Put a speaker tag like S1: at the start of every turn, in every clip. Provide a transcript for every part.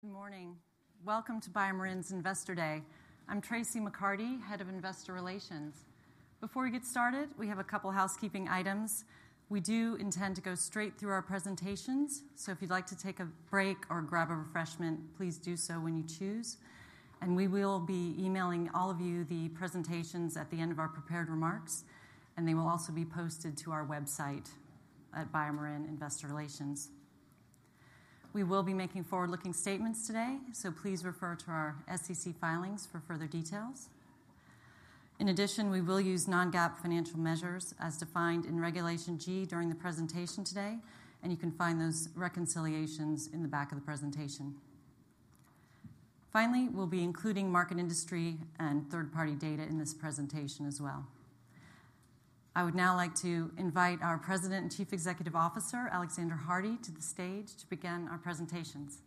S1: Good morning. Welcome to BioMarin's Investor Day. I'm Traci McCarty, Head of Investor Relations. Before we get started, we have a couple housekeeping items. We do intend to go straight through our presentations, so if you'd like to take a break or grab a refreshment, please do so when you choose. We will be emailing all of you the presentations at the end of our prepared remarks, and they will also be posted to our website at BioMarin Investor Relations. We will be making forward-looking statements today, so please refer to our SEC filings for further details. In addition, we will use non-GAAP financial measures as defined in Regulation G during the presentation today, and you can find those reconciliations in the back of the presentation. Finally, we'll be including market, industry, and third-party data in this presentation as well. I would now like to invite our President and Chief Executive Officer, Alexander Hardy, to the stage to begin our presentations.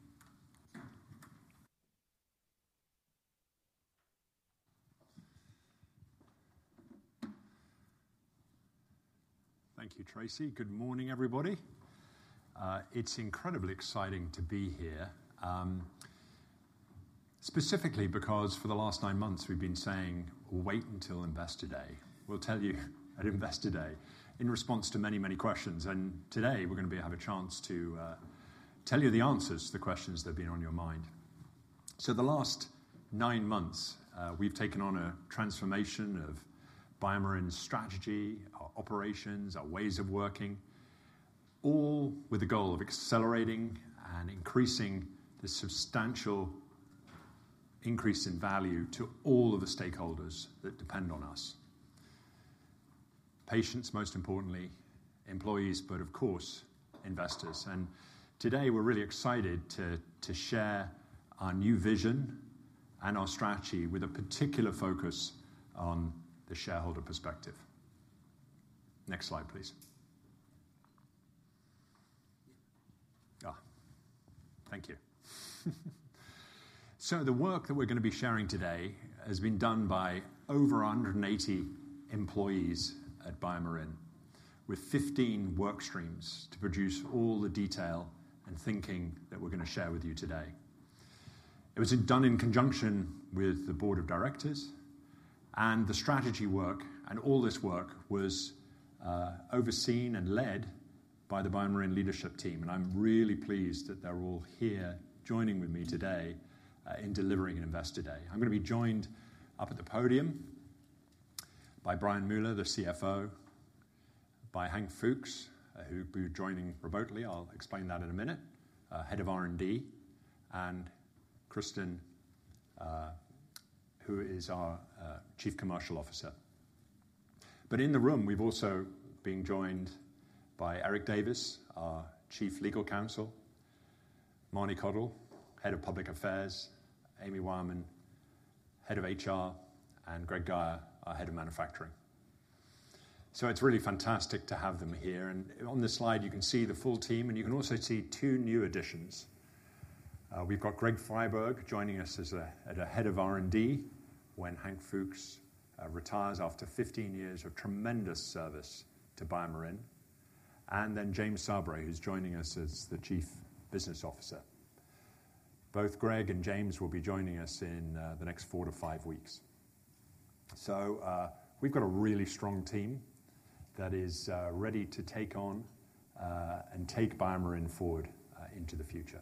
S2: Thank you, Traci. Good morning, everybody. It's incredibly exciting to be here, specifically because for the last nine months we've been saying, "Wait until Investor Day. We'll tell you at Investor Day," in response to many, many questions. And today we're gonna have a chance to tell you the answers to the questions that have been on your mind. So the last nine months, we've taken on a transformation of BioMarin's strategy, our operations, our ways of working, all with the goal of accelerating and increasing the substantial increase in value to all of the stakeholders that depend on us: patients, most importantly, employees, but of course, investors. And today, we're really excited to share our new vision and our strategy with a particular focus on the shareholder perspective. Next slide, please. Thank you. So the work that we're gonna be sharing today has been done by over 180 employees at BioMarin, with 15 work streams to produce all the detail and thinking that we're gonna share with you today. It was done in conjunction with the Board of Directors, and the strategy work, and all this work was overseen and led by the BioMarin leadership team, and I'm really pleased that they're all here joining with me today in delivering an Investor Day. I'm gonna be joined up at the podium by Brian Mueller, the CFO, by Hank Fuchs, who'll be joining remotely. I'll explain that in a minute. Head of R&D, and Cristin, who is our Chief Commercial Officer. In the room, we've also been joined by Eric Davis, our Chief Legal Counsel, Marnie Cottle, Head of Public Affairs, Amy Wyman, Head of HR, and Greg Guyer, our Head of Manufacturing. It's really fantastic to have them here, and on this slide, you can see the full team, and you can also see two new additions. We've got Greg Friberg joining us as the Head of R&D when Hank Fuchs retires after 15 years of tremendous service to BioMarin, and then James Sabry, who's joining us as the Chief Business Officer. Both Greg and James will be joining us in the next four to five weeks. We've got a really strong team that is ready to take on, and take BioMarin forward into the future.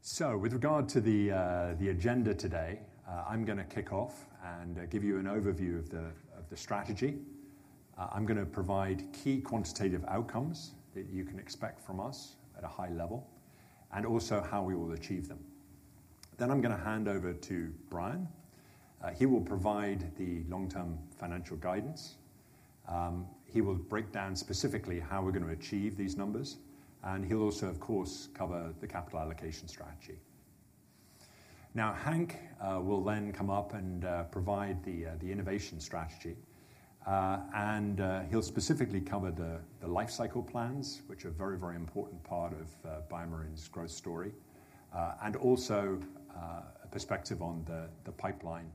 S2: So with regard to the agenda today, I'm gonna kick off and give you an overview of the strategy. I'm gonna provide key quantitative outcomes that you can expect from us at a high level, and also how we will achieve them. Then I'm gonna hand over to Brian. He will provide the long-term financial guidance. He will break down specifically how we're gonna achieve these numbers, and he'll also, of course, cover the capital allocation strategy. Now, Hank will then come up and provide the innovation strategy, and he'll specifically cover the life cycle plans, which are a very, very important part of BioMarin's growth story, and also a perspective on the pipeline NMEs.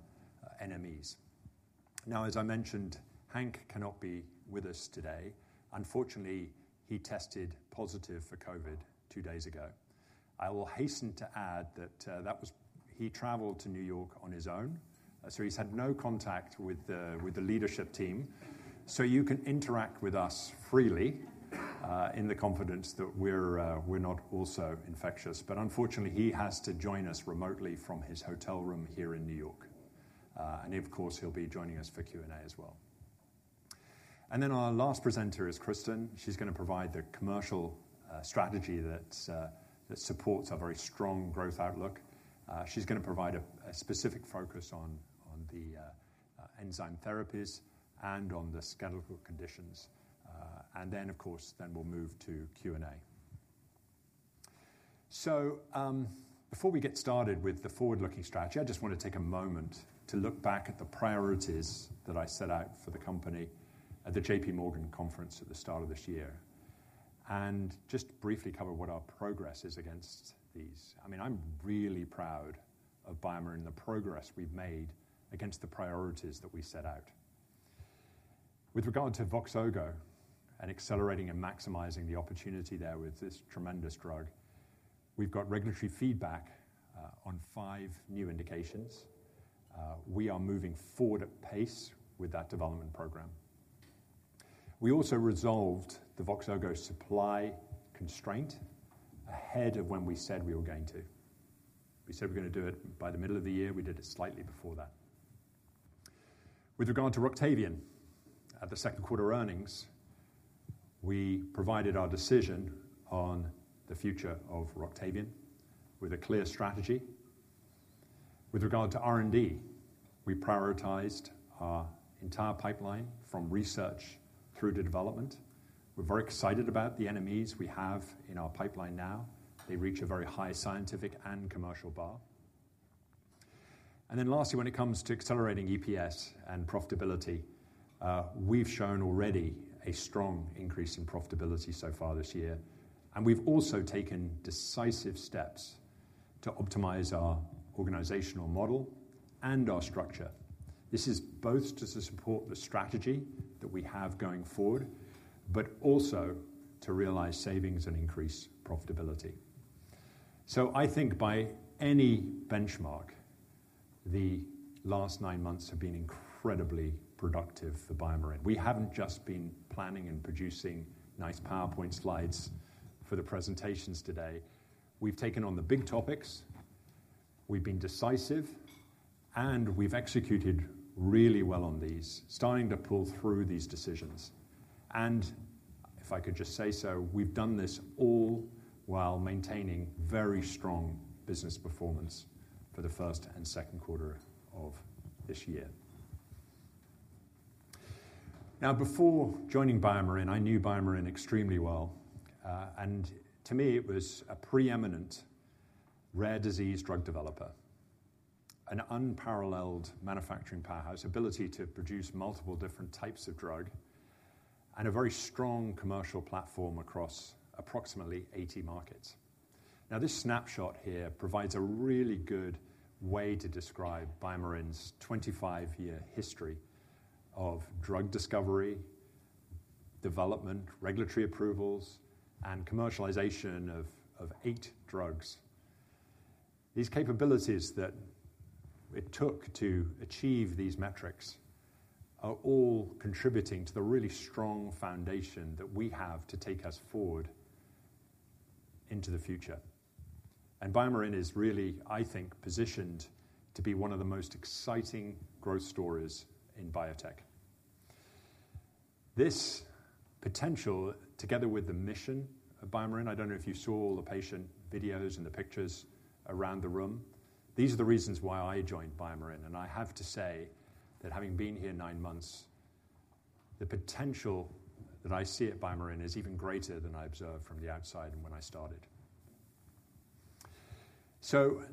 S2: Now, as I mentioned, Hank cannot be with us today. Unfortunately, he tested positive for COVID two days ago. I will hasten to add that. He traveled to New York on his own, so he's had no contact with the leadership team. So you can interact with us freely in the confidence that we're not also infectious. But unfortunately, he has to join us remotely from his hotel room here in New York. And of course, he'll be joining us for Q&A as well. And then our last presenter is Cristin. She's gonna provide the commercial strategy that supports our very strong growth outlook. She's gonna provide a specific focus on the enzyme therapies and on the skeletal conditions. And then, of course, we'll move to Q&A. So, before we get started with the forward-looking strategy, I just want to take a moment to look back at the priorities that I set out for the company at the JP Morgan conference at the start of this year, and just briefly cover what our progress is against these. I mean, I'm really proud of BioMarin and the progress we've made against the priorities that we set out. With regard to Voxzogo and accelerating and maximizing the opportunity there with this tremendous drug, we've got regulatory feedback on five new indications. We are moving forward at pace with that development program. We also resolved the Voxzogo supply constraint ahead of when we said we were going to. We said we're gonna do it by the middle of the year, we did it slightly before that. With regard to Roctavian, at the second quarter earnings, we provided our decision on the future of Roctavian with a clear strategy. With regard to R&D, we prioritized our entire pipeline from research through to development. We're very excited about the NMEs we have in our pipeline now. They reach a very high scientific and commercial bar. And then lastly, when it comes to accelerating EPS and profitability, we've shown already a strong increase in profitability so far this year, and we've also taken decisive steps to optimize our organizational model and our structure. This is both to support the strategy that we have going forward, but also to realize savings and increase profitability. So I think by any benchmark, the last nine months have been incredibly productive for BioMarin. We haven't just been planning and producing nice PowerPoint slides for the presentations today. We've taken on the big topics, we've been decisive, and we've executed really well on these, starting to pull through these decisions, and if I could just say so, we've done this all while maintaining very strong business performance for the first and second quarter of this year. Now, before joining BioMarin, I knew BioMarin extremely well, and to me, it was a preeminent rare disease drug developer, an unparalleled manufacturing powerhouse, ability to produce multiple different types of drug, and a very strong commercial platform across approximately eighty markets. Now, this snapshot here provides a really good way to describe BioMarin's 25-year history of drug discovery, development, regulatory approvals, and commercialization of eight drugs. These capabilities that it took to achieve these metrics are all contributing to the really strong foundation that we have to take us forward into the future. BioMarin is really, I think, positioned to be one of the most exciting growth stories in biotech. This potential, together with the mission of BioMarin, I don't know if you saw all the patient videos and the pictures around the room. These are the reasons why I joined BioMarin, and I have to say that having been here nine months, the potential that I see at BioMarin is even greater than I observed from the outside and when I started.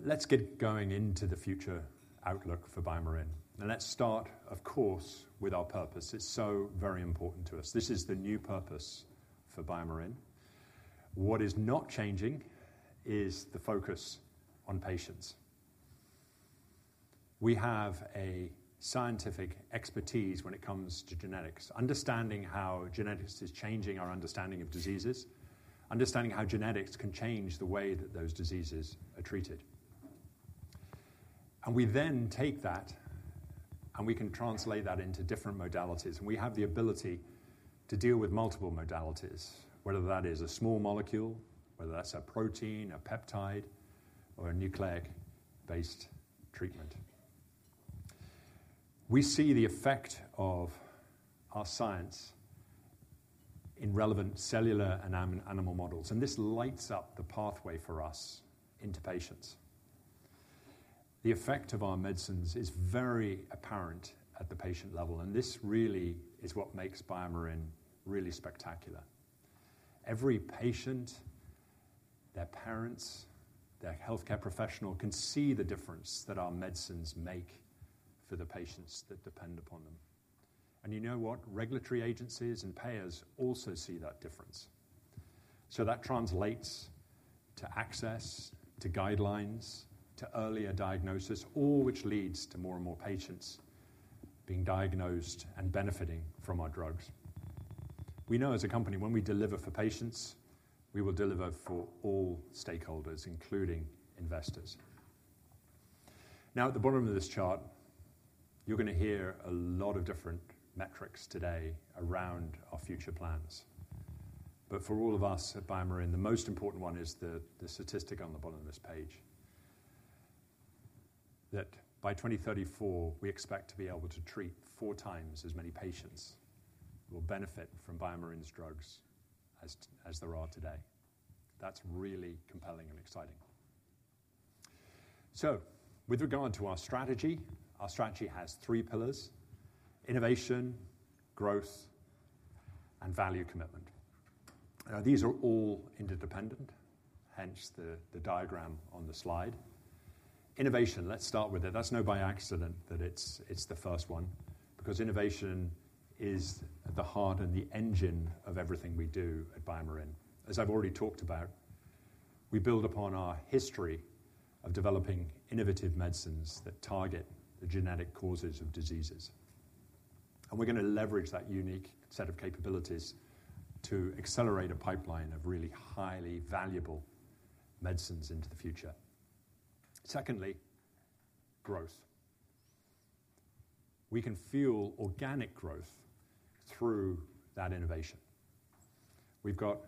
S2: Let's get going into the future outlook for BioMarin, and let's start, of course, with our purpose. It's so very important to us. This is the new purpose for BioMarin. What is not changing is the focus on patients. We have a scientific expertise when it comes to genetics, understanding how genetics is changing our understanding of diseases, understanding how genetics can change the way that those diseases are treated. And we then take that, and we can translate that into different modalities, and we have the ability to deal with multiple modalities, whether that is a small molecule, whether that's a protein, a peptide, or a nucleic-based treatment. We see the effect of our science in relevant cellular and animal models, and this lights up the pathway for us into patients. The effect of our medicines is very apparent at the patient level, and this really is what makes BioMarin really spectacular. Every patient, their parents, their healthcare professional, can see the difference that our medicines make for the patients that depend upon them. And you know what? Regulatory agencies and payers also see that difference. That translates to access, to guidelines, to earlier diagnosis, all which leads to more and more patients being diagnosed and benefiting from our drugs. We know as a company, when we deliver for patients, we will deliver for all stakeholders, including investors. Now, at the bottom of this chart, you're gonna hear a lot of different metrics today around our future plans. But for all of us at BioMarin, the most important one is the statistic on the bottom of this page, that by 2034, we expect to be able to treat four times as many patients who will benefit from BioMarin's drugs as there are today. That's really compelling and exciting. With regard to our strategy, our strategy has three pillars: innovation, growth, and value commitment. Now, these are all interdependent, hence the diagram on the slide. Innovation, let's start with it. That's not by accident, that it's, it's the first one, because innovation is at the heart and the engine of everything we do at BioMarin. As I've already talked about, we build upon our history of developing innovative medicines that target the genetic causes of diseases, and we're going to leverage that unique set of capabilities to accelerate a pipeline of really highly valuable medicines into the future. Secondly, growth. We can fuel organic growth through that innovation. We've got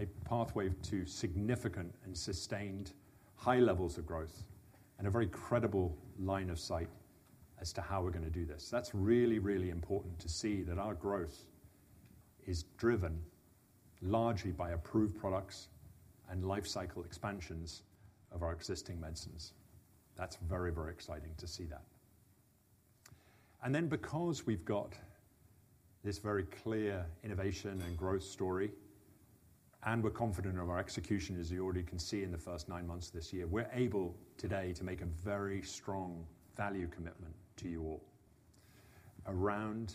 S2: a pathway to significant and sustained high levels of growth and a very credible line of sight as to how we're going to do this. That's really, really important to see that our growth is driven largely by approved products and life cycle expansions of our existing medicines. That's very, very exciting to see that. And then, because we've got this very clear innovation and growth story, and we're confident of our execution, as you already can see in the first nine months of this year, we're able today to make a very strong value commitment to you all around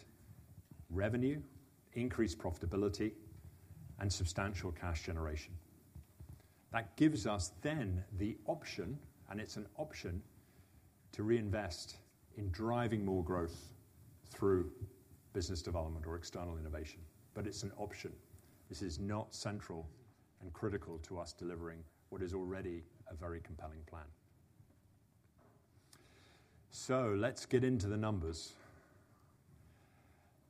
S2: revenue, increased profitability, and substantial cash generation. That gives us then the option, and it's an option, to reinvest in driving more growth through business development or external innovation, but it's an option. This is not central and critical to us delivering what is already a very compelling plan. So let's get into the numbers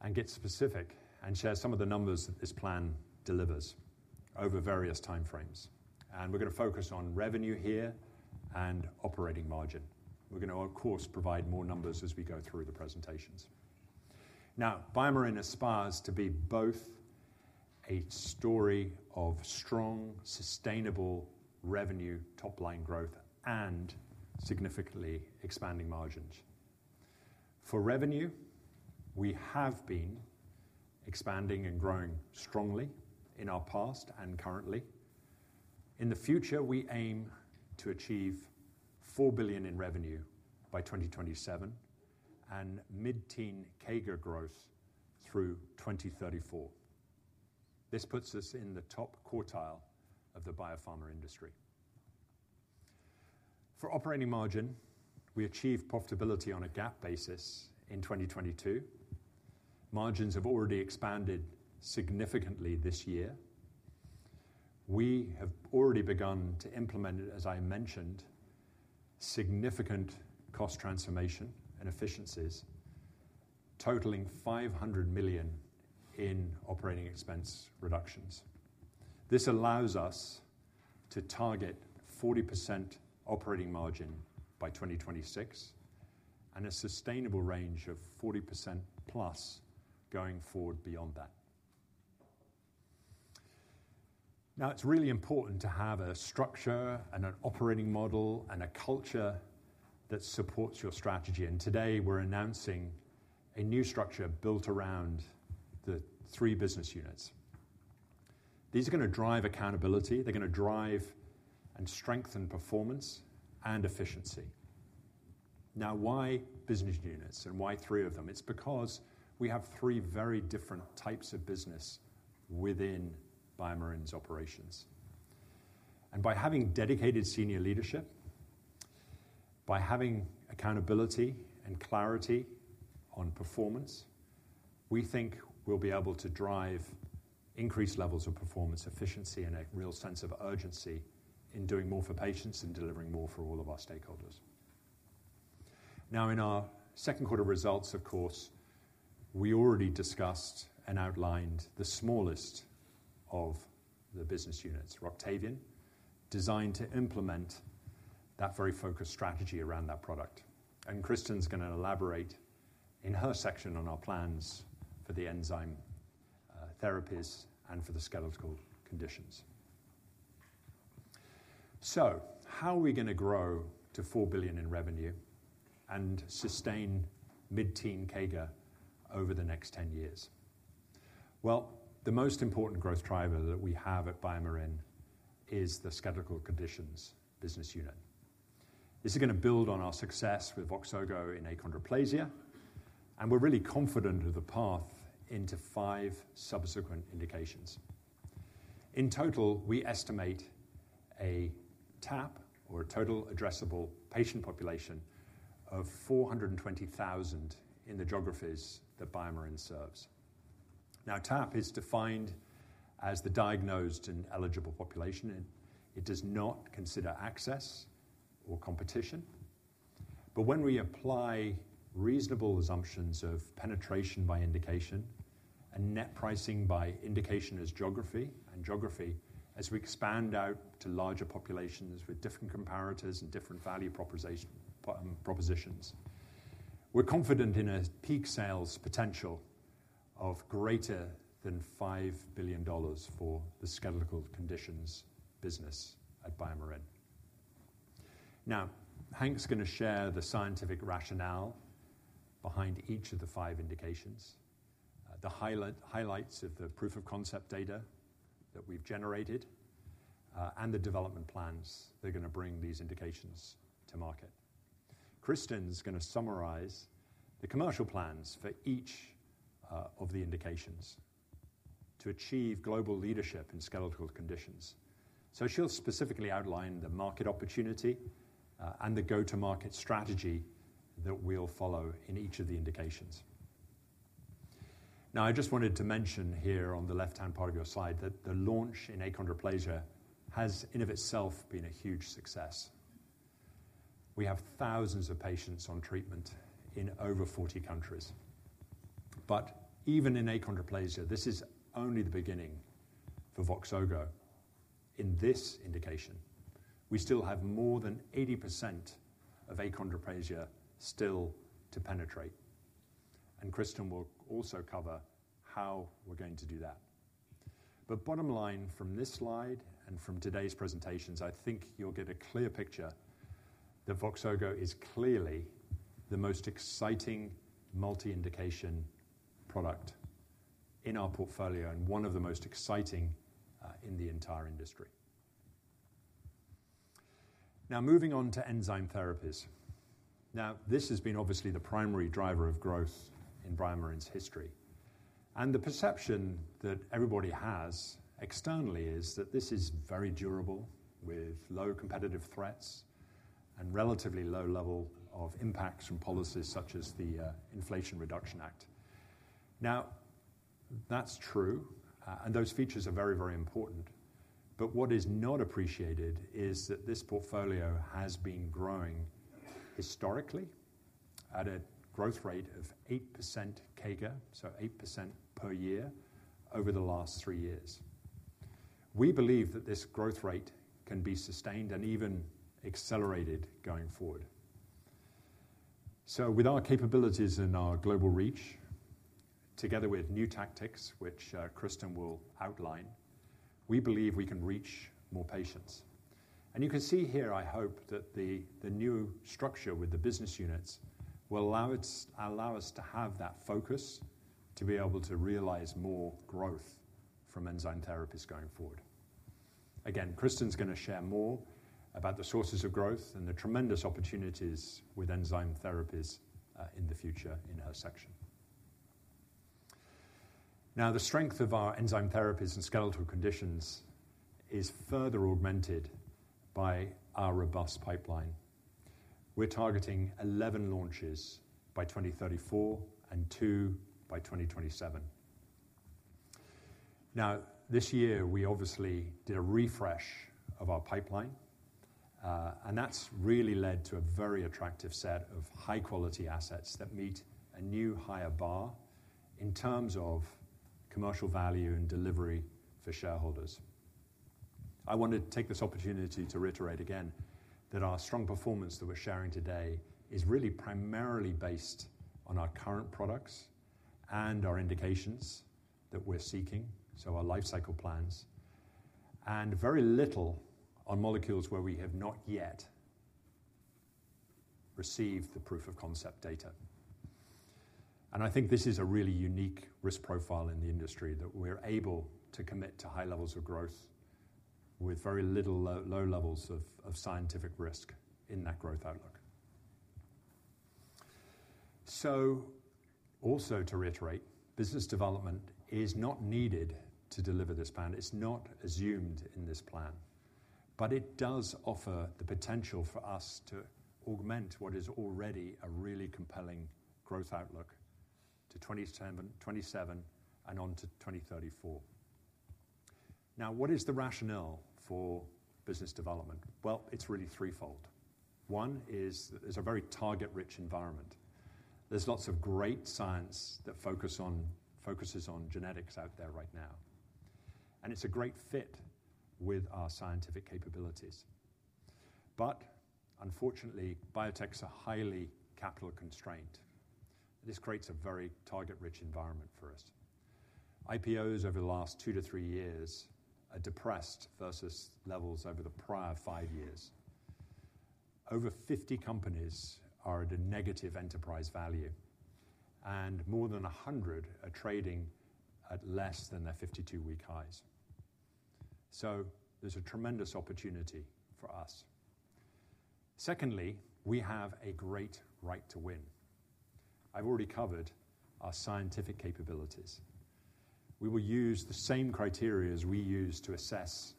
S2: and get specific and share some of the numbers that this plan delivers over various time frames, and we're going to focus on revenue here and operating margin. We're going to, of course, provide more numbers as we go through the presentations. Now, BioMarin aspires to be both a story of strong, sustainable revenue, top-line growth, and significantly expanding margins. For revenue, we have been expanding and growing strongly in our past and currently. In the future, we aim to achieve $4 billion in revenue by 2027 and mid-teen CAGR growth through 2034. This puts us in the top quartile of the biopharma industry. For operating margin, we achieved profitability on a GAAP basis in 2022. Margins have already expanded significantly this year. We have already begun to implement, as I mentioned, significant cost transformation and efficiencies totaling $500 million in operating expense reductions. This allows us to target 40% operating margin by 2026 and a sustainable range of 40%+ going forward beyond that. Now, it's really important to have a structure and an operating model and a culture that supports your strategy, and today we're announcing a new structure built around the three business units. These are going to drive accountability. They're going to drive and strengthen performance and efficiency. Now, why business units, and why three of them? It's because we have three very different types of business within BioMarin's operations. And by having dedicated senior leadership, by having accountability and clarity on performance, we think we'll be able to drive increased levels of performance, efficiency, and a real sense of urgency in doing more for patients and delivering more for all of our stakeholders. Now, in our second quarter results, of course, we already discussed and outlined the smallest of the business units, Roctavian, designed to implement that very focused strategy around that product. Cristin's going to elaborate in her section on our plans for the enzyme therapies and for the skeletal conditions. How are we going to grow to $4 billion in revenue and sustain mid-teen CAGR over the next ten years? The most important growth driver that we have at BioMarin is the skeletal conditions business unit. This is going to build on our success with Voxzogo in achondroplasia, and we're really confident of the path into five subsequent indications. In total, we estimate a TAP, or a Total Addressable Patient population, of 420,000 in the geographies that BioMarin serves. Now, TAP is defined as the diagnosed and eligible population, and it does not consider access or competition. But when we apply reasonable assumptions of penetration by indication and net pricing by indication as geography, as we expand out to larger populations with different comparators and different value propositions, we're confident in a peak sales potential of greater than $5 billion for the skeletal conditions business at BioMarin. Now, Hank's going to share the scientific rationale behind each of the five indications, the highlights of the proof of concept data that we've generated, and the development plans that are going to bring these indications to market. Cristin's gonna summarize the commercial plans for each of the indications to achieve global leadership in skeletal conditions. So she'll specifically outline the market opportunity, and the go-to-market strategy that we'll follow in each of the indications. Now, I just wanted to mention here on the left-hand part of your slide, that the launch in achondroplasia has in and of itself been a huge success. We have thousands of patients on treatment in over 40 countries. But even in achondroplasia, this is only the beginning for Voxzogo in this indication. We still have more than 80% of achondroplasia still to penetrate, and Cristin will also cover how we're going to do that. But bottom line from this slide and from today's presentations, I think you'll get a clear picture that Voxzogo is clearly the most exciting multi-indication product in our portfolio and one of the most exciting in the entire industry. Now, moving on to enzyme therapies. Now, this has been obviously the primary driver of growth in BioMarin's history, and the perception that everybody has externally is that this is very durable, with low competitive threats and relatively low level of impacts from policies such as the Inflation Reduction Act. Now, that's true, and those features are very, very important. But what is not appreciated is that this portfolio has been growing historically at a growth rate of 8% CAGR, so 8% per year over the last three years. We believe that this growth rate can be sustained and even accelerated going forward. So with our capabilities and our global reach, together with new tactics, which Cristin will outline, we believe we can reach more patients. You can see here, I hope, that the new structure with the business units will allow us to have that focus to be able to realize more growth from enzyme therapies going forward. Again, Cristin's gonna share more about the sources of growth and the tremendous opportunities with enzyme therapies in the future in her section. Now, the strength of our enzyme therapies and skeletal conditions is further augmented by our robust pipeline. We're targeting 11 launches by 2034, and two by 2027. Now, this year, we obviously did a refresh of our pipeline, and that's really led to a very attractive set of high-quality assets that meet a new higher bar in terms of commercial value and delivery for shareholders. I want to take this opportunity to reiterate again that our strong performance that we're sharing today is really primarily based on our current products and our indications that we're seeking, so our lifecycle plans, and very little on molecules where we have not yet received the proof of concept data. I think this is a really unique risk profile in the industry, that we're able to commit to high levels of growth with very low levels of scientific risk in that growth outlook. Also to reiterate, business development is not needed to deliver this plan. It's not assumed in this plan, but it does offer the potential for us to augment what is already a really compelling growth outlook to 2027 and on to 2034. Now, what is the rationale for business development? It's really threefold. One, it's a very target-rich environment. There's lots of great science that focuses on genetics out there right now, and it's a great fit with our scientific capabilities. But unfortunately, biotechs are highly capital constrained. This creates a very target-rich environment for us. IPOs over the last two to three years are depressed versus levels over the prior five years. Over 50 companies are at a negative enterprise value, and more than 100 are trading at less than their 52-week highs. So there's a tremendous opportunity for us. Secondly, we have a great right to win. I've already covered our scientific capabilities. We will use the same criteria as we use to assess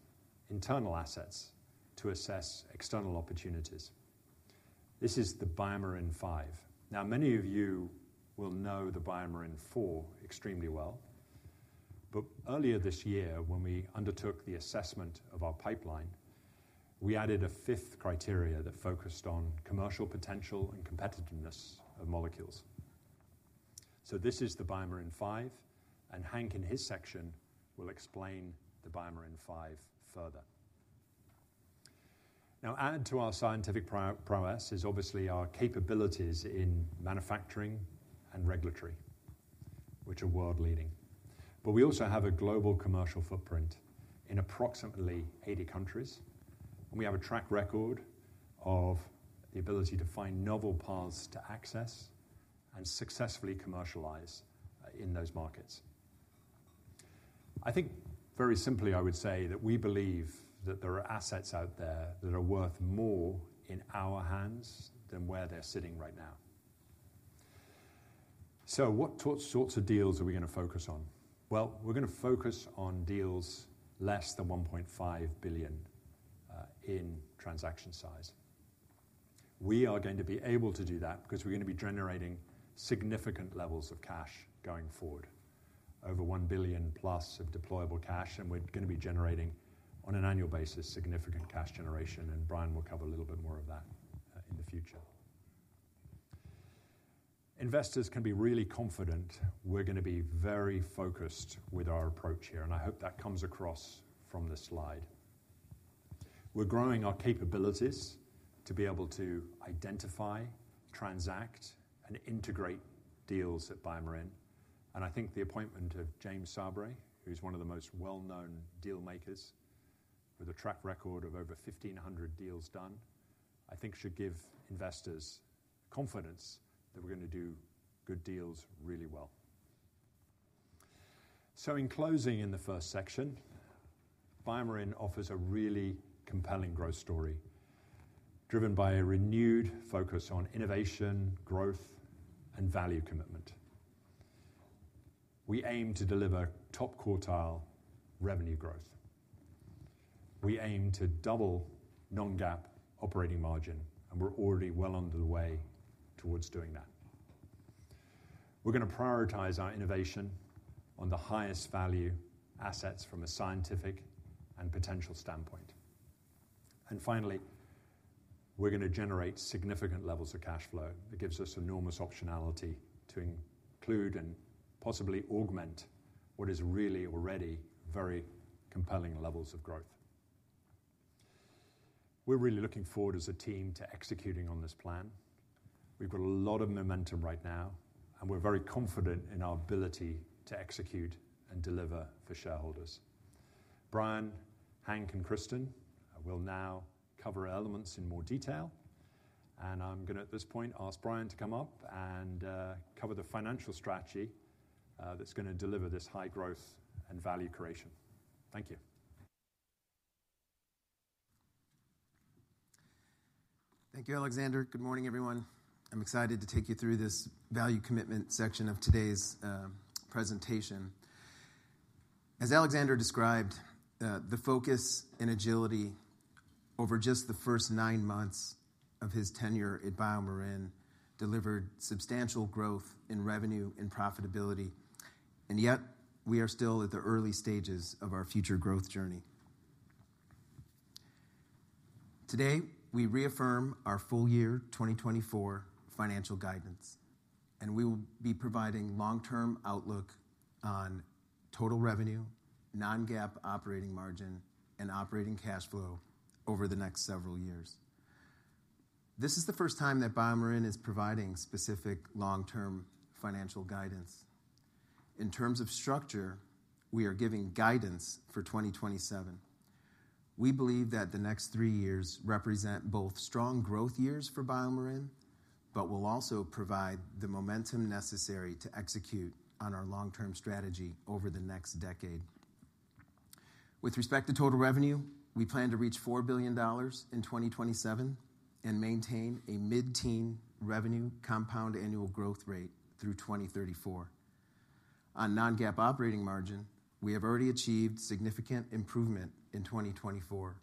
S2: internal assets to assess external opportunities. This is the BioMarin Five. Now, many of you will know the BioMarin Four extremely well, but earlier this year, when we undertook the assessment of our pipeline, we added a fifth criteria that focused on commercial potential and competitiveness of molecules. So this is the BioMarin Five, and Hank, in his section, will explain the BioMarin Five further. Now, added to our scientific prowess is obviously our capabilities in manufacturing and regulatory, which are world-leading. But we also have a global commercial footprint in approximately 80 countries, and we have a track record of the ability to find novel paths to access and successfully commercialize in those markets. I think very simply, I would say that we believe that there are assets out there that are worth more in our hands than where they're sitting right now. So what sorts of deals are we going to focus on? We're going to focus on deals less than $1.5 billion in transaction size. We are going to be able to do that because we're going to be generating significant levels of cash going forward, over $1 billion-plus of deployable cash, and we're going to be generating, on an annual basis, significant cash generation, and Brian will cover a little bit more of that in the future. Investors can be really confident we're going to be very focused with our approach here, and I hope that comes across from this slide. We're growing our capabilities to be able to identify, transact, and integrate deals at BioMarin, and I think the appointment of James Sabry, who's one of the most well-known deal makers with a track record of over 1,500 deals done. I think that should give investors confidence that we're going to do good deals really well. So in closing, in the first section, BioMarin offers a really compelling growth story, driven by a renewed focus on innovation, growth, and value commitment. We aim to deliver top-quartile revenue growth. We aim to double non-GAAP operating margin, and we're already well underway towards doing that. We're going to prioritize our innovation on the highest value assets from a scientific and potential standpoint. Finally, we're going to generate significant levels of cash flow that gives us enormous optionality to include and possibly augment what is really already very compelling levels of growth. We're really looking forward as a team to executing on this plan. We've got a lot of momentum right now, and we're very confident in our ability to execute and deliver for shareholders. Brian, Hank, and Cristin will now cover elements in more detail, and I'm going to, at this point, ask Brian to come up and cover the financial strategy that's going to deliver this high growth and value creation. Thank you.
S3: Thank you, Alexander. Good morning, everyone. I'm excited to take you through this value commitment section of today's presentation. As Alexander described, the focus and agility over just the first nine months of his tenure at BioMarin delivered substantial growth in revenue and profitability, and yet we are still at the early stages of our future growth journey. Today, we reaffirm our full year 2024 financial guidance, and we will be providing long-term outlook on total revenue, non-GAAP operating margin, and operating cash flow over the next several years. This is the first time that BioMarin is providing specific long-term financial guidance. In terms of structure, we are giving guidance for 2027. We believe that the next three years represent both strong growth years for BioMarin, but will also provide the momentum necessary to execute on our long-term strategy over the next decade. With respect to total revenue, we plan to reach $4 billion in 2027 and maintain a mid-teen revenue compound annual growth rate through 2034. On non-GAAP operating margin, we have already achieved significant improvement in 2024,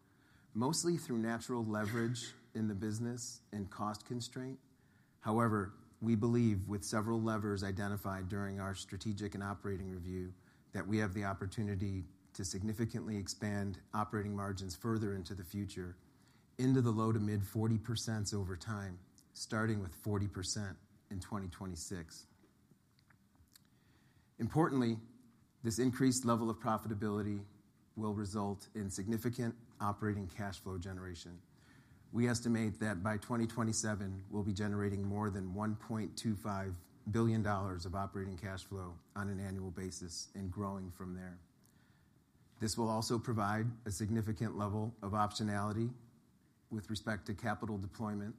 S3: mostly through natural leverage in the business and cost constraint. However, we believe, with several levers identified during our strategic and operating review, that we have the opportunity to significantly expand operating margins further into the future, into the low- to mid-40% over time, starting with 40% in 2026. Importantly, this increased level of profitability will result in significant operating cash flow generation. We estimate that by 2027, we'll be generating more than $1.25 billion of operating cash flow on an annual basis and growing from there. This will also provide a significant level of optionality with respect to capital deployment,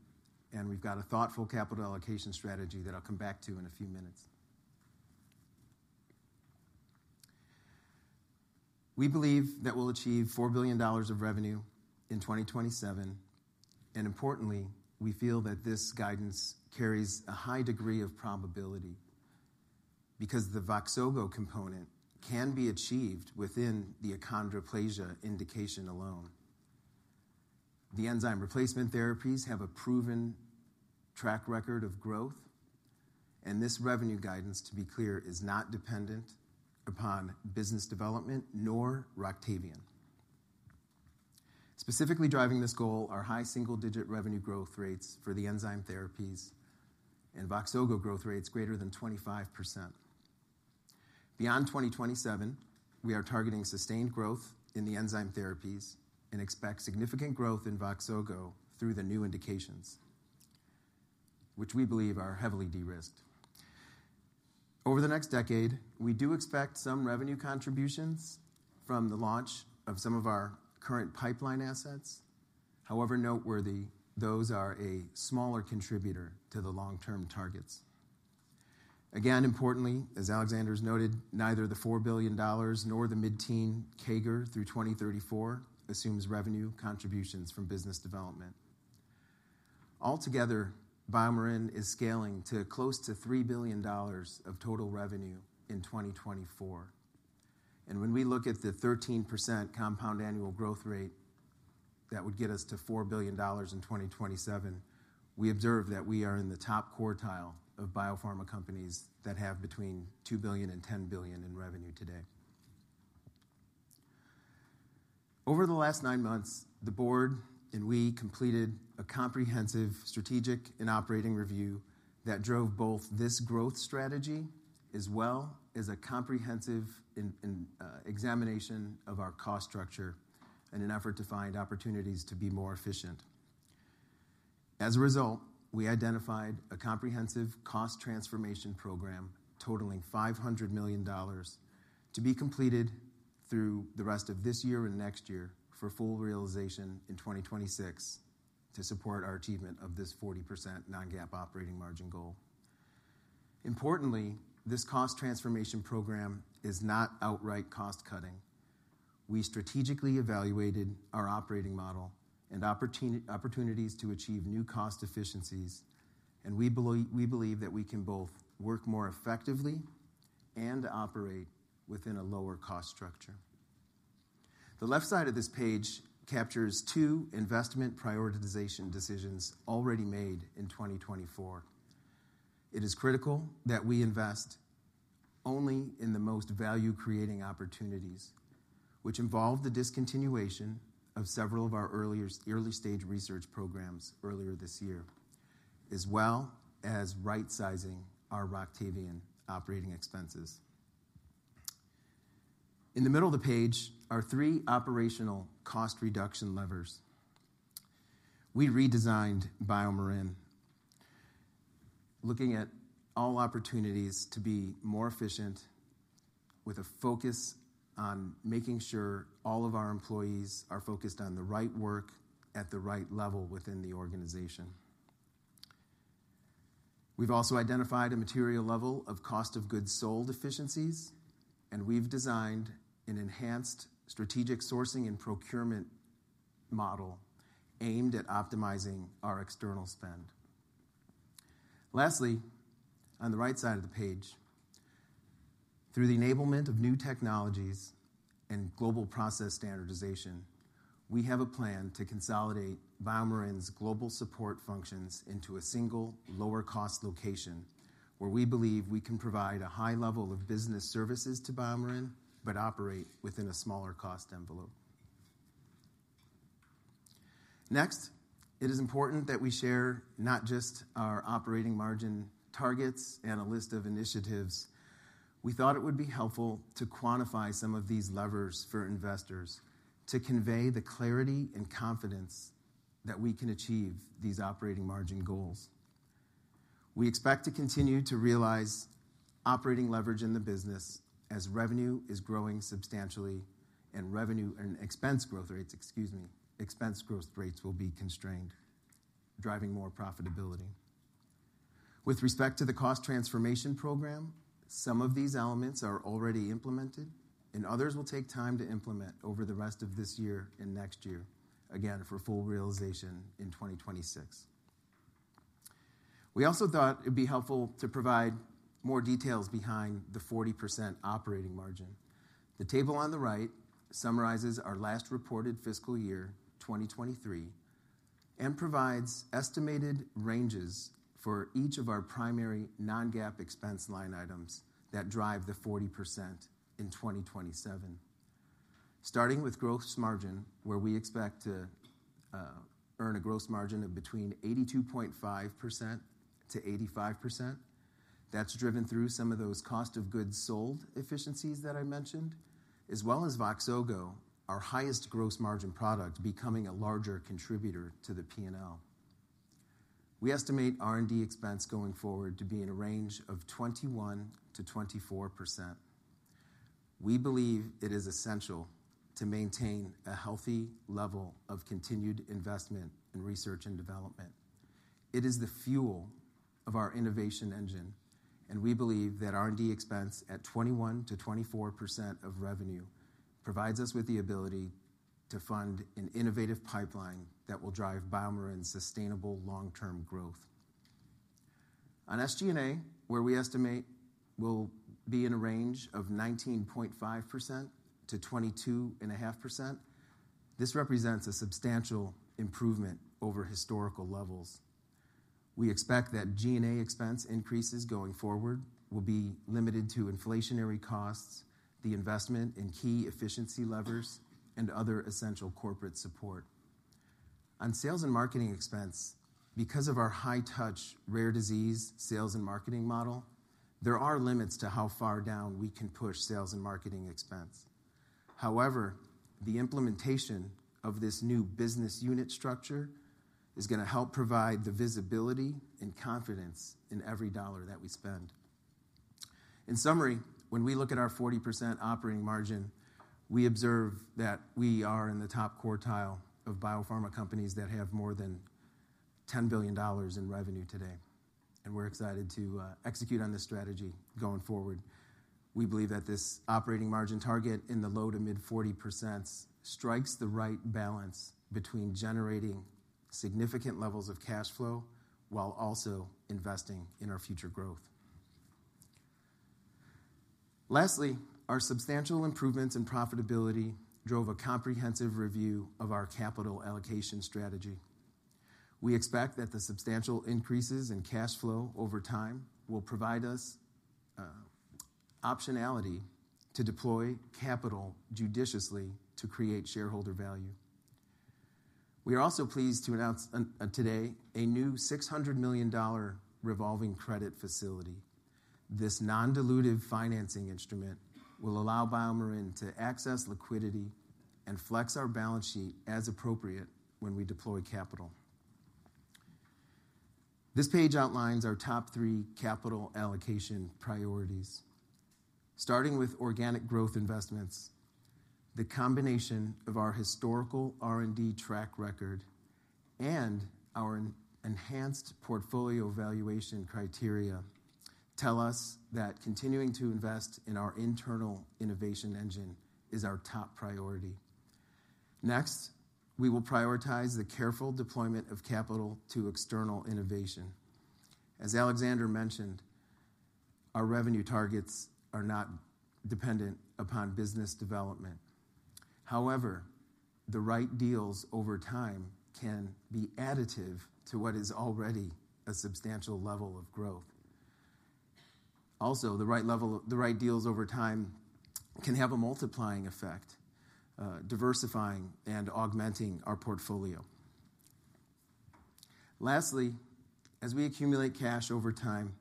S3: and we've got a thoughtful capital allocation strategy that I'll come back to in a few minutes. We believe that we'll achieve $4 billion of revenue in 2027, and importantly, we feel that this guidance carries a high degree of probability because the Voxzogo component can be achieved within the achondroplasia indication alone. The enzyme replacement therapies have a proven track record of growth, and this revenue guidance, to be clear, is not dependent upon business development nor Roctavian. Specifically driving this goal are high single-digit revenue growth rates for the enzyme therapies and Voxzogo growth rates greater than 25%. Beyond 2027, we are targeting sustained growth in the enzyme therapies and expect significant growth in Voxzogo through the new indications, which we believe are heavily de-risked. Over the next decade, we do expect some revenue contributions from the launch of some of our current pipeline assets. However noteworthy, those are a smaller contributor to the long-term targets. Again, importantly, as Alexander's noted, neither the $4 billion nor the mid-teen CAGR through 2034 assumes revenue contributions from business development. Altogether, BioMarin is scaling to close to $3 billion of total revenue in 2024, and when we look at the 13% compound annual growth rate, that would get us to $4 billion in 2027. We observe that we are in the top quartile of biopharma companies that have between $2 billion and $10 billion in revenue today. Over the last nine months, the Board and we completed a comprehensive strategic and operating review that drove both this growth strategy, as well as a comprehensive examination of our cost structure in an effort to find opportunities to be more efficient. As a result, we identified a comprehensive cost transformation program totaling $500 million to be completed through the rest of this year and next year for full realization in 2026 to support our achievement of this 40% non-GAAP operating margin goal. Importantly, this cost transformation program is not outright cost-cutting. We strategically evaluated our operating model and opportunities to achieve new cost efficiencies, and we believe that we can both work more effectively and operate within a lower cost structure. The left side of this page captures two investment prioritization decisions already made in 2024. It is critical that we invest only in the most value-creating opportunities, which involved the discontinuation of several of our early-stage research programs earlier this year, as well as rightsizing our Roctavian operating expenses. In the middle of the page are three operational cost reduction levers. We redesigned BioMarin, looking at all opportunities to be more efficient, with a focus on making sure all of our employees are focused on the right work at the right level within the organization. We've also identified a material level of cost of goods sold efficiencies, and we've designed an enhanced strategic sourcing and procurement model aimed at optimizing our external spend. Lastly, on the right side of the page, through the enablement of new technologies and global process standardization, we have a plan to consolidate BioMarin's global support functions into a single, lower-cost location, where we believe we can provide a high level of business services to BioMarin, but operate within a smaller cost envelope. Next, it is important that we share not just our operating margin targets and a list of initiatives. We thought it would be helpful to quantify some of these levers for investors to convey the clarity and confidence that we can achieve these operating margin goals. We expect to continue to realize operating leverage in the business as revenue is growing substantially and expense growth rates, excuse me, expense growth rates will be constrained, driving more profitability. With respect to the cost transformation program, some of these elements are already implemented, and others will take time to implement over the rest of this year and next year, again, for full realization in 2026. We also thought it'd be helpful to provide more details behind the 40% operating margin. The table on the right summarizes our last reported fiscal year, 2023, and provides estimated ranges for each of our primary non-GAAP expense line items that drive the 40% in 2027. Starting with gross margin, where we expect to earn a gross margin of between 82.5%-85%. That's driven through some of those cost of goods sold efficiencies that I mentioned, as well as Voxzogo, our highest gross margin product, becoming a larger contributor to the P&L. We estimate R&D expense going forward to be in a range of 21%-24%. We believe it is essential to maintain a healthy level of continued investment in research and development. It is the fuel of our innovation engine, and we believe that R&D expense at 21%-24% of revenue provides us with the ability to fund an innovative pipeline that will drive BioMarin's sustainable long-term growth. On SG&A, where we estimate we'll be in a range of 19.5%-22.5%, this represents a substantial improvement over historical levels. We expect that G&A expense increases going forward will be limited to inflationary costs, the investment in key efficiency levers, and other essential corporate support. On sales and marketing expense, because of our high-touch, rare disease sales and marketing model, there are limits to how far down we can push sales and marketing expense. However, the implementation of this new business unit structure is gonna help provide the visibility and confidence in every dollar that we spend.... In summary, when we look at our 40% operating margin, we observe that we are in the top quartile of biopharma companies that have more than $10 billion in revenue today, and we're excited to execute on this strategy going forward. We believe that this operating margin target in the low to mid 40% strikes the right balance between generating significant levels of cash flow while also investing in our future growth. Lastly, our substantial improvements in profitability drove a comprehensive review of our capital allocation strategy. We expect that the substantial increases in cash flow over time will provide us optionality to deploy capital judiciously to create shareholder value. We are also pleased to announce today a new $600 million revolving credit facility. This non-dilutive financing instrument will allow BioMarin to access liquidity and flex our balance sheet as appropriate when we deploy capital. This page outlines our top three capital allocation priorities. Starting with organic growth investments, the combination of our historical R&D track record and our enhanced portfolio evaluation criteria tell us that continuing to invest in our internal innovation engine is our top priority. Next, we will prioritize the careful deployment of capital to external innovation. As Alexander mentioned, our revenue targets are not dependent upon business development. However, the right deals over time can be additive to what is already a substantial level of growth. Also, the right deals over time can have a multiplying effect, diversifying and augmenting our portfolio. Lastly, as we accumulate cash over time,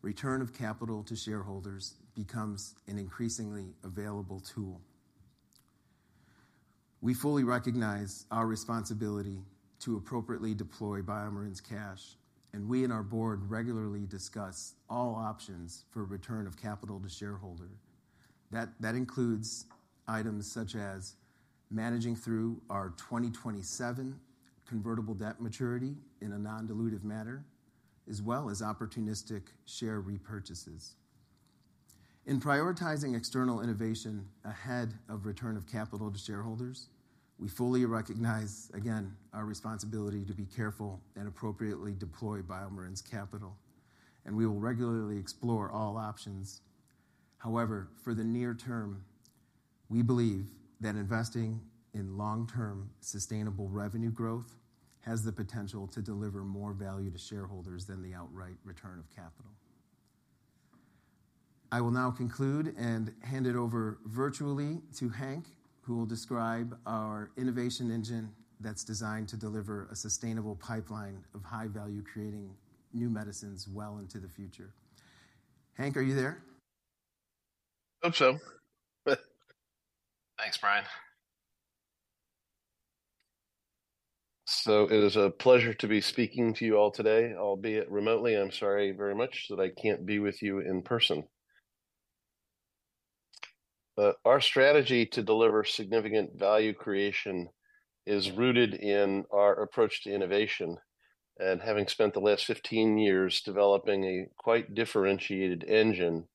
S3: return of capital to shareholders becomes an increasingly available tool. We fully recognize our responsibility to appropriately deploy BioMarin's cash, and we and our Board regularly discuss all options for return of capital to shareholder. That includes items such as managing through our 2027 convertible debt maturity in a non-dilutive manner, as well as opportunistic share repurchases. In prioritizing external innovation ahead of return of capital to shareholders, we fully recognize, again, our responsibility to be careful and appropriately deploy BioMarin's capital, and we will regularly explore all options. However, for the near term, we believe that investing in long-term sustainable revenue growth has the potential to deliver more value to shareholders than the outright return of capital. I will now conclude and hand it over virtually to Hank, who will describe our innovation engine that's designed to deliver a sustainable pipeline of high value, creating new medicines well into the future. Hank, are you there?
S4: Hope so. Thanks, Brian. So it is a pleasure to be speaking to you all today, albeit remotely. I'm sorry very much that I can't be with you in person. But our strategy to deliver significant value creation is rooted in our approach to innovation, and having spent the last 15 years developing a quite differentiated engine,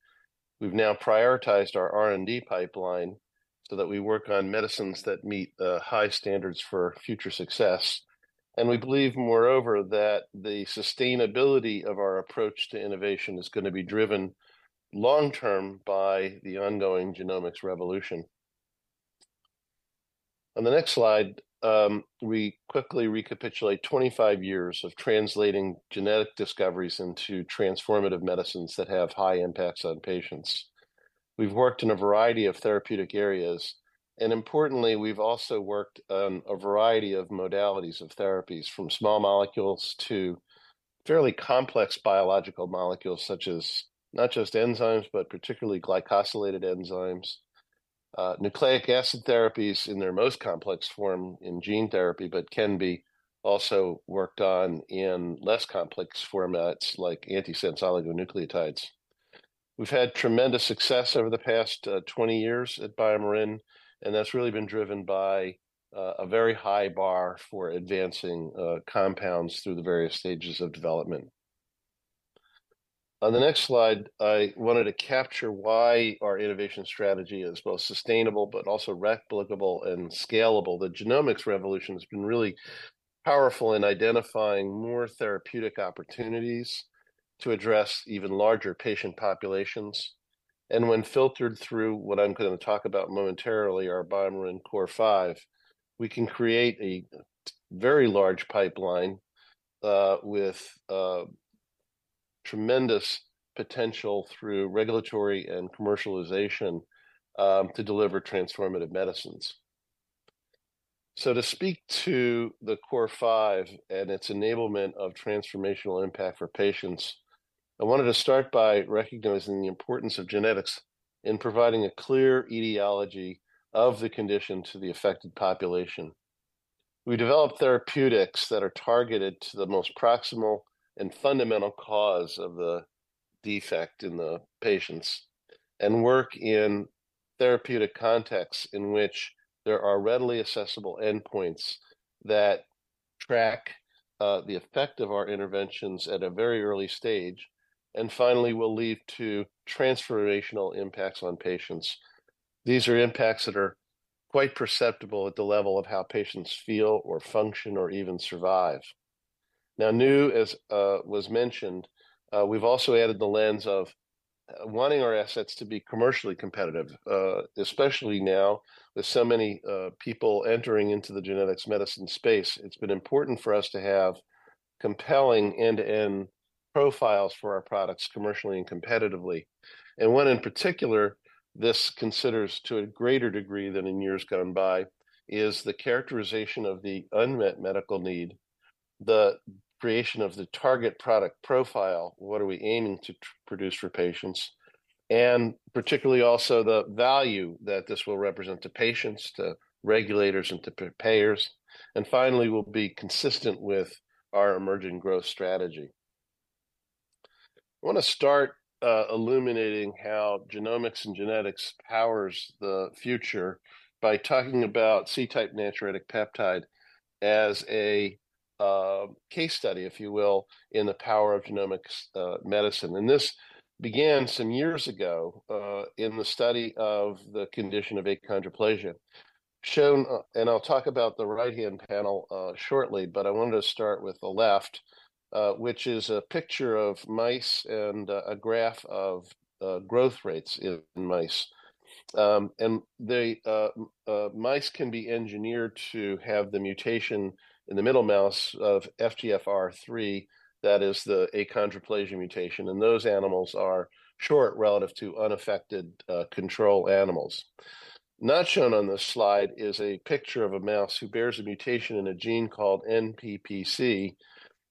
S4: we've now prioritized our R&D pipeline so that we work on medicines that meet high standards for future success. And we believe, moreover, that the sustainability of our approach to innovation is gonna be driven long term by the ongoing genomics revolution. On the next slide, we quickly recapitulate 25 years of translating genetic discoveries into transformative medicines that have high impacts on patients. We've worked in a variety of therapeutic areas, and importantly, we've also worked on a variety of modalities of therapies, from small molecules to fairly complex biological molecules, such as not just enzymes, but particularly glycosylated enzymes. Nucleic acid therapies in their most complex form in gene therapy, but can be also worked on in less complex formats like antisense oligonucleotides. We've had tremendous success over the past 20 years at BioMarin, and that's really been driven by a very high bar for advancing compounds through the various stages of development. On the next slide, I wanted to capture why our innovation strategy is both sustainable, but also replicable and scalable. The genomics revolution has been really powerful in identifying more therapeutic opportunities to address even larger patient populations, and when filtered through, what I'm gonna talk about momentarily, our BioMarin Five, we can create a very large pipeline with tremendous potential through regulatory and commercialization to deliver transformative medicines, so to speak to the Five and its enablement of transformational impact for patients, I wanted to start by recognizing the importance of genetics in providing a clear etiology of the condition to the affected population. We develop therapeutics that are targeted to the most proximal and fundamental cause of the defect in the patients, and work in therapeutic contexts in which there are readily accessible endpoints that track the effect of our interventions at a very early stage, and finally, will lead to transformational impacts on patients. These are impacts that are quite perceptible at the level of how patients feel or function, or even survive. Now, as was mentioned, we've also added the lens of wanting our assets to be commercially competitive. Especially now, with so many people entering into the genetics medicine space, it's been important for us to have compelling end-to-end profiles for our products, commercially and competitively. And one in particular, this considers to a greater degree than in years gone by, is the characterization of the unmet medical need, the creation of the target product profile, what are we aiming to produce for patients, and particularly also the value that this will represent to patients, to regulators, and to payers, and finally, will be consistent with our emerging growth strategy. I wanna start illuminating how genomics and genetics powers the future by talking about C-type natriuretic peptide as a case study, if you will, in the power of genomics medicine. This began some years ago in the study of the condition of achondroplasia. Shown and I'll talk about the right-hand panel shortly, but I wanted to start with the left, which is a picture of mice and a graph of growth rates in mice. And the mice can be engineered to have the mutation, in the middle mouse, of FGFR3, that is the achondroplasia mutation, and those animals are short relative to unaffected control animals. Not shown on this slide is a picture of a mouse who bears a mutation in a gene called NPPC,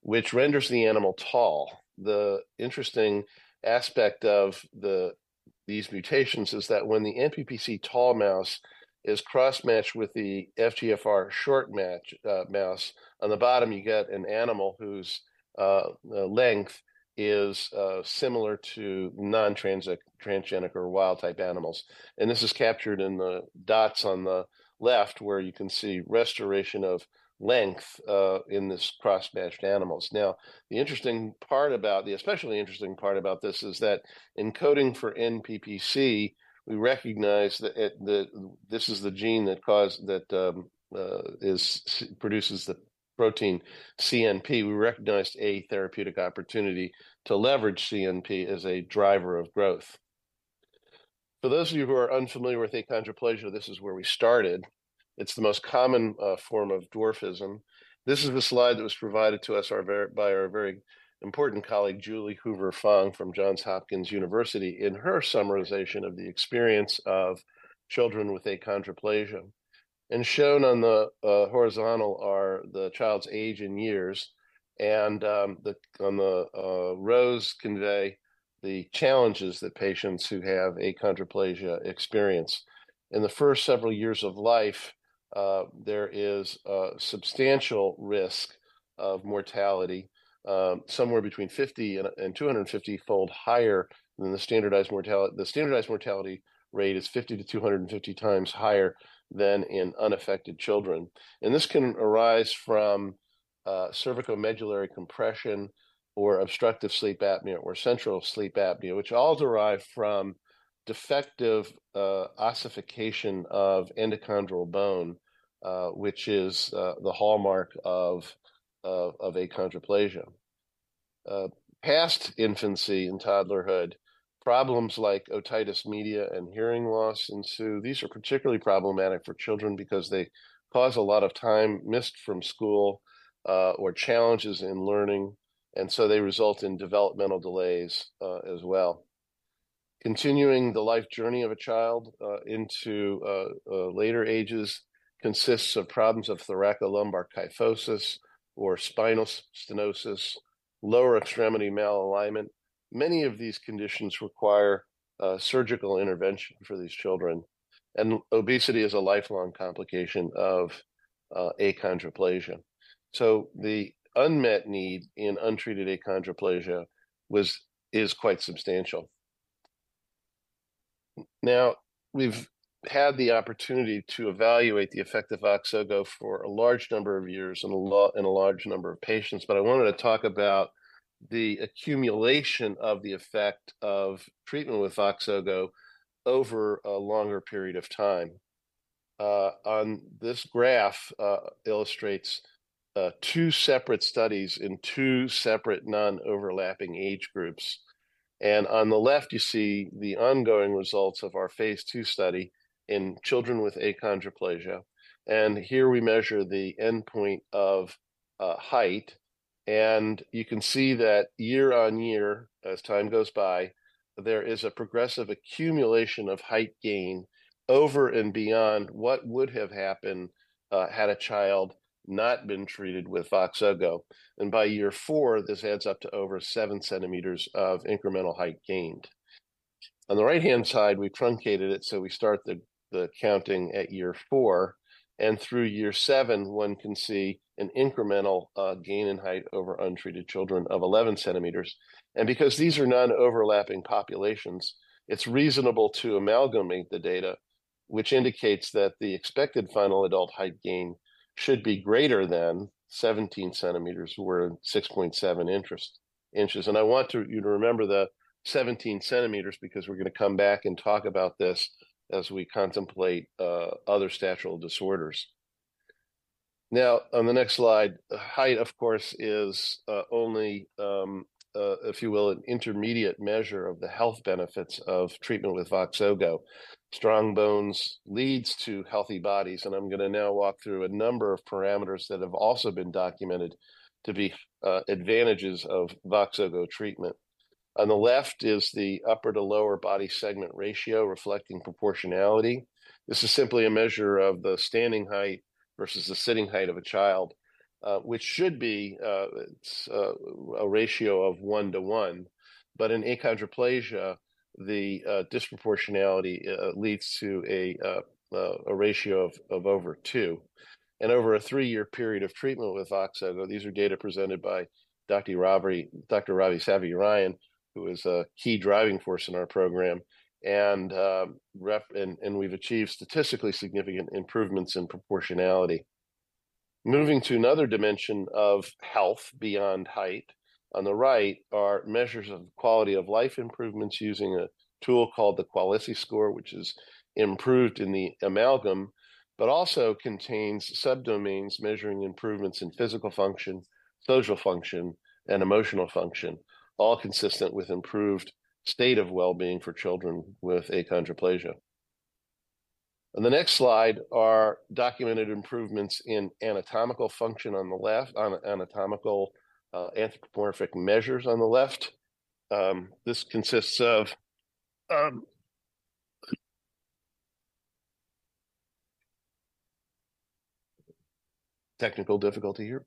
S4: which renders the animal tall. The interesting aspect of these mutations is that when the NPPC tall mouse is cross-matched with the FGFR short match mouse, on the bottom you get an animal whose length is similar to non-transgenic or wild-type animals. This is captured in the dots on the left, where you can see restoration of length in this cross-matched animals. Now, the interesting part about the especially interesting part about this is that encoding for NPPC, we recognize that it, that this is the gene that cause that is produces the protein CNP. We recognized a therapeutic opportunity to leverage CNP as a driver of growth. For those of you who are unfamiliar with achondroplasia, this is where we started. It's the most common form of dwarfism. This is a slide that was provided to us by our very important colleague, Julie Hoover-Fong, from Johns Hopkins University, in her summarization of the experience of children with achondroplasia. Shown on the horizontal are the child's age in years, and the rows convey the challenges that patients who have achondroplasia experience. In the first several years of life, there is a substantial risk of mortality, somewhere between 50 and 250-fold higher than the standardized mortality rate is 50 to 250x higher than in unaffected children. This can arise from cervicomedullary compression, or obstructive sleep apnea, or central sleep apnea, which all derive from defective ossification of endochondral bone, which is the hallmark of achondroplasia. Past infancy and toddlerhood, problems like otitis media and hearing loss ensue. These are particularly problematic for children because they cause a lot of time missed from school, or challenges in learning, and so they result in developmental delays, as well. Continuing the life journey of a child into later ages consists of problems of thoracolumbar kyphosis or spinal stenosis, lower extremity malalignment. Many of these conditions require surgical intervention for these children, and obesity is a lifelong complication of achondroplasia. So the unmet need in untreated achondroplasia was, is quite substantial. Now, we've had the opportunity to evaluate the effect of Voxzogo for a large number of years and in a large number of patients, but I wanted to talk about the accumulation of the effect of treatment with Voxzogo over a longer period of time. On this graph illustrates two separate studies in two separate non-overlapping age groups. And on the left, you see the ongoing results of our phase II study in children with achondroplasia, and here we measure the endpoint of height. And you can see that year-on-year, as time goes by, there is a progressive accumulation of height gain over and beyond what would have happened had a child not been treated with Voxzogo. And by year four, this adds up to over seven centimeters of incremental height gained. On the right-hand side, we truncated it, so we start the counting at year four, and through year seven, one can see an incremental gain in height over untreated children of 11 cm. And because these are non-overlapping populations, it's reasonable to amalgamate the data, which indicates that the expected final adult height gain should be greater than 17 cm or 6.7 in. I want you to remember the 17 cm, because we're gonna come back and talk about this as we contemplate other statural disorders. Now, on the next slide, height, of course, is only, if you will, an intermediate measure of the health benefits of treatment with Voxzogo. Strong bones leads to healthy bodies, and I'm gonna now walk through a number of parameters that have also been documented to be advantages of Voxzogo treatment. On the left is the upper to lower body segment ratio, reflecting proportionality. This is simply a measure of the standing height versus the sitting height of a child, which should be. It's a ratio of one to one. But in achondroplasia, the disproportionality leads to a ratio of over two. Over a three-year period of treatment with Voxzogo, these are data presented by Dr. Ravi Savarirayan, who is a key driving force in our program, and we've achieved statistically significant improvements in proportionality. Moving to another dimension of health beyond height, on the right are measures of quality of life improvements using a tool called the QoLISSy score, which has improved overall, but also contains subdomains measuring improvements in physical function, social function, and emotional function, all consistent with improved state of well-being for children with achondroplasia. On the next slide are documented improvements in anatomical function on the left, anatomical anthropometric measures on the left. This consists of... Technical difficulty here.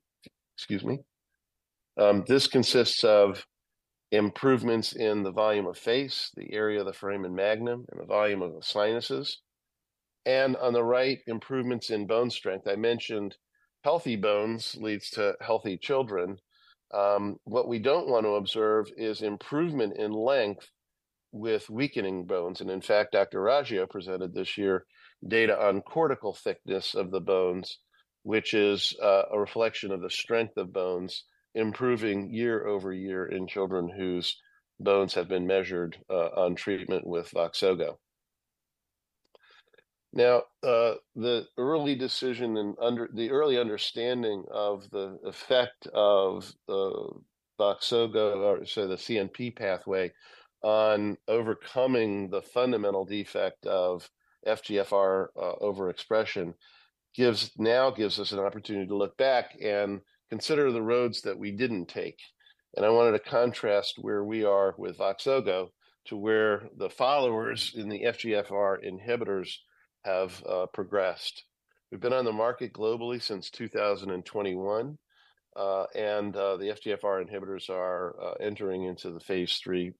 S4: Excuse me. This consists of improvements in the volume of face, the area of the foramen magnum, and the volume of the sinuses, and on the right, improvements in bone strength. I mentioned healthy bones leads to healthy children. What we don't want to observe is improvement in length with weakening bones. And in fact, Dr. Raggio presented this year data on cortical thickness of the bones, which is a reflection of the strength of bones improving year over year in children whose bones have been measured on treatment with Voxzogo. Now, the early understanding of the effect of the CNP pathway on overcoming the fundamental defect of FGFR overexpression gives us an opportunity to look back and consider the roads that we didn't take. I wanted to contrast where we are with Voxzogo to where the followers in the FGFR inhibitors have progressed. We've been on the market globally since 2021, and the FGFR inhibitors are entering into the phase III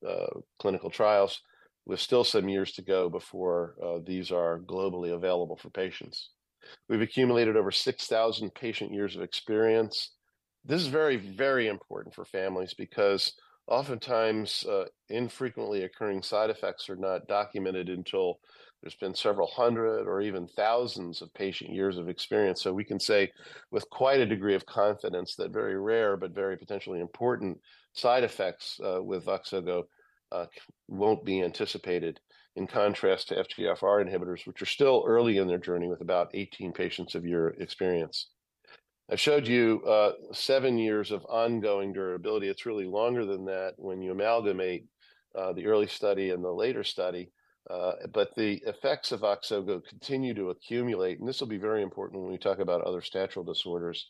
S4: clinical trials, with still some years to go before these are globally available for patients. We've accumulated over 6,000 patient years of experience. This is very, very important for families because oftentimes infrequently occurring side effects are not documented until there's been several hundred or even thousands of patient years of experience. So we can say with quite a degree of confidence that very rare but very potentially important side effects with Voxzogo won't be anticipated, in contrast to FGFR inhibitors, which are still early in their journey with about 18 patient years of experience. I've showed you seven years of ongoing durability. It's really longer than that when you amalgamate the early study and the later study, but the effects of Voxzogo continue to accumulate, and this will be very important when we talk about other statural disorders.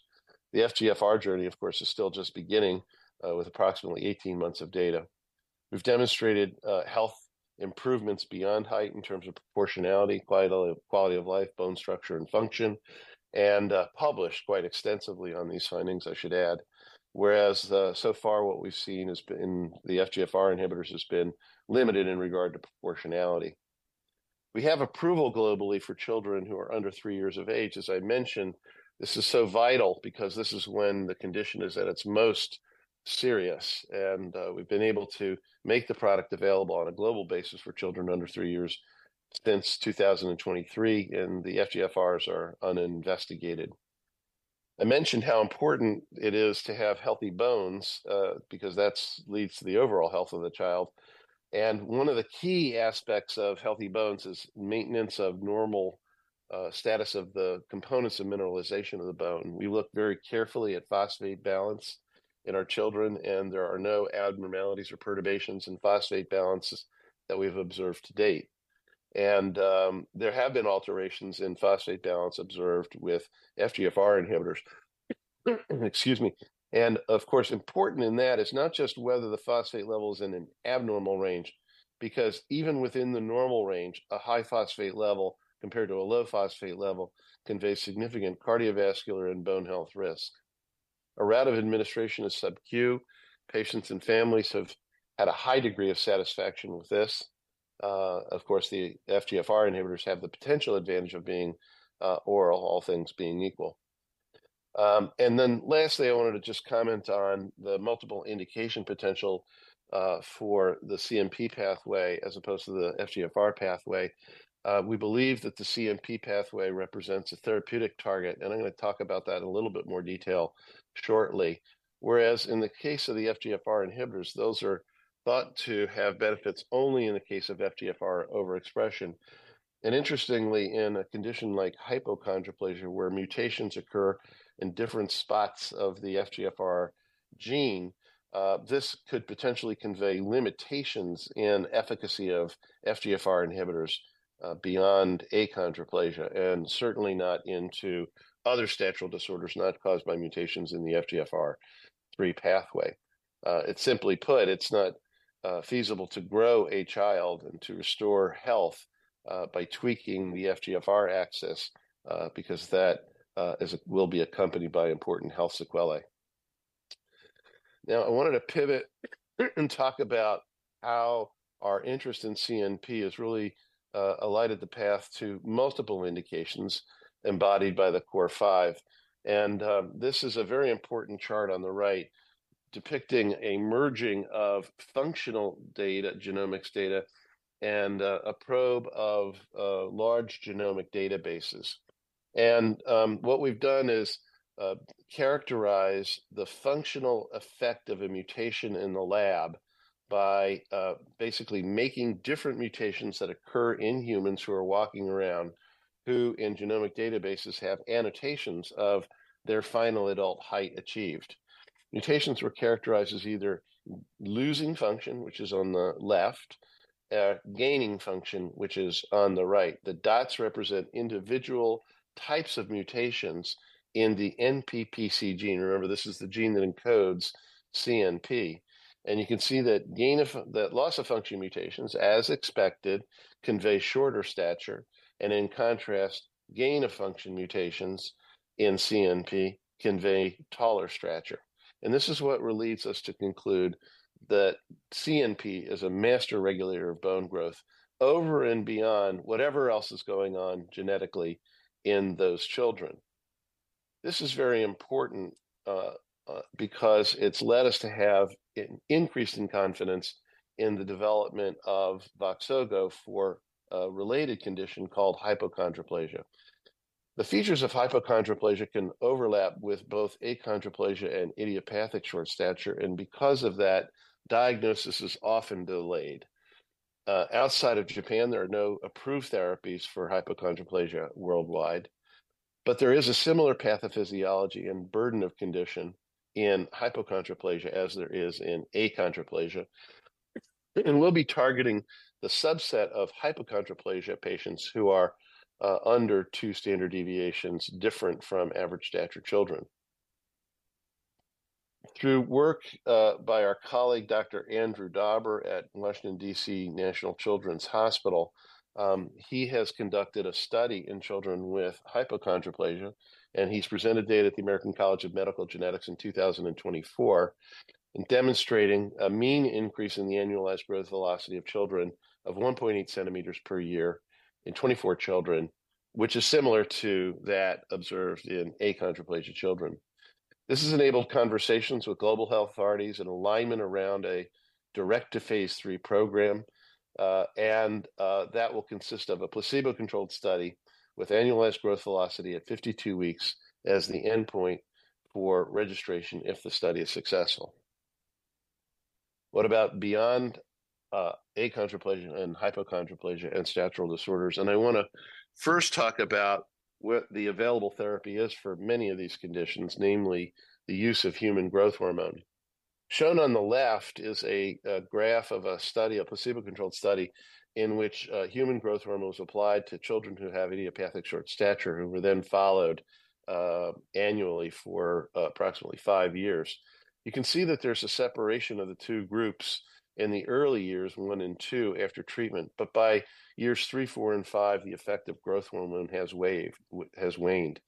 S4: The FGFR journey, of course, is still just beginning with approximately 18 months of data. We've demonstrated health improvements beyond height in terms of proportionality, quality of life, bone structure, and function, and published quite extensively on these findings, I should add. Whereas, so far what we've seen has been, in the FGFR inhibitors, has been limited in regard to proportionality. We have approval globally for children who are under three years of age. As I mentioned, this is so vital because this is when the condition is at its most serious, and we've been able to make the product available on a global basis for children under three years since 2023, and the FGFRs are uninvestigated. I mentioned how important it is to have healthy bones because that's leads to the overall health of the child. And one of the key aspects of healthy bones is maintenance of normal status of the components of mineralization of the bone. We look very carefully at phosphate balance in our children, and there are no abnormalities or perturbations in phosphate balances that we've observed to date. And there have been alterations in phosphate balance observed with FGFR inhibitors. Excuse me. Of course, important in that is not just whether the phosphate level is in an abnormal range, because even within the normal range, a high phosphate level compared to a low phosphate level conveys significant cardiovascular and bone health risk. A route of administration is sub-Q. Patients and families have had a high degree of satisfaction with this. Of course, the FGFR inhibitors have the potential advantage of being oral, all things being equal. And then lastly, I wanted to just comment on the multiple indication potential for the CNP pathway as opposed to the FGFR pathway. We believe that the CNP pathway represents a therapeutic target, and I'm gonna talk about that in a little bit more detail shortly. Whereas in the case of the FGFR inhibitors, those are thought to have benefits only in the case of FGFR overexpression. Interestingly, in a condition like hypochondroplasia, where mutations occur in different spots of the FGFR gene, this could potentially convey limitations in efficacy of FGFR inhibitors, beyond achondroplasia, and certainly not into other statural disorders not caused by mutations in the FGFR3 pathway. It's simply put, it's not feasible to grow a child and to restore health by tweaking the FGFR axis because that will be accompanied by important health sequelae. Now, I wanted to pivot and talk about how our interest in CNP has really illuminated the path to multiple indications embodied by the BioMarin Five. This is a very important chart on the right, depicting a merging of functional data, genomics data, and a probe of large genomic databases. What we've done is characterize the functional effect of a mutation in the lab by basically making different mutations that occur in humans who are walking around, who, in genomic databases, have annotations of their final adult height achieved. Mutations were characterized as either losing function, which is on the left, gaining function, which is on the right. The dots represent individual types of mutations in the NPPC gene. Remember, this is the gene that encodes CNP. You can see that loss-of-function mutations, as expected, convey shorter stature, and in contrast, gain-of-function mutations in CNP convey taller stature. This is what relates us to conclude that CNP is a master regulator of bone growth over and beyond whatever else is going on genetically in those children. This is very important because it's led us to have an increase in confidence in the development of Voxzogo for a related condition called hypochondroplasia. The features of hypochondroplasia can overlap with both achondroplasia and idiopathic short stature, and because of that, diagnosis is often delayed. Outside of Japan, there are no approved therapies for hypochondroplasia worldwide, but there is a similar pathophysiology and burden of condition in hypochondroplasia as there is in achondroplasia. And we'll be targeting the subset of hypochondroplasia patients who are under two standard deviations different from average stature children. Through work by our colleague, Dr. Andrew Dauber, at Washington, D.C. Children's National Hospital, he has conducted a study in children with hypochondroplasia, and he's presented data at the American College of Medical Genetics in 2024 in demonstrating a mean increase in the annualized growth velocity of children of 1.8 cm per year in 24 children, which is similar to that observed in achondroplasia children. This has enabled conversations with global health authorities and alignment around a direct-to-phase III program, and that will consist of a placebo-controlled study with annualized growth velocity at 52 weeks as the endpoint for registration if the study is successful. What about beyond achondroplasia and hypochondroplasia and statural disorders? And I wanna first talk about what the available therapy is for many of these conditions, namely the use of human growth hormone. Shown on the left is a graph of a study, a placebo-controlled study, in which human growth hormone was applied to children who have idiopathic short stature, who were then followed annually for approximately five years. You can see that there's a separation of the two groups in the early years, one and two, after treatment, but by years three, four, and five, the effect of growth hormone has waned,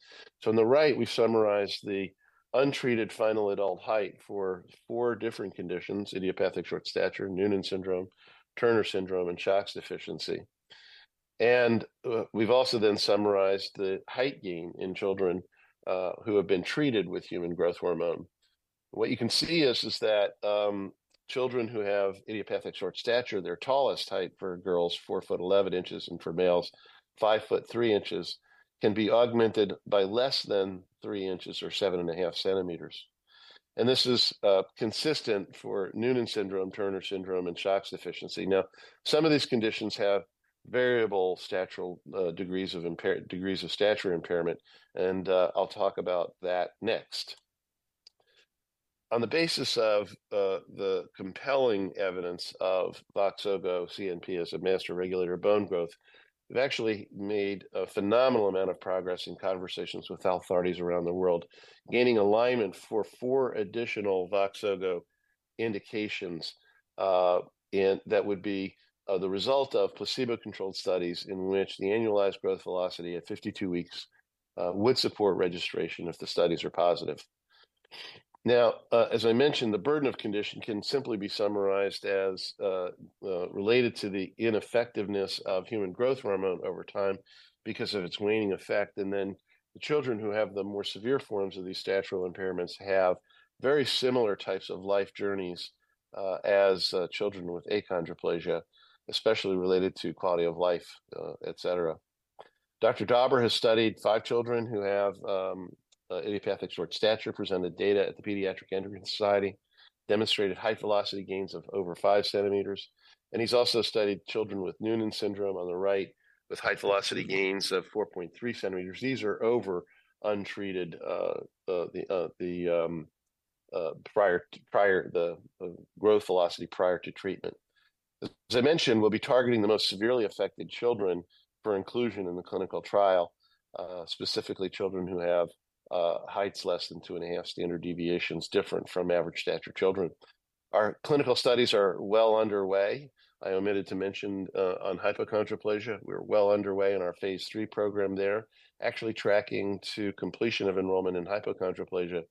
S4: so on the right, we've summarized the untreated final adult height for four different conditions: idiopathic short stature, Noonan syndrome, Turner syndrome, and SHOX deficiency, and we've also then summarized the height gain in children who have been treated with human growth hormone. What you can see is that children who have idiopathic short stature, their tallest height for girls, 4 ft 11 inches, and for males, 5 ft 3 in, can be augmented by less than 3 in or 7.5 cm. This is consistent for Noonan syndrome, Turner syndrome, and SHOX deficiency. Now, some of these conditions have variable statural degrees of stature impairment, and I'll talk about that next. On the basis of the compelling evidence of Voxzogo CNP as a master regulator of bone growth, we've actually made a phenomenal amount of progress in conversations with authorities around the world, gaining alignment for four additional Voxzogo indications, and that would be the result of placebo-controlled studies in which the annualized growth velocity at 52 weeks would support registration if the studies are positive. Now, as I mentioned, the burden of condition can simply be summarized as related to the ineffectiveness of human growth hormone over time because of its waning effect. And then the children who have the more severe forms of these statural impairments have very similar types of life journeys as children with achondroplasia, especially related to quality of life, et cetera. Dr. Dauber has studied five children who have idiopathic short stature, presented data at the Pediatric Endocrine Society, demonstrated high-velocity gains of over five centimeters, and he's also studied children with Noonan syndrome on the right, with high-velocity gains of 4.3 cm. These are over untreated, the growth velocity prior to treatment. As I mentioned, we'll be targeting the most severely affected children for inclusion in the clinical trial, specifically children who have heights less than two and a half standard deviations different from average stature children. Our clinical studies are well underway. I omitted to mention on hypochondroplasia, we're well underway in our phase III program there, actually tracking to completion of enrollment in hypochondroplasia,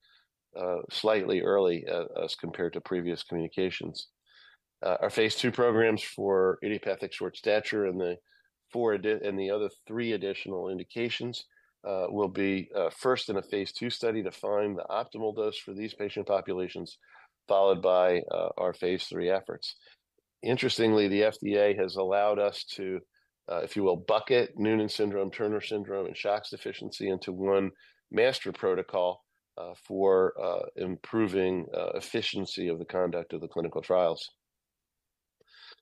S4: slightly early, as compared to previous communications. Our phase II programs for idiopathic short stature and the four and the other three additional indications will be first in a phase II study, to find the optimal dose for these patient populations, followed by our phase III efforts. Interestingly, the FDA has allowed us to, if you will, bucket Noonan syndrome, Turner syndrome, and SHOX deficiency into one master protocol, for, improving, efficiency of the conduct of the clinical trials.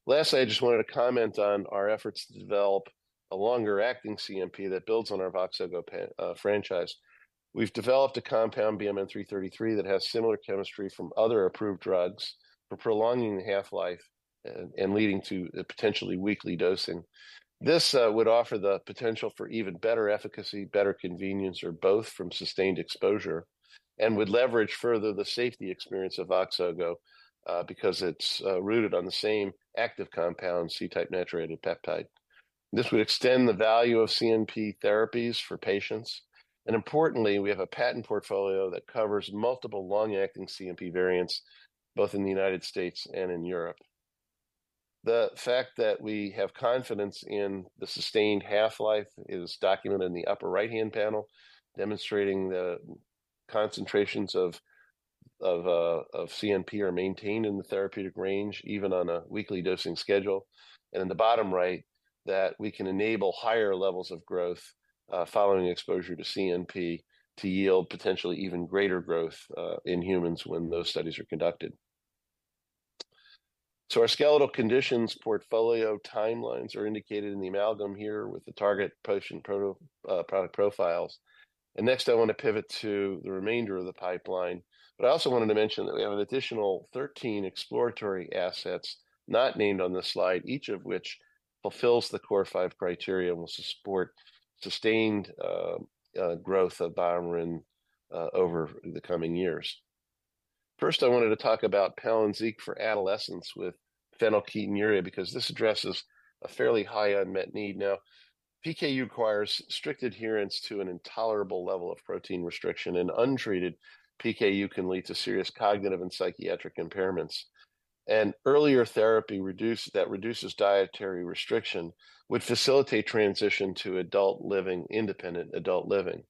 S4: Last, I just wanted to comment on our efforts to develop a longer-acting CNP that builds on our Voxzogo, franchise. We've developed a compound, BMN 333, that has similar chemistry from other approved drugs for prolonging the half-life and leading to a potentially weekly dosing. This, would offer the potential for even better efficacy, better convenience, or both from sustained exposure, and would leverage further the safety experience of Voxzogo, because it's, rooted on the same active compound, C-type natriuretic peptide. This would extend the value of CNP therapies for patients, and importantly, we have a patent portfolio that covers multiple long-acting CNP variants, both in the United States and in Europe. The fact that we have confidence in the sustained half-life is documented in the upper right-hand panel, demonstrating the concentrations of CNP are maintained in the therapeutic range, even on a weekly dosing schedule, and in the bottom right, that we can enable higher levels of growth following exposure to CNP, to yield potentially even greater growth in humans when those studies are conducted, so our skeletal conditions portfolio timelines are indicated in the amalgam here with the target patient profile, product profiles. And next, I want to pivot to the remainder of the pipeline, but I also wanted to mention that we have an additional thirteen exploratory assets not named on this slide, each of which fulfills the BioMarin Five criteria and will support sustained growth of BioMarin over the coming years. First, I wanted to talk about Palynziq for adolescents with phenylketonuria, because this addresses a fairly high unmet need. Now, PKU requires strict adherence to an intolerable level of protein restriction, and untreated PKU can lead to serious cognitive and psychiatric impairments. And earlier therapy that reduces dietary restriction would facilitate transition to adult living, independent adult living.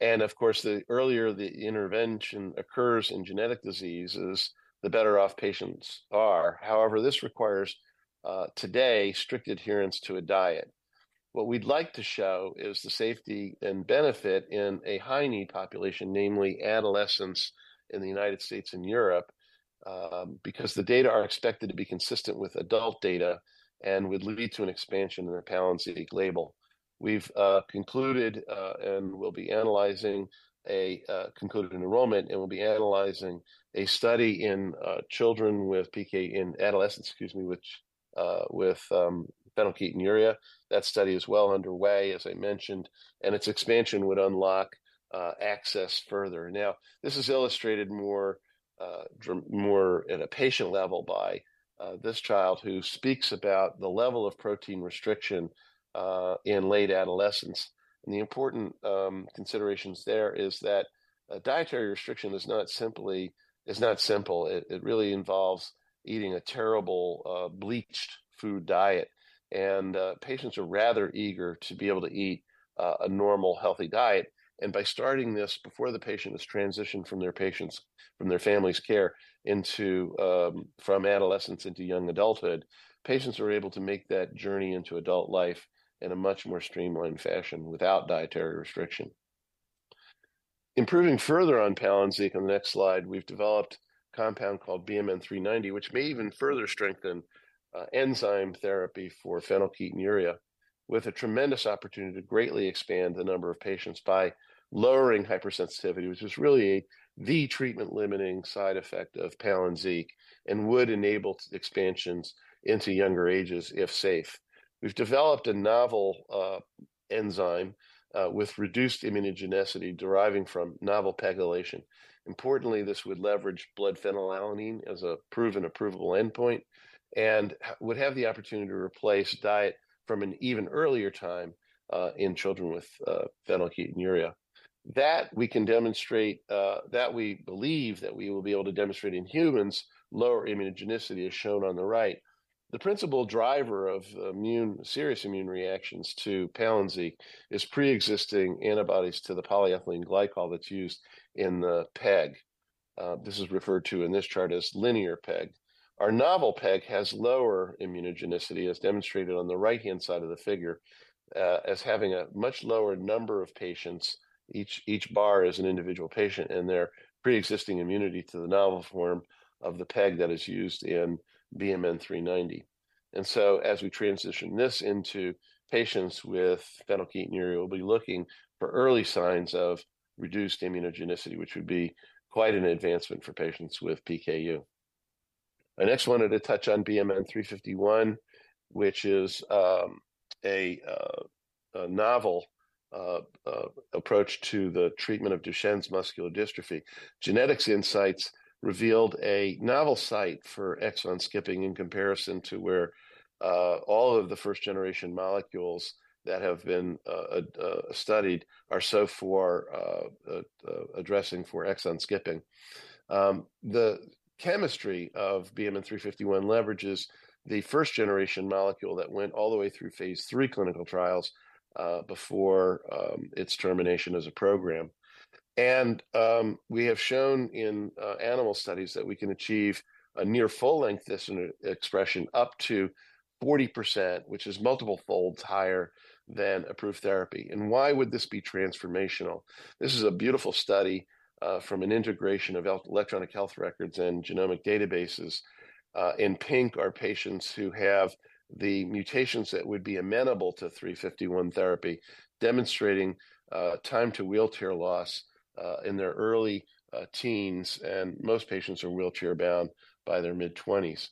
S4: And of course, the earlier the intervention occurs in genetic diseases, the better off patients are. However, this requires today strict adherence to a diet. What we'd like to show is the safety and benefit in a high-need population, namely adolescents in the United States and Europe, because the data are expected to be consistent with adult data and would lead to an expansion in the Palynziq label. We've concluded an enrollment, and we'll be analyzing a study in adolescents with PKU, excuse me, with phenylketonuria. That study is well underway, as I mentioned, and its expansion would unlock access further. Now, this is illustrated more at a patient level by this child who speaks about the level of protein restriction in late adolescence. And the important considerations there is that a dietary restriction is not simply, it's not simple. It, it really involves eating a terrible, bleached food diet, and, patients are rather eager to be able to eat, a normal, healthy diet. And by starting this before the patient is transitioned from their parents' care into, from adolescence into young adulthood, patients are able to make that journey into adult life in a much more streamlined fashion without dietary restriction. Improving further on Palynziq, on the next slide, we've developed a compound called BMN 390, which may even further strengthen, enzyme therapy for phenylketonuria, with a tremendous opportunity to greatly expand the number of patients by lowering hypersensitivity, which is really the treatment-limiting side effect of Palynziq and would enable expansions into younger ages if safe. We've developed a novel, enzyme, with reduced immunogenicity deriving from novel pegylation. Importantly, this would leverage blood phenylalanine as a proven approvable endpoint, and would have the opportunity to replace diet from an even earlier time in children with phenylketonuria. That we can demonstrate that we believe that we will be able to demonstrate in humans lower immunogenicity, as shown on the right. The principal driver of serious immune reactions to Palynziq is pre-existing antibodies to the polyethylene glycol that's used in the PEG. This is referred to in this chart as linear PEG. Our novel PEG has lower immunogenicity, as demonstrated on the right-hand side of the figure, as having a much lower number of patients. Each bar is an individual patient and their pre-existing immunity to the novel form of the PEG that is used in BMN 390. And so as we transition this into patients with phenylketonuria, we'll be looking for early signs of reduced immunogenicity, which would be quite an advancement for patients with PKU. I next wanted to touch on BMN 351, which is a novel approach to the treatment of Duchenne muscular dystrophy. Genetics insights revealed a novel site for exon skipping in comparison to where all of the first-generation molecules that have been studied so far for addressing exon skipping. The chemistry of BMN 351 leverages the first-generation molecule that went all the way through phase III clinical trials before its termination as a program. And we have shown in animal studies that we can achieve a near full length dystrophin expression, up to 40%, which is multiple folds higher than approved therapy. Why would this be transformational? This is a beautiful study from an integration of electronic health records and genomic databases. In pink are patients who have the mutations that would be amenable to 351 therapy, demonstrating time to wheelchair loss in their early teens, and most patients are wheelchair-bound by their mid-20s.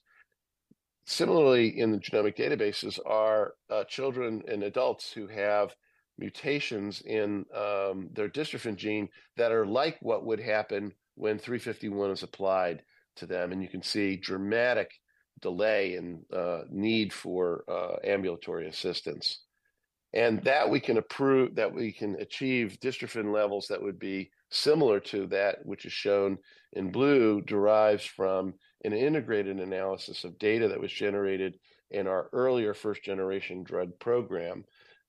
S4: Similarly, in the genomic databases are children and adults who have mutations in their dystrophin gene that are like what would happen when 351 is applied to them, and you can see dramatic delay in need for ambulatory assistance. That we can achieve dystrophin levels that would be similar to that which is shown in blue derives from an integrated analysis of data that was generated in our earlier first-generation drug program,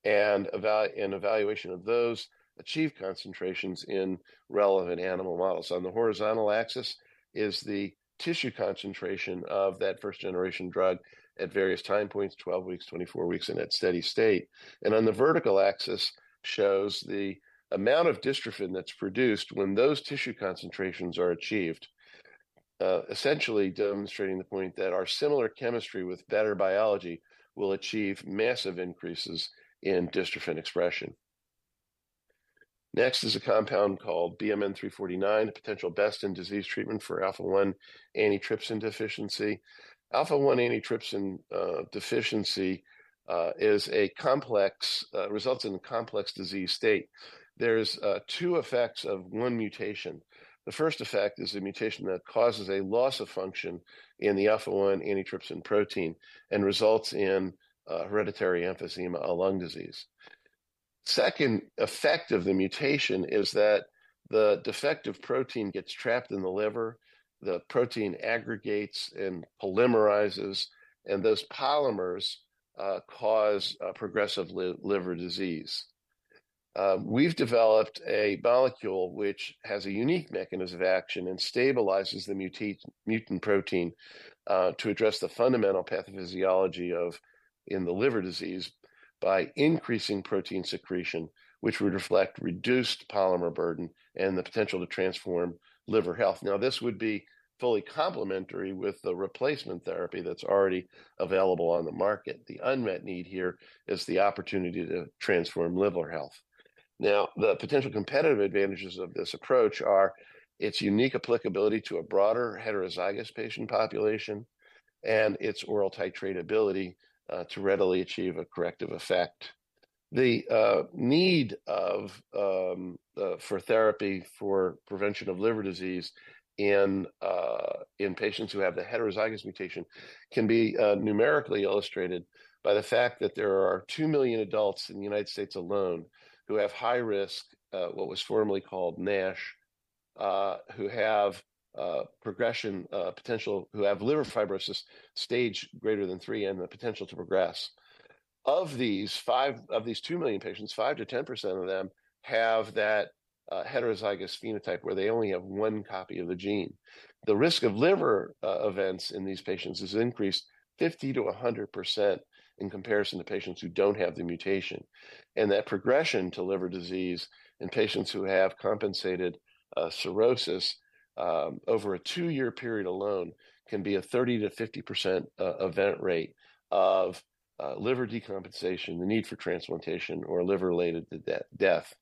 S4: and an evaluation of those achieved concentrations in relevant animal models. On the horizontal axis is the tissue concentration of that first-generation drug at various time points, 12 weeks, 24 weeks, in its steady state. On the vertical axis shows the amount of dystrophin that's produced when those tissue concentrations are achieved, essentially demonstrating the point that our similar chemistry with better biology will achieve massive increases in dystrophin expression. Next is a compound called BMN 349, a potential best-in-disease treatment for Alpha-1 antitrypsin deficiency. Alpha-1 antitrypsin deficiency is a complex results in a complex disease state. There's two effects of one mutation. The first effect is a mutation that causes a loss of function in the Alpha-1 antitrypsin protein and results in hereditary emphysema, a lung disease. Second effect of the mutation is that the defective protein gets trapped in the liver. The protein aggregates and polymerizes, and those polymers cause progressive liver disease. We've developed a molecule which has a unique mechanism of action and stabilizes the mutant protein to address the fundamental pathophysiology of in the liver disease by increasing protein secretion, which would reflect reduced polymer burden and the potential to transform liver health. Now, this would be fully complementary with the replacement therapy that's already available on the market. The unmet need here is the opportunity to transform liver health. Now, the potential competitive advantages of this approach are its unique applicability to a broader heterozygous patient population and its oral titratability to readily achieve a corrective effect. The need for therapy for prevention of liver disease in patients who have the heterozygous mutation can be numerically illustrated by the fact that there are two million adults in the United States alone who have high risk, what was formerly called NASH, who have progression potential who have liver fibrosis stage greater than three and the potential to progress. Of these two million patients, 5%-10% of them have that heterozygous phenotype, where they only have one copy of the gene. The risk of liver events in these patients is increased 50%-100% in comparison to patients who don't have the mutation, and that progression to liver disease in patients who have compensated cirrhosis over a two-year period alone can be a 30%-50% event rate of liver decompensation, the need for transplantation, or liver-related death.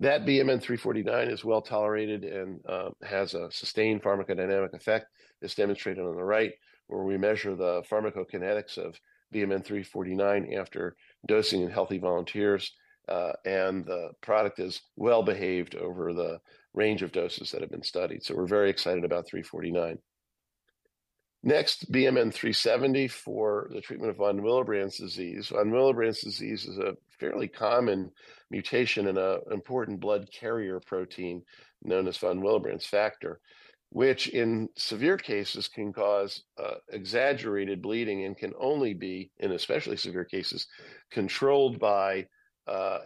S4: That BMN 349 is well-tolerated and has a sustained pharmacodynamic effect, as demonstrated on the right, where we measure the pharmacokinetics of BMN 349 after dosing in healthy volunteers, and the product is well-behaved over the range of doses that have been studied, so we're very excited about 349. Next, BMN 370 for the treatment of von Willebrand disease. Von Willebrand disease is a fairly common mutation in an important blood carrier protein known as von Willebrand factor, which in severe cases can cause exaggerated bleeding and can only be, in especially severe cases, controlled by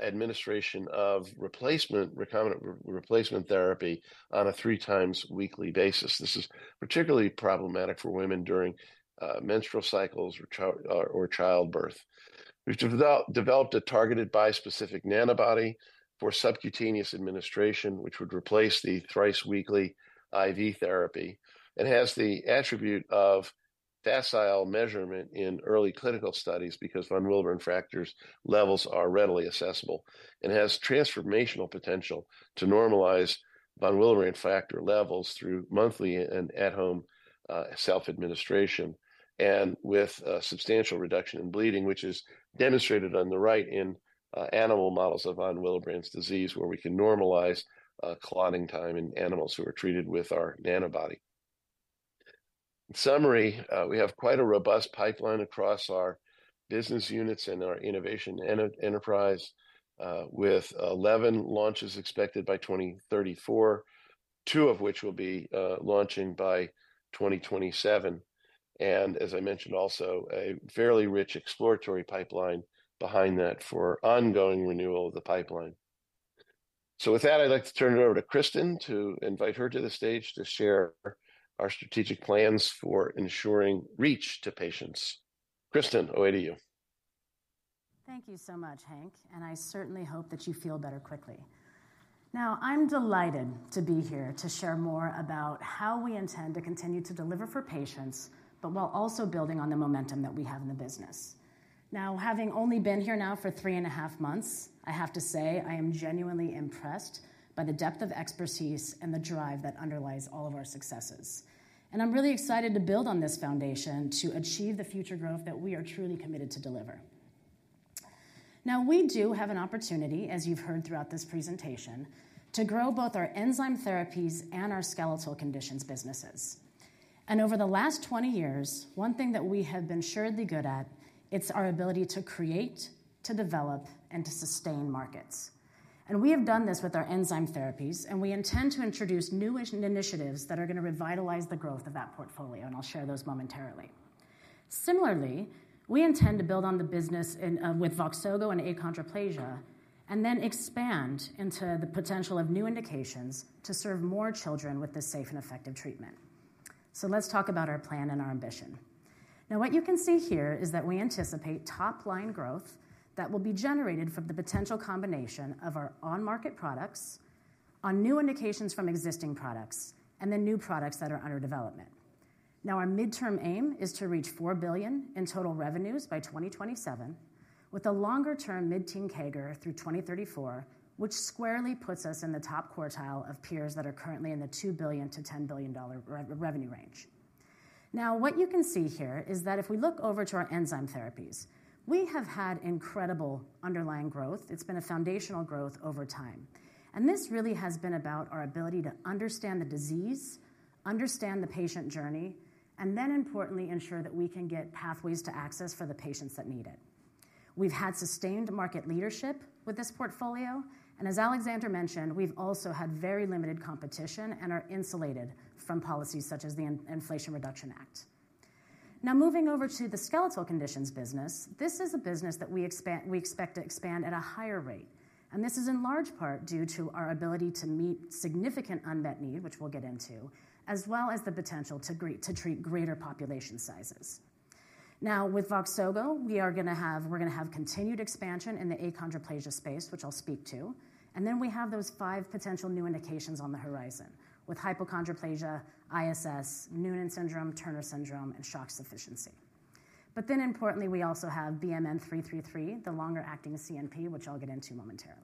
S4: administration of replacement, recombinant replacement therapy on a three times weekly basis. This is particularly problematic for women during menstrual cycles or childbirth. We've developed a targeted bispecific nanobody for subcutaneous administration, which would replace the thrice weekly IV therapy, and has the attribute of facile measurement in early clinical studies because von Willebrand factor's levels are readily accessible. And has transformational potential to normalize von Willebrand factor levels through monthly and at-home, self-administration, and with a substantial reduction in bleeding, which is demonstrated on the right in, animal models of von Willebrand disease, where we can normalize, clotting time in animals who are treated with our nanobody. In summary, we have quite a robust pipeline across our business units and our innovation and enterprise, with eleven launches expected by 2034, two of which will be, launching by 2027. And as I mentioned, also, a fairly rich exploratory pipeline behind that for ongoing renewal of the pipeline. So with that, I'd like to turn it over to Cristin to invite her to the stage to share our strategic plans for ensuring reach to patients. Cristin, over to you.
S5: Thank you so much, Hank, and I certainly hope that you feel better quickly. Now, I'm delighted to be here to share more about how we intend to continue to deliver for patients, but while also building on the momentum that we have in the business. Now, having only been here now for three and a half months, I have to say I am genuinely impressed by the depth of expertise and the drive that underlies all of our successes. I'm really excited to build on this foundation to achieve the future growth that we are truly committed to deliver. Now, we do have an opportunity, as you've heard throughout this presentation, to grow both our enzyme therapies and our skeletal conditions businesses. Over the last 20 years, one thing that we have been assuredly good at, it's our ability to create, to develop, and to sustain markets. We have done this with our enzyme therapies, and we intend to introduce new initiatives that are gonna revitalize the growth of that portfolio, and I'll share those momentarily. Similarly, we intend to build on the business in with Voxzogo and achondroplasia, and then expand into the potential of new indications to serve more children with this safe and effective treatment. Let's talk about our plan and our ambition. Now, what you can see here is that we anticipate top-line growth that will be generated from the potential combination of our on-market products on new indications from existing products and the new products that are under development. Now, our midterm aim is to reach $4 billion in total revenues by 2027, with a longer-term mid-teen CAGR through 2034, which squarely puts us in the top quartile of peers that are currently in the $2 billion-$10 billion revenue range. Now, what you can see here is that if we look over to our enzyme therapies, we have had incredible underlying growth. It's been a foundational growth over time, and this really has been about our ability to understand the disease, understand the patient journey, and then importantly, ensure that we can get pathways to access for the patients that need it. We've had sustained market leadership with this portfolio, and as Alexander mentioned, we've also had very limited competition and are insulated from policies such as the Inflation Reduction Act. Now, moving over to the skeletal conditions business, this is a business that we expect to expand at a higher rate, and this is in large part due to our ability to meet significant unmet need, which we'll get into, as well as the potential to treat greater population sizes. Now, with Voxzogo, we're gonna have continued expansion in the achondroplasia space, which I'll speak to, and then we have those five potential new indications on the horizon, with hypochondroplasia, ISS, Noonan syndrome, Turner syndrome, and SHOX deficiency. But then importantly, we also have BMN 333, the longer-acting CNP, which I'll get into momentarily.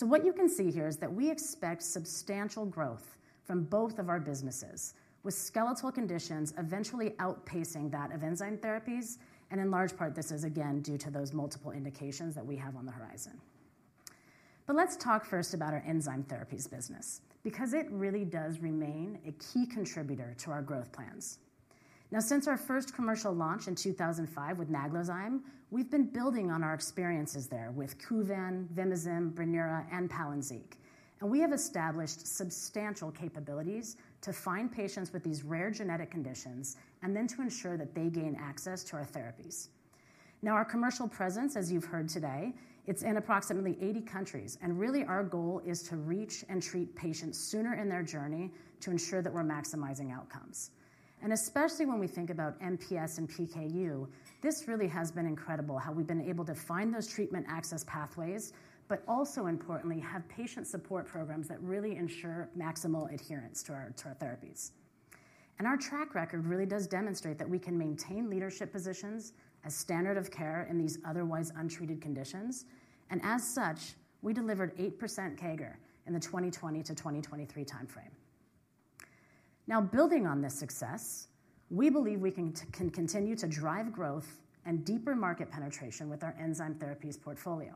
S5: What you can see here is that we expect substantial growth from both of our businesses, with skeletal conditions eventually outpacing that of enzyme therapies, and in large part, this is again due to those multiple indications that we have on the horizon. But let's talk first about our enzyme therapies business, because it really does remain a key contributor to our growth plans. Now, since our first commercial launch in 2005 with Naglazyme, we've been building on our experiences there with Kuvan, Vimizim, Brineura, and Palynziq. And we have established substantial capabilities to find patients with these rare genetic conditions and then to ensure that they gain access to our therapies. Now, our commercial presence, as you've heard today, it's in approximately 80 countries, and really, our goal is to reach and treat patients sooner in their journey to ensure that we're maximizing outcomes. Especially when we think about MPS and PKU, this really has been incredible, how we've been able to find those treatment access pathways, but also importantly, have patient support programs that really ensure maximal adherence to our therapies. Our track record really does demonstrate that we can maintain leadership positions as standard of care in these otherwise untreated conditions, and as such, we delivered 8% CAGR in the 2020 to 2023 timeframe. Now, building on this success, we believe we can continue to drive growth and deeper market penetration with our enzyme therapies portfolio.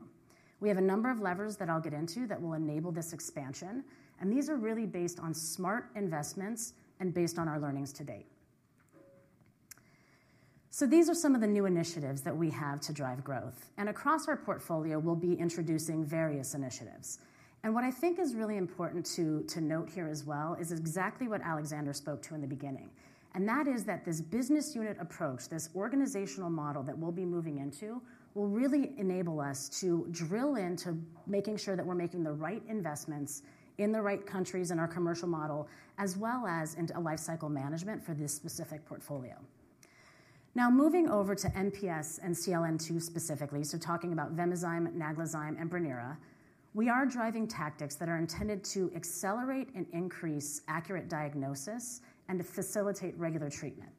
S5: We have a number of levers that I'll get into that will enable this expansion, and these are really based on smart investments and based on our learnings-to-date. So these are some of the new initiatives that we have to drive growth, and across our portfolio, we'll be introducing various initiatives. And what I think is really important to note here as well is exactly what Alexander spoke to in the beginning. And that is that this business unit approach, this organizational model that we'll be moving into, will really enable us to drill into making sure that we're making the right investments in the right countries in our commercial model, as well as into a lifecycle management for this specific portfolio. Now, moving over to MPS and CLN2 specifically, so talking about Vimizim, Naglazyme, and Brineura, we are driving tactics that are intended to accelerate and increase accurate diagnosis and to facilitate regular treatment.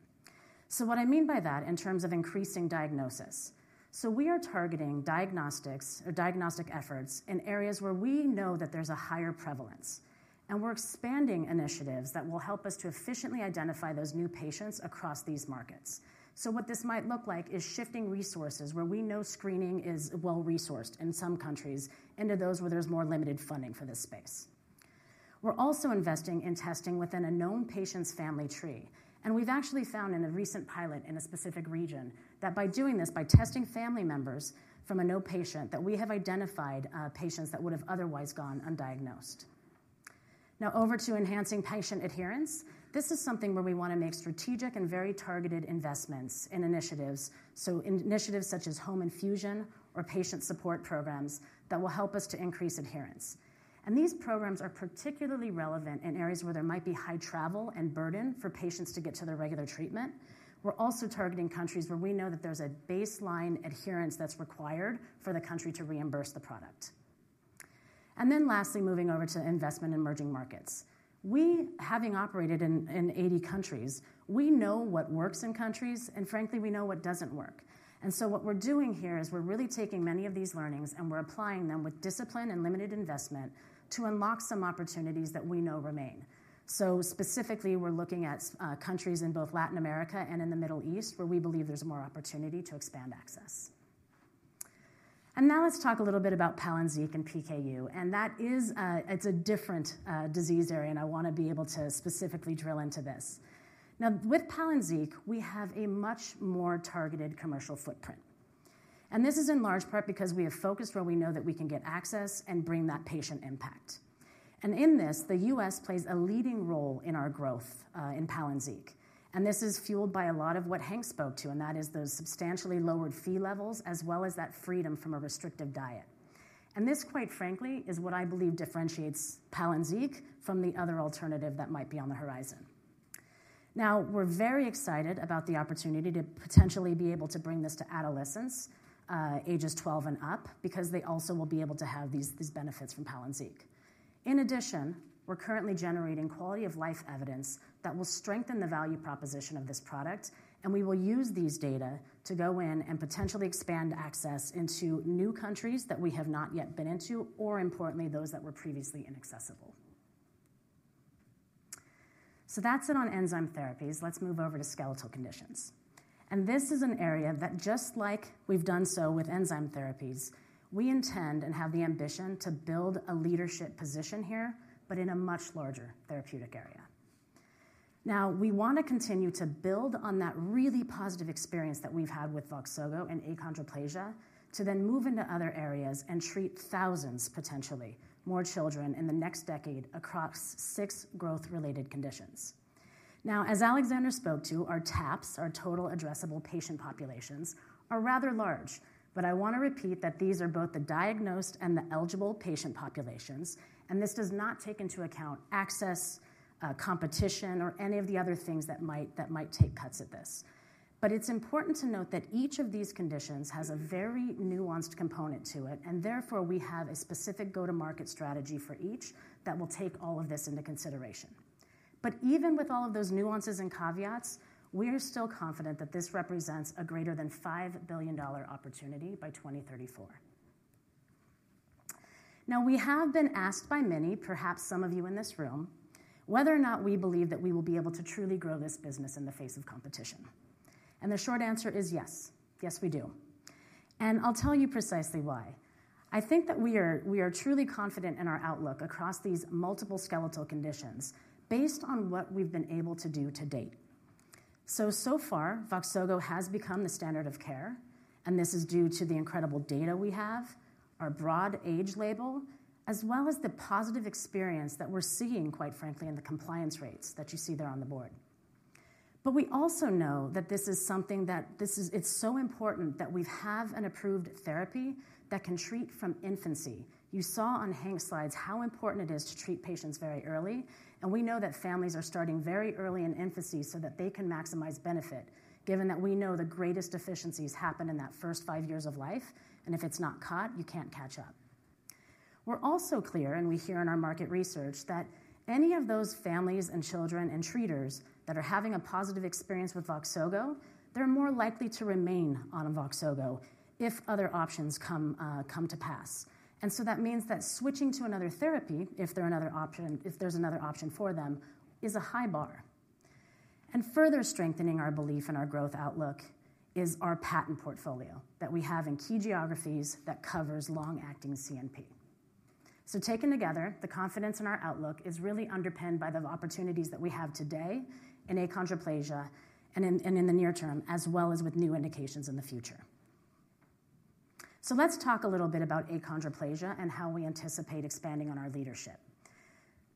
S5: So what I mean by that in terms of increasing diagnosis: so we are targeting diagnostics or diagnostic efforts in areas where we know that there's a higher prevalence, and we're expanding initiatives that will help us to efficiently identify those new patients across these markets. So what this might look like is shifting resources, where we know screening is well-resourced in some countries into those where there's more limited funding for this space. We're also investing in testing within a known patient's family tree, and we've actually found in a recent pilot in a specific region, that by doing this, by testing family members from a known patient, that we have identified, patients that would have otherwise gone undiagnosed. Now, over to enhancing patient adherence. This is something where we want to make strategic and very targeted investments in initiatives. So in initiatives such as home infusion or patient support programs that will help us to increase adherence. And these programs are particularly relevant in areas where there might be high travel and burden for patients to get to their regular treatment. We're also targeting countries where we know that there's a baseline adherence that's required for the country to reimburse the product. And then lastly, moving over to investment in emerging markets. We, having operated in 80 countries, we know what works in countries, and frankly, we know what doesn't work. And so what we're doing here is we're really taking many of these learnings, and we're applying them with discipline and limited investment to unlock some opportunities that we know remain. So specifically, we're looking at countries in both Latin America and in the Middle East, where we believe there's more opportunity to expand access. And now let's talk a little bit about Palynziq and PKU, and that is a. It's a different disease area, and I want to be able to specifically drill into this. Now, with Palynziq, we have a much more targeted commercial footprint, and this is in large part because we have focused where we know that we can get access and bring that patient impact. And in this, the U.S. plays a leading role in our growth in Palynziq, and this is fueled by a lot of what Hank spoke to, and that is those substantially lowered Phe levels, as well as that freedom from a restrictive diet. And this, quite frankly, is what I believe differentiates Palynziq from the other alternative that might be on the horizon. Now, we're very excited about the opportunity to potentially be able to bring this to adolescents, ages twelve and up, because they also will be able to have these, these benefits from Palynziq. In addition, we're currently generating quality of life evidence that will strengthen the value proposition of this product, and we will use these data to go in and potentially expand access into new countries that we have not yet been into, or importantly, those that were previously inaccessible. So that's it on enzyme therapies. Let's move over to skeletal conditions. And this is an area that, just like we've done so with enzyme therapies, we intend and have the ambition to build a leadership position here, but in a much larger therapeutic area. Now, we want to continue to build on that really positive experience that we've had with Voxzogo and achondroplasia, to then move into other areas and treat thousands, potentially more children in the next decade across six growth-related conditions. Now, as Alexander spoke to, our TAPS, our Total Addressable Patient Populations, are rather large. But I want to repeat that these are both the diagnosed and the eligible patient populations, and this does not take into account access, competition, or any of the other things that might take cuts at this. But it's important to note that each of these conditions has a very nuanced component to it, and therefore, we have a specific go-to-market strategy for each that will take all of this into consideration. But even with all of those nuances and caveats, we are still confident that this represents a greater than $5 billion opportunity by 2034. Now, we have been asked by many, perhaps some of you in this room, whether or not we believe that we will be able to truly grow this business in the face of competition. And the short answer is yes. Yes, we do. And I'll tell you precisely why. I think that we are truly confident in our outlook across these multiple skeletal conditions based on what we've been able to do to date. So far, Voxzogo has become the standard of care, and this is due to the incredible data we have, our broad age label, as well as the positive experience that we're seeing, quite frankly, in the compliance rates that you see there on the Board. But we also know that this is something that it's so important that we have an approved therapy that can treat from infancy. You saw on Hank's slides how important it is to treat patients very early, and we know that families are starting very early in infancy so that they can maximize benefit, given that we know the greatest deficiencies happen in that first five years of life, and if it's not caught, you can't catch up. We're also clear, and we hear in our market research, that any of those families and children and treaters that are having a positive experience with Voxzogo, they're more likely to remain on Voxzogo if other options come to pass. And so that means that switching to another therapy, if there's another option for them, is a high bar. Further strengthening our belief in our growth outlook is our patent portfolio that we have in key geographies that covers long-acting CNP. Taken together, the confidence in our outlook is really underpinned by the opportunities that we have today in achondroplasia and in the near term, as well as with new indications in the future. Let's talk a little bit about achondroplasia and how we anticipate expanding on our leadership.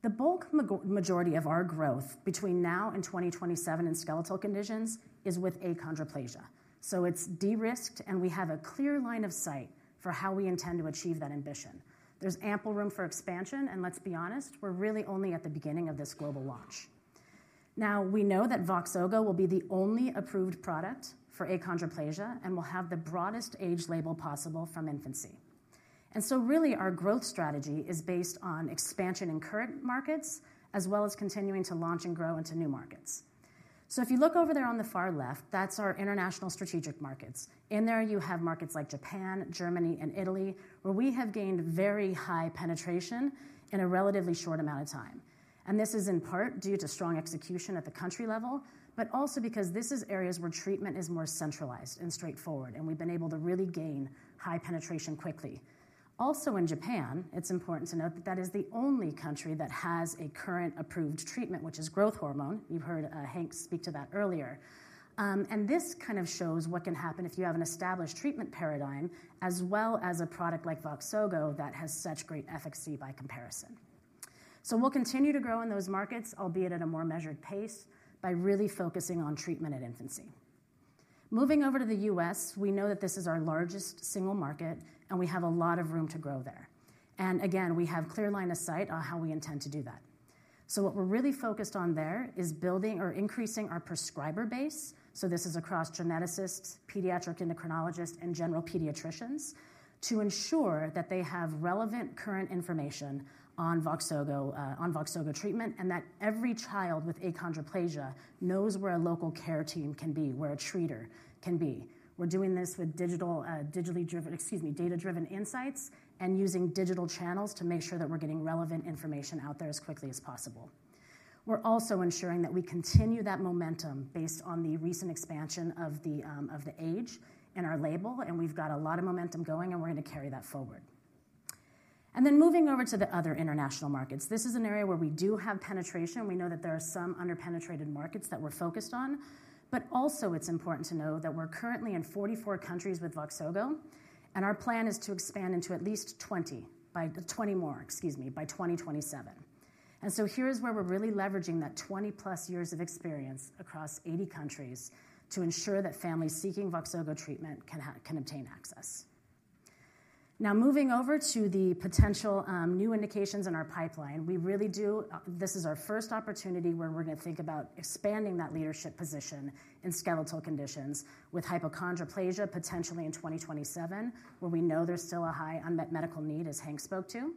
S5: The bulk majority of our growth between now and 2027 in skeletal conditions is with achondroplasia. It's de-risked, and we have a clear line of sight for how we intend to achieve that ambition. There's ample room for expansion, and let's be honest, we're really only at the beginning of this global launch. Now, we know that Voxzogo will be the only approved product for achondroplasia and will have the broadest age label possible from infancy, and so really, our growth strategy is based on expansion in current markets, as well as continuing to launch and grow into new markets, so if you look over there on the far left, that's our international strategic markets. In there, you have markets like Japan, Germany, and Italy, where we have gained very high penetration in a relatively short amount of time, and this is in part due to strong execution at the country level, but also because this is areas where treatment is more centralized and straightforward, and we've been able to really gain high penetration quickly. Also in Japan, it's important to note that that is the only country that has a current approved treatment, which is growth hormone. You've heard, Hank speak to that earlier. And this kind of shows what can happen if you have an established treatment paradigm, as well as a product like Voxzogo that has such great efficacy by comparison. So we'll continue to grow in those markets, albeit at a more measured pace, by really focusing on treatment at infancy. Moving over to the U.S., we know that this is our largest single market, and we have a lot of room to grow there. And again, we have clear line of sight on how we intend to do that. So what we're really focused on there is building or increasing our prescriber base, so this is across geneticists, pediatric endocrinologists, and general pediatricians, to ensure that they have relevant current information on Voxzogo, on Voxzogo treatment, and that every child with achondroplasia knows where a local care team can be, where a treater can be. We're doing this with digital, digitally driven, excuse me, data-driven insights and using digital channels to make sure that we're getting relevant information out there as quickly as possible. We're also ensuring that we continue that momentum based on the recent expansion of the age and our label, and we've got a lot of momentum going, and we're going to carry that forward. And then moving over to the other international markets. This is an area where we do have penetration. We know that there are some under-penetrated markets that we're focused on, but also it's important to know that we're currently in 44 countries with Voxzogo, and our plan is to expand into at least 20 more by 2027. And so here is where we're really leveraging that 20+ years of experience across 80 countries to ensure that families seeking Voxzogo treatment can obtain access. Now, moving over to the potential new indications in our pipeline. This is our first opportunity where we're gonna think about expanding that leadership position in skeletal conditions with hypochondroplasia, potentially in 2027, where we know there's still a high unmet medical need, as Hank spoke to.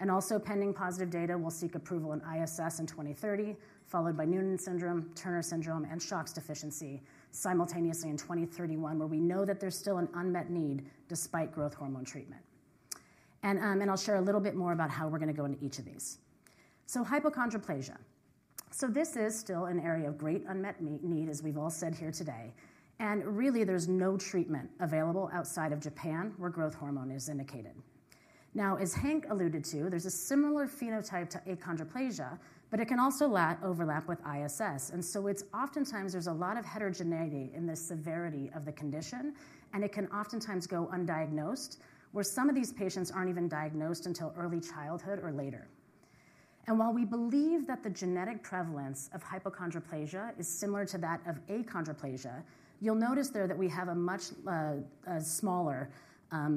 S5: And also pending positive data, we'll seek approval in ISS in 2030, followed by Noonan syndrome, Turner syndrome, and SHOX deficiency simultaneously in 2031, where we know that there's still an unmet need despite growth hormone treatment. And I'll share a little bit more about how we're gonna go into each of these. So hypochondroplasia. So this is still an area of great unmet need, as we've all said here today, and really there's no treatment available outside of Japan, where growth hormone is indicated. Now, as Hank alluded to, there's a similar phenotype to achondroplasia, but it can also overlap with ISS. And so it's oftentimes there's a lot of heterogeneity in the severity of the condition, and it can oftentimes go undiagnosed, where some of these patients aren't even diagnosed until early childhood or later. And while we believe that the genetic prevalence of hypochondroplasia is similar to that of achondroplasia, you'll notice there that we have a much, a smaller,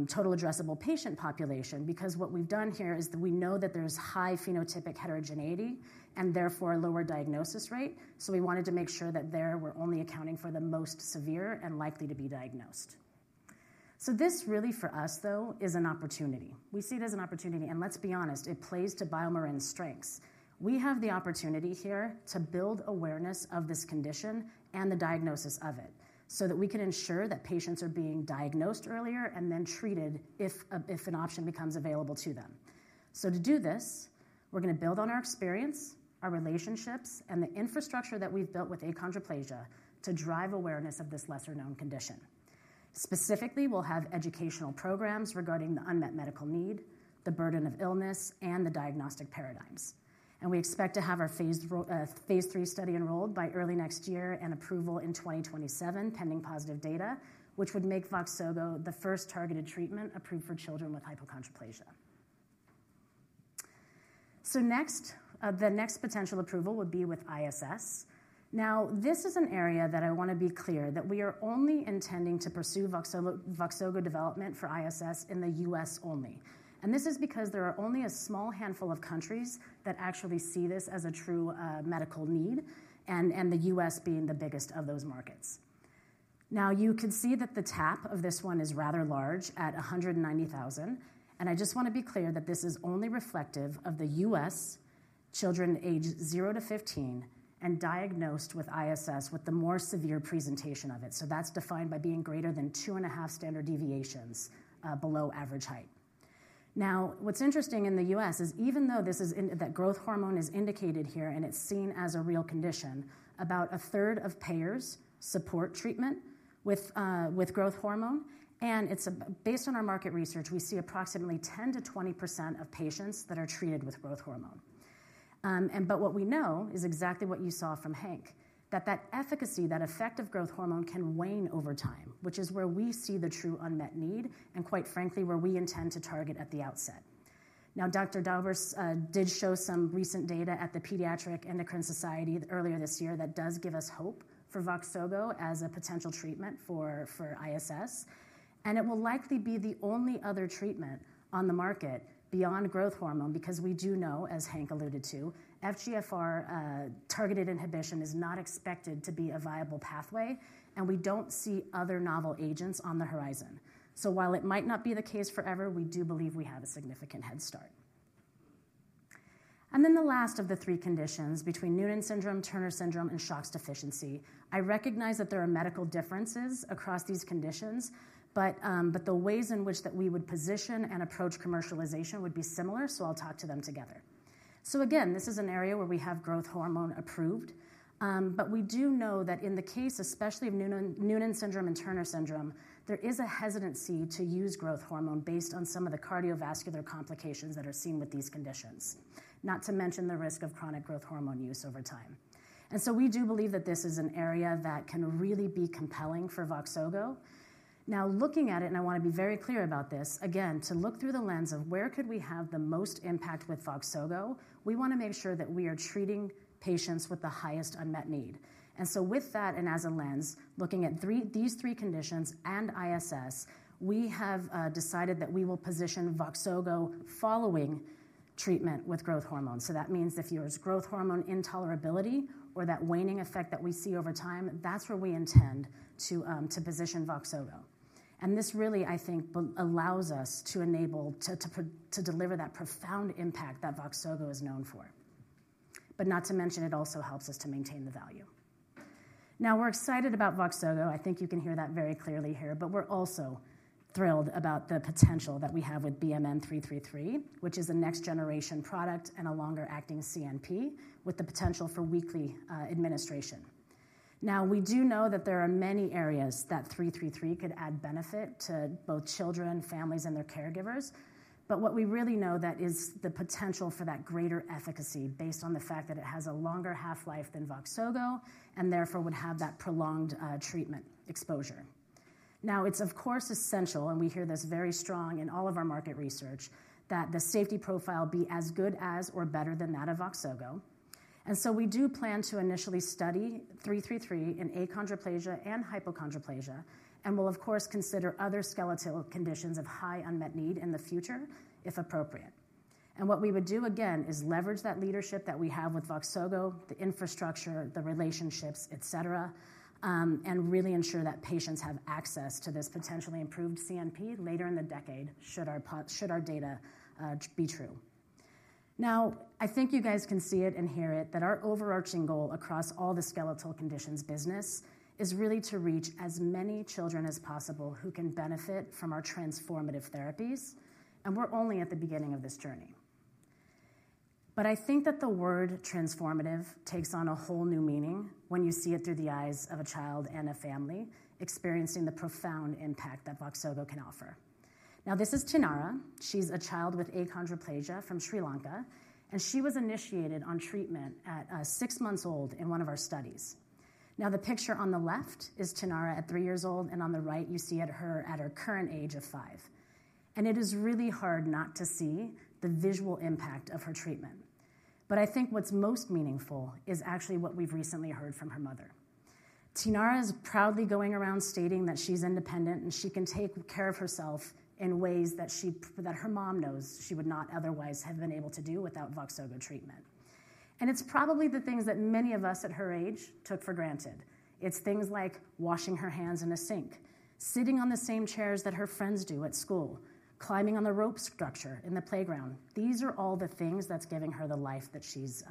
S5: total addressable patient population, because what we've done here is that we know that there's high phenotypic heterogeneity and therefore a lower diagnosis rate. So we wanted to make sure that there we're only accounting for the most severe and likely to be diagnosed. So this really, for us, though, is an opportunity. We see it as an opportunity, and let's be honest, it plays to BioMarin's strengths. We have the opportunity here to build awareness of this condition and the diagnosis of it, so that we can ensure that patients are being diagnosed earlier and then treated if an option becomes available to them. To do this, we're gonna build on our experience, our relationships, and the infrastructure that we've built with achondroplasia to drive awareness of this lesser-known condition. Specifically, we'll have educational programs regarding the unmet medical need, the burden of illness, and the diagnostic paradigms. We expect to have our phase III study enrolled by early next year and approval in 2027, pending positive data, which would make Voxzogo the first targeted treatment approved for children with hypochondroplasia. Next, the next potential approval would be with ISS. Now, this is an area that I want to be clear, that we are only intending to pursue Voxzogo, Voxzogo development for ISS in the U.S. only. This is because there are only a small handful of countries that actually see this as a true medical need, and the U.S. being the biggest of those markets. Now, you can see that the TAP of this one is rather large at 190,000, and I just want to be clear that this is only reflective of the U.S. children aged zero to 15 and diagnosed with ISS, with the more severe presentation of it. So that's defined by being greater than two and a half standard deviations below average height. Now, what's interesting in the U.S. is even though this is in that growth hormone is indicated here and it's seen as a real condition, about a third of payers support treatment with growth hormone, and based on our market research, we see approximately 10%-20% of patients that are treated with growth hormone. And but what we know is exactly what you saw from Hank, that efficacy, that effect of growth hormone can wane over time, which is where we see the true unmet need, and quite frankly, where we intend to target at the outset. Now, Dr. Dauber did show some recent data at the Pediatric Endocrine Society earlier this year that does give us hope for Voxzogo as a potential treatment for ISS. And it will likely be the only other treatment on the market beyond growth hormone, because we do know, as Hank alluded to, FGFR targeted inhibition is not expected to be a viable pathway, and we don't see other novel agents on the horizon. So while it might not be the case forever, we do believe we have a significant head start. And then the last of the three conditions between Noonan syndrome, Turner syndrome, and SHOX deficiency. I recognize that there are medical differences across these conditions, but the ways in which that we would position and approach commercialization would be similar, so I'll talk to them together. So again, this is an area where we have growth hormone approved, but we do know that in the case, especially of Noonan, Noonan syndrome and Turner syndrome, there is a hesitancy to use growth hormone based on some of the cardiovascular complications that are seen with these conditions, not to mention the risk of chronic growth hormone use over time, and so we do believe that this is an area that can really be compelling for Voxzogo. Now, looking at it, and I want to be very clear about this, again, to look through the lens of where could we have the most impact with Voxzogo, we wanna make sure that we are treating patients with the highest unmet need. And so with that, and as a lens, looking at these three conditions and ISS, we have decided that we will position Voxzogo following treatment with growth hormone. So that means if there's growth hormone intolerability or that waning effect that we see over time, that's where we intend to position Voxzogo. And this really, I think, allows us to enable... to deliver that profound impact that Voxzogo is known for. But not to mention, it also helps us to maintain the value. Now, we're excited about Voxzogo. I think you can hear that very clearly here, but we're also thrilled about the potential that we have with BMN 333, which is a next-generation product and a longer-acting CNP, with the potential for weekly administration. Now, we do know that there are many areas that 333 could add benefit to both children, families, and their caregivers. But what we really know that is the potential for that greater efficacy, based on the fact that it has a longer half-life than Voxzogo and therefore would have that prolonged, treatment exposure. Now, it's of course, essential, and we hear this very strong in all of our market research, that the safety profile be as good as or better than that of Voxzogo. And so we do plan to initially study 333 in achondroplasia and hypochondroplasia, and we'll of course, consider other skeletal conditions of high unmet need in the future, if appropriate. And what we would do, again, is leverage that leadership that we have with Voxzogo, the infrastructure, the relationships, et cetera, and really ensure that patients have access to this potentially improved CNP later in the decade, should our data be true. Now, I think you guys can see it and hear it, that our overarching goal across all the skeletal conditions business is really to reach as many children as possible who can benefit from our transformative therapies, and we're only at the beginning of this journey. But I think that the word transformative takes on a whole new meaning when you see it through the eyes of a child and a family experiencing the profound impact that Voxzogo can offer. Now, this is Chinara. She's a child with achondroplasia from Sri Lanka, and she was initiated on treatment at six months old in one of our studies. Now, the picture on the left is Chinara at three years old, and on the right, you see at her - at her current age of five. And it is really hard not to see the visual impact of her treatment. But I think what's most meaningful is actually what we've recently heard from her mother. Chinara is proudly going around stating that she's independent, and she can take care of herself in ways that she... that her mom knows she would not otherwise have been able to do without Voxzogo treatment. And it's probably the things that many of us at her age took for granted. It's things like washing her hands in a sink, sitting on the same chairs that her friends do at school, climbing on the rope structure in the playground. These are all the things that's giving her the life that she's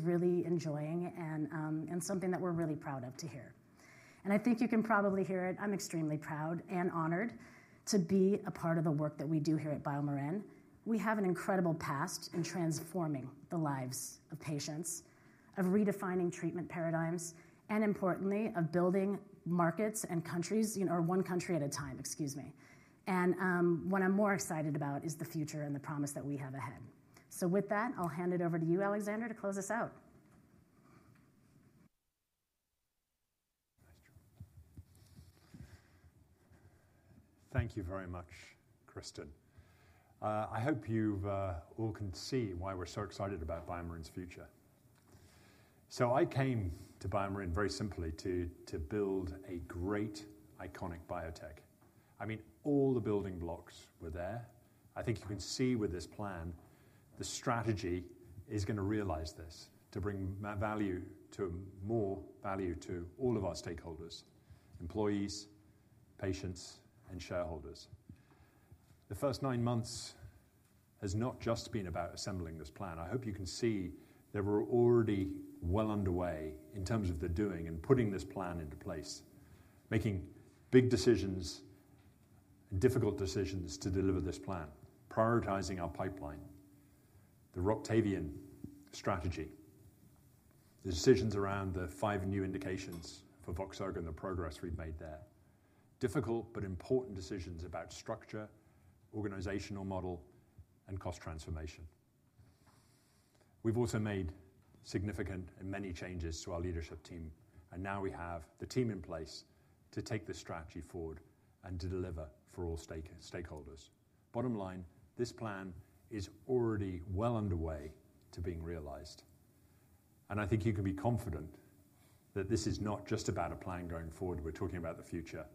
S5: really enjoying and something that we're really proud of to hear. I think you can probably hear it. I'm extremely proud and honored to be a part of the work that we do here at BioMarin. We have an incredible past in transforming the lives of patients, of redefining treatment paradigms, and importantly, of building markets and countries, you know, or one country at a time, excuse me. What I'm more excited about is the future and the promise that we have ahead. With that, I'll hand it over to you, Alexander, to close us out.
S2: Thank you very much, Cristin. I hope you've all can see why we're so excited about BioMarin's future. So I came to BioMarin very simply to build a great iconic biotech. I mean, all the building blocks were there. I think you can see with this plan. The strategy is going to realize this, to bring value to more value to all of our stakeholders: employees, patients, and shareholders. The first nine months has not just been about assembling this plan. I hope you can see that we're already well underway in terms of the doing and putting this plan into place, making big decisions and difficult decisions to deliver this plan. Prioritizing our pipeline, the Roctavian strategy, the decisions around the five new indications for Voxzogo and the progress we've made there. Difficult but important decisions about structure, organizational model, and cost transformation. We've also made significant and many changes to our leadership team, and now we have the team in place to take this strategy forward and to deliver for all stakeholders. Bottom line, this plan is already well underway to being realized, and I think you can be confident that this is not just about a plan going forward. We're talking about the future,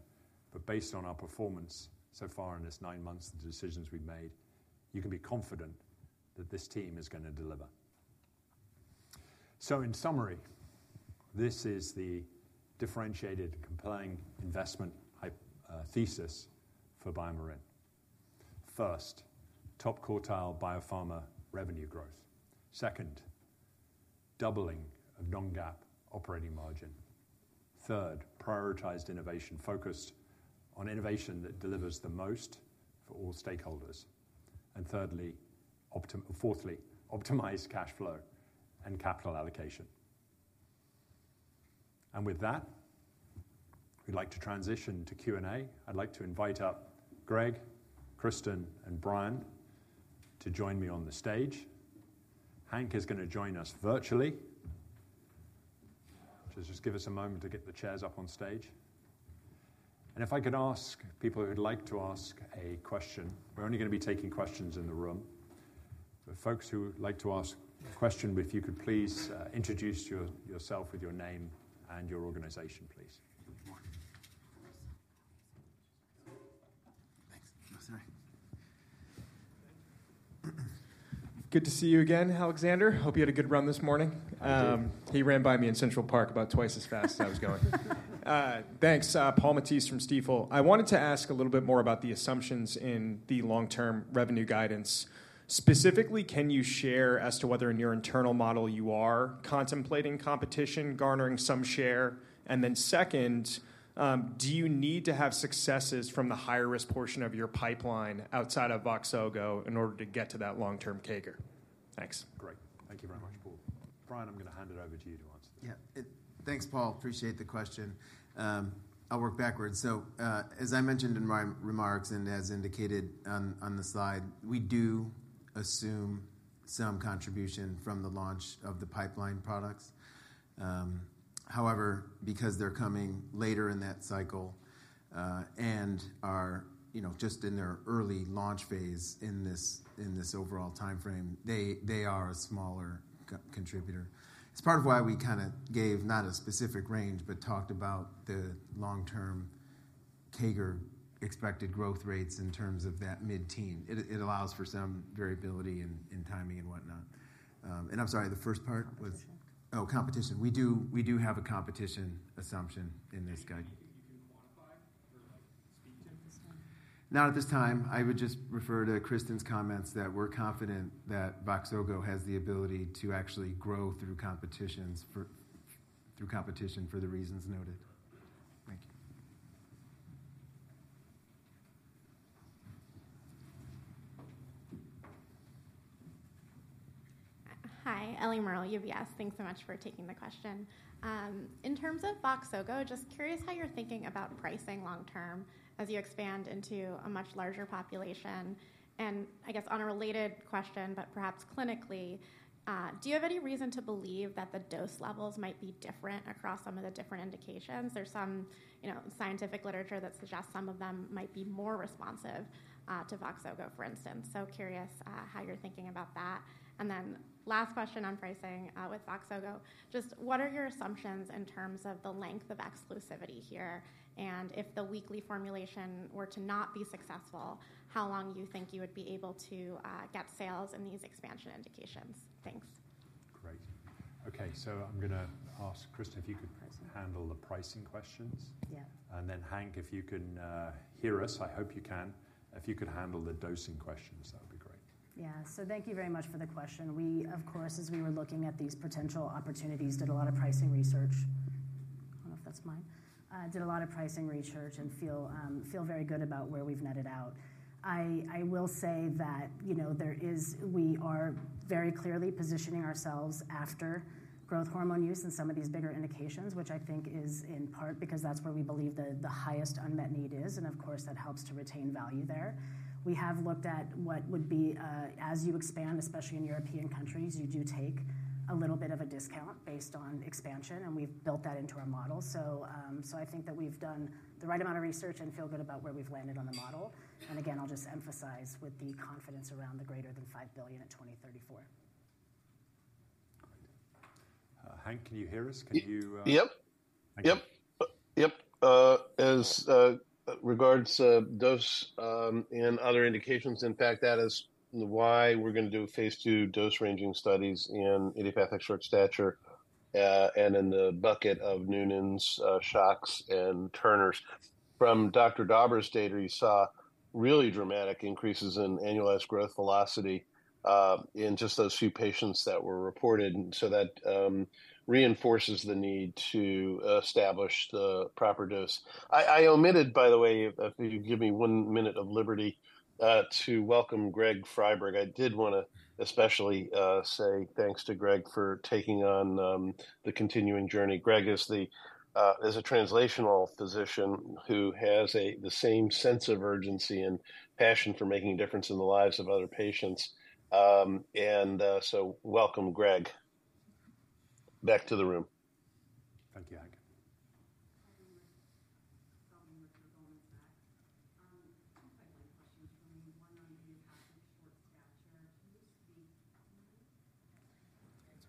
S2: but based on our performance so far in this nine months, the decisions we've made, you can be confident that this team is gonna deliver. So in summary, this is the differentiated, compelling investment thesis for BioMarin. First, top quartile biopharma revenue growth. Second, doubling of non-GAAP operating margin. Third, prioritized innovation, focused on innovation that delivers the most for all stakeholders. Fourthly, optimized cash flow and capital allocation. And with that, we'd like to transition to Q&A. I'd like to invite up Greg, Cristin, and Brian to join me on the stage. Hank is gonna join us virtually. Just give us a moment to get the chairs up on stage. And if I could ask people who'd like to ask a question, we're only gonna be taking questions in the room. The folks who would like to ask a question, if you could please introduce yourself with your name and your organization, please.
S6: Thanks. Sorry. Good to see you again, Alexander. Hope you had a good run this morning.
S2: I did.
S6: He ran by me in Central Park about twice as fast as I was going. Thanks. Paul Matteis from Stifel. I wanted to ask a little bit more about the assumptions in the long-term revenue guidance. Specifically, can you share as to whether in your internal model you are contemplating competition, garnering some share? And then second, do you need to have successes from the higher-risk portion of your pipeline outside of Voxzogo in order to get to that long-term CAGR? Thanks.
S2: Great. Thank you very much, Paul. Brian, I'm gonna hand it over to you to answer.
S3: Yeah. Thanks, Paul. Appreciate the question. I'll work backwards. So, as I mentioned in my remarks and as indicated on the slide, we do assume some contribution from the launch of the pipeline products. However, because they're coming later in that cycle, and are, you know, just in their early launch phase in this overall timeframe, they are a smaller contributor. It's part of why we kinda gave not a specific range, but talked about the long-term CAGR expected growth rates in terms of that mid-teen. It allows for some variability in timing and whatnot. And I'm sorry, the first part was-
S2: Competition.
S3: Oh, competition. We do, we do have a competition assumption in this guide.
S6: Do you think you can quantify or, like, speak to at this time?
S3: Not at this time. I would just refer to Cristin's comments that we're confident that Voxzogo has the ability to actually grow through competition for the reasons noted. Thank you.
S7: Hi, Ellie Merle, UBS. Thanks so much for taking the question. In terms of Voxzogo, just curious how you're thinking about pricing long term as you expand into a much larger population? And I guess on a related question, but perhaps clinically, do you have any reason to believe that the dose levels might be different across some of the different indications? There's some, you know, scientific literature that suggests some of them might be more responsive to Voxzogo, for instance. So curious how you're thinking about that. And then last question on pricing with Voxzogo, just what are your assumptions in terms of the length of exclusivity here? And if the weekly formulation were to not be successful, how long do you think you would be able to get sales in these expansion indications? Thanks.
S2: Great. Okay, so I'm gonna ask Cristin, if you could-
S5: Pricing.
S2: - handle the pricing questions.
S5: Yeah.
S2: And then, Hank, if you can hear us, I hope you can. If you could handle the dosing questions, that would be great.
S5: Yeah. So thank you very much for the question. We, of course, as we were looking at these potential opportunities, did a lot of pricing research. I don't know if that's mine. Did a lot of pricing research and feel very good about where we've netted out. I will say that, you know, there is, we are very clearly positioning ourselves after growth hormone use in some of these bigger indications, which I think is in part because that's where we believe the highest unmet need is, and of course, that helps to retain value there. We have looked at what would be, as you expand, especially in European countries, you do take a little bit of a discount based on expansion, and we've built that into our model. I think that we've done the right amount of research and feel good about where we've landed on the model, and again, I'll just emphasize with the confidence around the greater than $5 billion in 2034....
S2: Hank, can you hear us? Can you...
S4: Yep.
S2: Thank you.
S4: Yep, yep. As regards dose and other indications, in fact, that is why we're going to do a phase II dose ranging studies in idiopathic short stature, and in the bucket of Noonan's, SHOX and Turner's. From Dr. Dauber's data, he saw really dramatic increases in annualized growth velocity, in just those few patients that were reported, so that reinforces the need to establish the proper dose. I omitted, by the way, if you give me one minute of liberty, to welcome Greg Friberg. I did want to especially say thanks to Greg for taking on the continuing journey. Greg is the... is a translational physician who has the same sense of urgency and passion for making a difference in the lives of other patients. And so welcome, Greg. Back to the room.
S2: Thank you, Hank....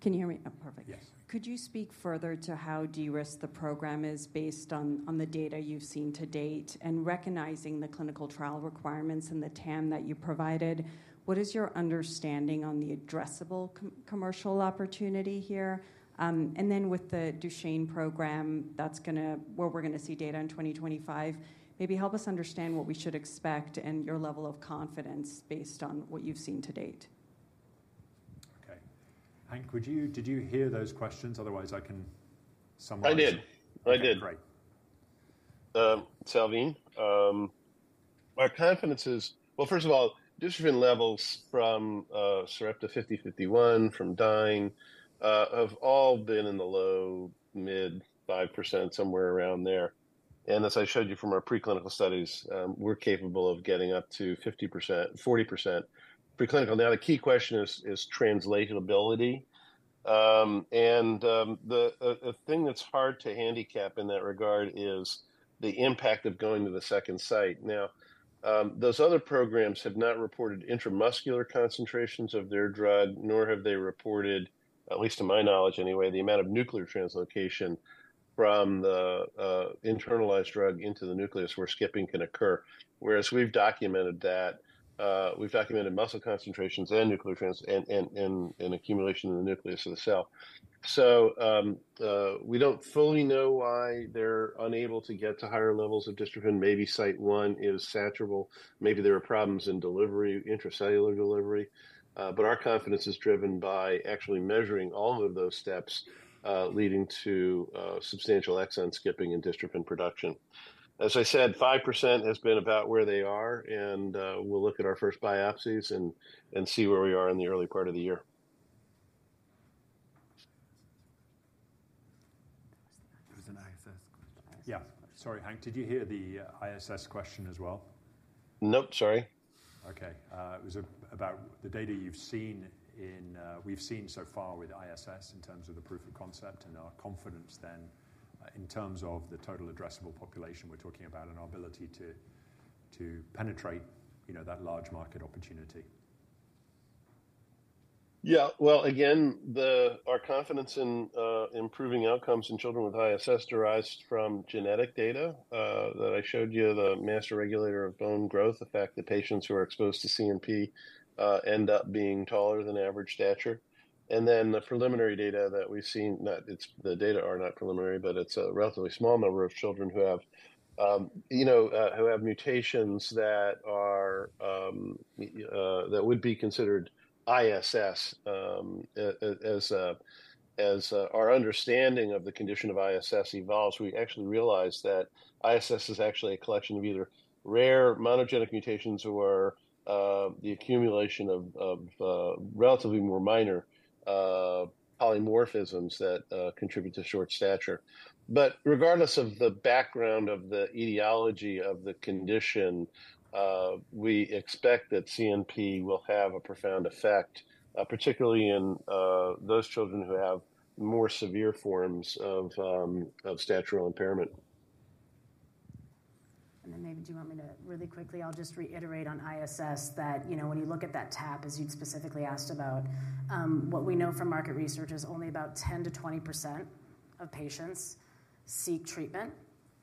S2: Can you hear me? Oh, perfect. Yes. Could you speak further to how de-risked the program is based on the data you've seen to date, and recognizing the clinical trial requirements and the TAM that you provided, what is your understanding on the addressable commercial opportunity here? And then with the Duchenne program, that's where we're gonna see data in 2025, maybe help us understand what we should expect and your level of confidence based on what you've seen to date. Okay. Hank, did you hear those questions? Otherwise, I can summarize.
S4: I did. I did.
S2: Great.
S4: Salveen, our confidence is. Well, first of all, dystrophin levels from SRP-5051, from Dyne, have all been in the low-mid 5%, somewhere around there. And as I showed you from our preclinical studies, we're capable of getting up to 50%, 40% preclinical. Now, the key question is translatability. And the thing that's hard to handicap in that regard is the impact of going to the second site. Now, those other programs have not reported intramuscular concentrations of their drug, nor have they reported, at least to my knowledge anyway, the amount of nuclear translocation from the internalized drug into the nucleus where skipping can occur. Whereas we've documented that. We've documented muscle concentrations and nuclear trans and accumulation in the nucleus of the cell. So, we don't fully know why they're unable to get to higher levels of dystrophin. Maybe site one is saturable, maybe there are problems in delivery, intracellular delivery, but our confidence is driven by actually measuring all of those steps, leading to substantial exon skipping and dystrophin production. As I said, 5% has been about where they are, and we'll look at our first biopsies and see where we are in the early part of the year.
S2: There was an ISS question. Yeah. Sorry, Hank, did you hear the ISS question as well?
S4: Nope, sorry.
S2: Okay, it was about the data you've seen in, we've seen so far with ISS in terms of the proof of concept and our confidence then, in terms of the total addressable population we're talking about and our ability to penetrate, you know, that large market opportunity.
S4: Yeah. Well, again, our confidence in improving outcomes in children with ISS derives from genetic data that I showed you, the master regulator of bone growth, the fact that patients who are exposed to CNP end up being taller than average stature. And then the preliminary data that we've seen, not—it's. The data are not preliminary, but it's a relatively small number of children who have, you know, who have mutations that are that would be considered ISS. As our understanding of the condition of ISS evolves, we actually realize that ISS is actually a collection of either rare monogenic mutations or the accumulation of relatively more minor polymorphisms that contribute to short stature. But regardless of the background of the etiology of the condition, we expect that CNP will have a profound effect, particularly in those children who have more severe forms of statural impairment. And then, David, do you want me to? Really quickly, I'll just reiterate on ISS that, you know, when you look at that TAP, as you'd specifically asked about, what we know from market research is only about 10%-20% of patients seek treatment.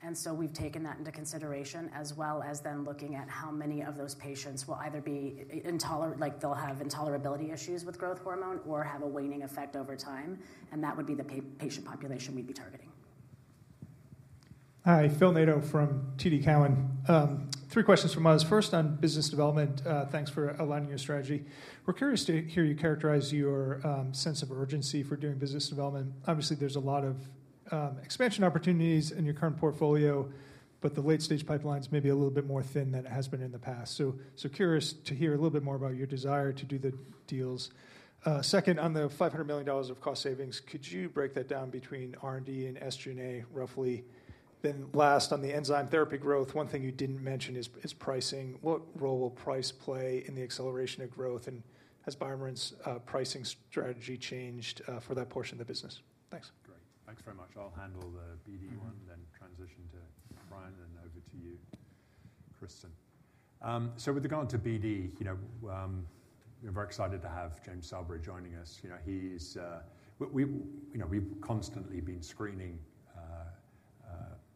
S4: And so we've taken that into consideration, as well as then looking at how many of those patients will either be intolerant, like they'll have intolerability issues with growth hormone or have a waning effect over time, and that would be the patient population we'd be targeting.
S8: Hi, Phil Nadeau from TD Cowen. Three questions from us. First, on business development, thanks for outlining your strategy. We're curious to hear you characterize your sense of urgency for doing business development. Obviously, there's a lot of expansion opportunities in your current portfolio, but the late-stage pipeline's maybe a little bit more thin than it has been in the past. So curious to hear a little bit more about your desire to do the deals. Second, on the $500 million of cost savings, could you break that down between R&D and SG&A, roughly? Then last, on the enzyme therapy growth, one thing you didn't mention is pricing. What role will price play in the acceleration of growth, and has BioMarin's pricing strategy changed for that portion of the business? Thanks.
S2: Great. Thanks very much. I'll handle the BD one, then transition to Brian, and over to you, Cristin. So with regard to BD, you know, we're very excited to have James Sabry joining us. You know, he's, we, you know, we've constantly been screening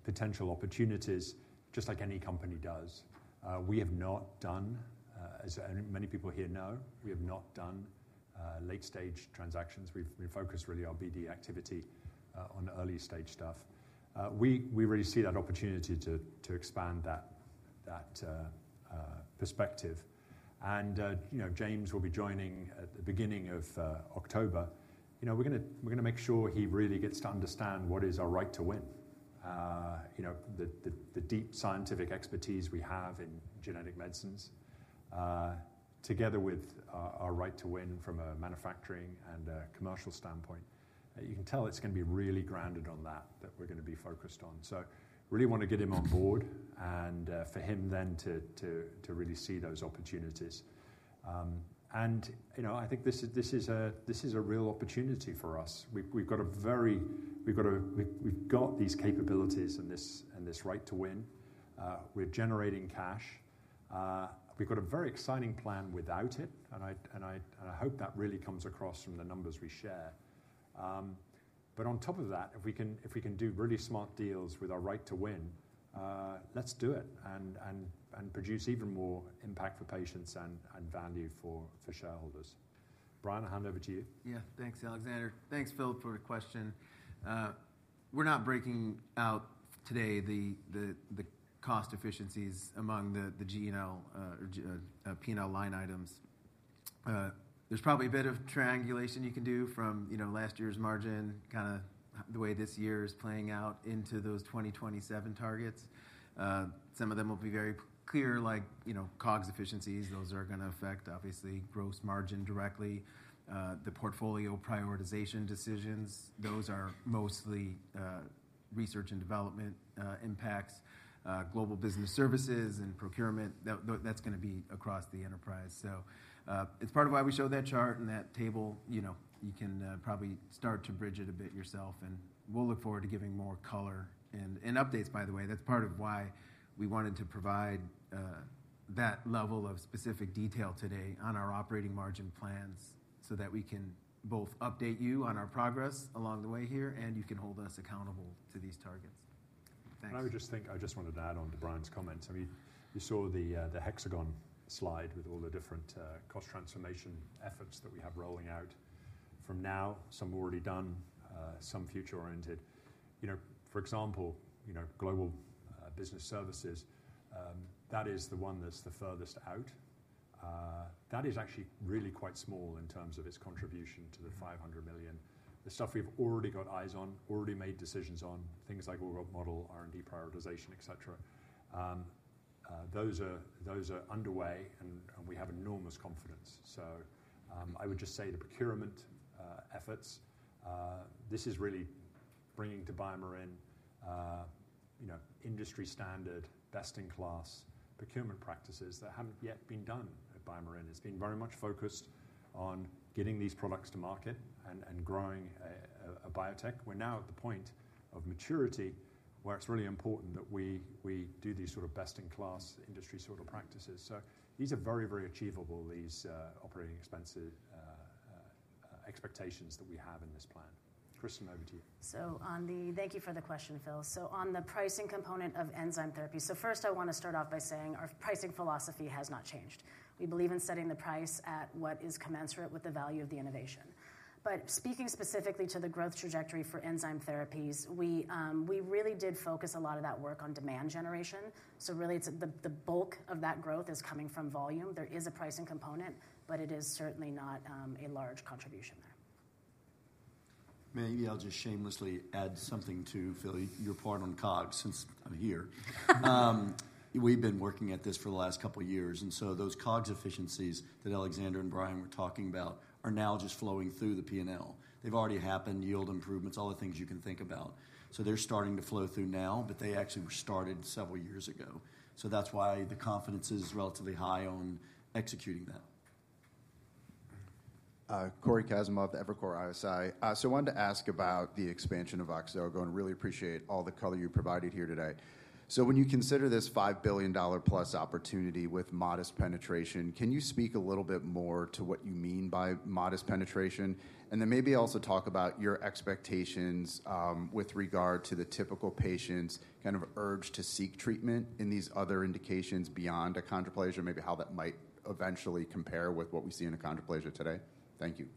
S2: potential opportunities, just like any company does. We have not done, as and many people here know, we have not done late-stage transactions. We've focused really our BD activity on early-stage stuff. We really see that opportunity to expand that perspective. And you know, James will be joining at the beginning of October. You know, we're gonna make sure he really gets to understand what is our right to win. You know, the deep scientific expertise we have in genetic medicines, together with our right to win from a manufacturing and a commercial standpoint. You can tell it's gonna be really grounded on that we're gonna be focused on. So really want to get him on Board and for him then to really see those opportunities. And you know, I think this is a real opportunity for us. We've got these capabilities and this right to win. We're generating cash. We've got a very exciting plan without it, and I hope that really comes across from the numbers we share. But on top of that, if we can do really smart deals with our right to win, let's do it and produce even more impact for patients and value for shareholders. Brian, I'll hand over to you.
S3: Yeah. Thanks, Alexander. Thanks, Phil, for the question. We're not breaking out today the cost efficiencies among the G&A or P&L line items. There's probably a bit of triangulation you can do from, you know, last year's margin, kinda the way this year is playing out into those 2027 targets. Some of them will be very clear, like, you know, COGS efficiencies. Those are gonna affect, obviously, gross margin directly. The portfolio prioritization decisions, those are mostly research and development impacts, global business services and procurement. That's gonna be across the enterprise. So, it's part of why we showed that chart and that table. You know, you can probably start to bridge it a bit yourself, and we'll look forward to giving more color and updates, by the way. That's part of why we wanted to provide that level of specific detail today on our operating margin plans, so that we can both update you on our progress along the way here, and you can hold us accountable to these targets. Thanks.
S2: I just wanted to add on to Brian's comments. I mean, you saw the hexagon slide with all the different cost transformation efforts that we have rolling out from now, some already done, some future-oriented. You know, for example, you know, global business services, that is the one that's the furthest out. That is actually really quite small in terms of its contribution to the $500 million. The stuff we've already got eyes on, already made decisions on, things like org model, R&D prioritization, et cetera, those are underway, and we have enormous confidence. So, I would just say the procurement efforts, this is really bringing to BioMarin, you know, industry-standard, best-in-class procurement practices that haven't yet been done at BioMarin. It's been very much focused on getting these products to market and growing a biotech. We're now at the point of maturity, where it's really important that we do these sort of best-in-class industry sort of practices. So these are very, very achievable, these operating expense expectations that we have in this plan. Cristin, over to you.
S5: Thank you for the question, Phil. So on the pricing component of enzyme therapy, so first I want to start off by saying our pricing philosophy has not changed. We believe in setting the price at what is commensurate with the value of the innovation. But speaking specifically to the growth trajectory for enzyme therapies, we really did focus a lot of that work on demand generation. So really, it's the bulk of that growth is coming from volume. There is a pricing component, but it is certainly not a large contribution there.
S9: Maybe I'll just shamelessly add something to Phil, your part on COGS, since I'm here. We've been working at this for the last couple of years, and so those COGS efficiencies that Alexander and Brian were talking about are now just flowing through the P&L. They've already happened, yield improvements, all the things you can think about. So they're starting to flow through now, but they actually were started several years ago. So that's why the confidence is relatively high on executing that.
S10: Cory Kasimov, Evercore ISI. So I wanted to ask about the expansion of Voxzogo, and really appreciate all the color you provided here today. So when you consider this $5 billion-plus opportunity with modest penetration, can you speak a little bit more to what you mean by modest penetration? And then maybe also talk about your expectations, with regard to the typical patient's kind of urge to seek treatment in these other indications beyond achondroplasia, maybe how that might eventually compare with what we see in achondroplasia today. Thank you.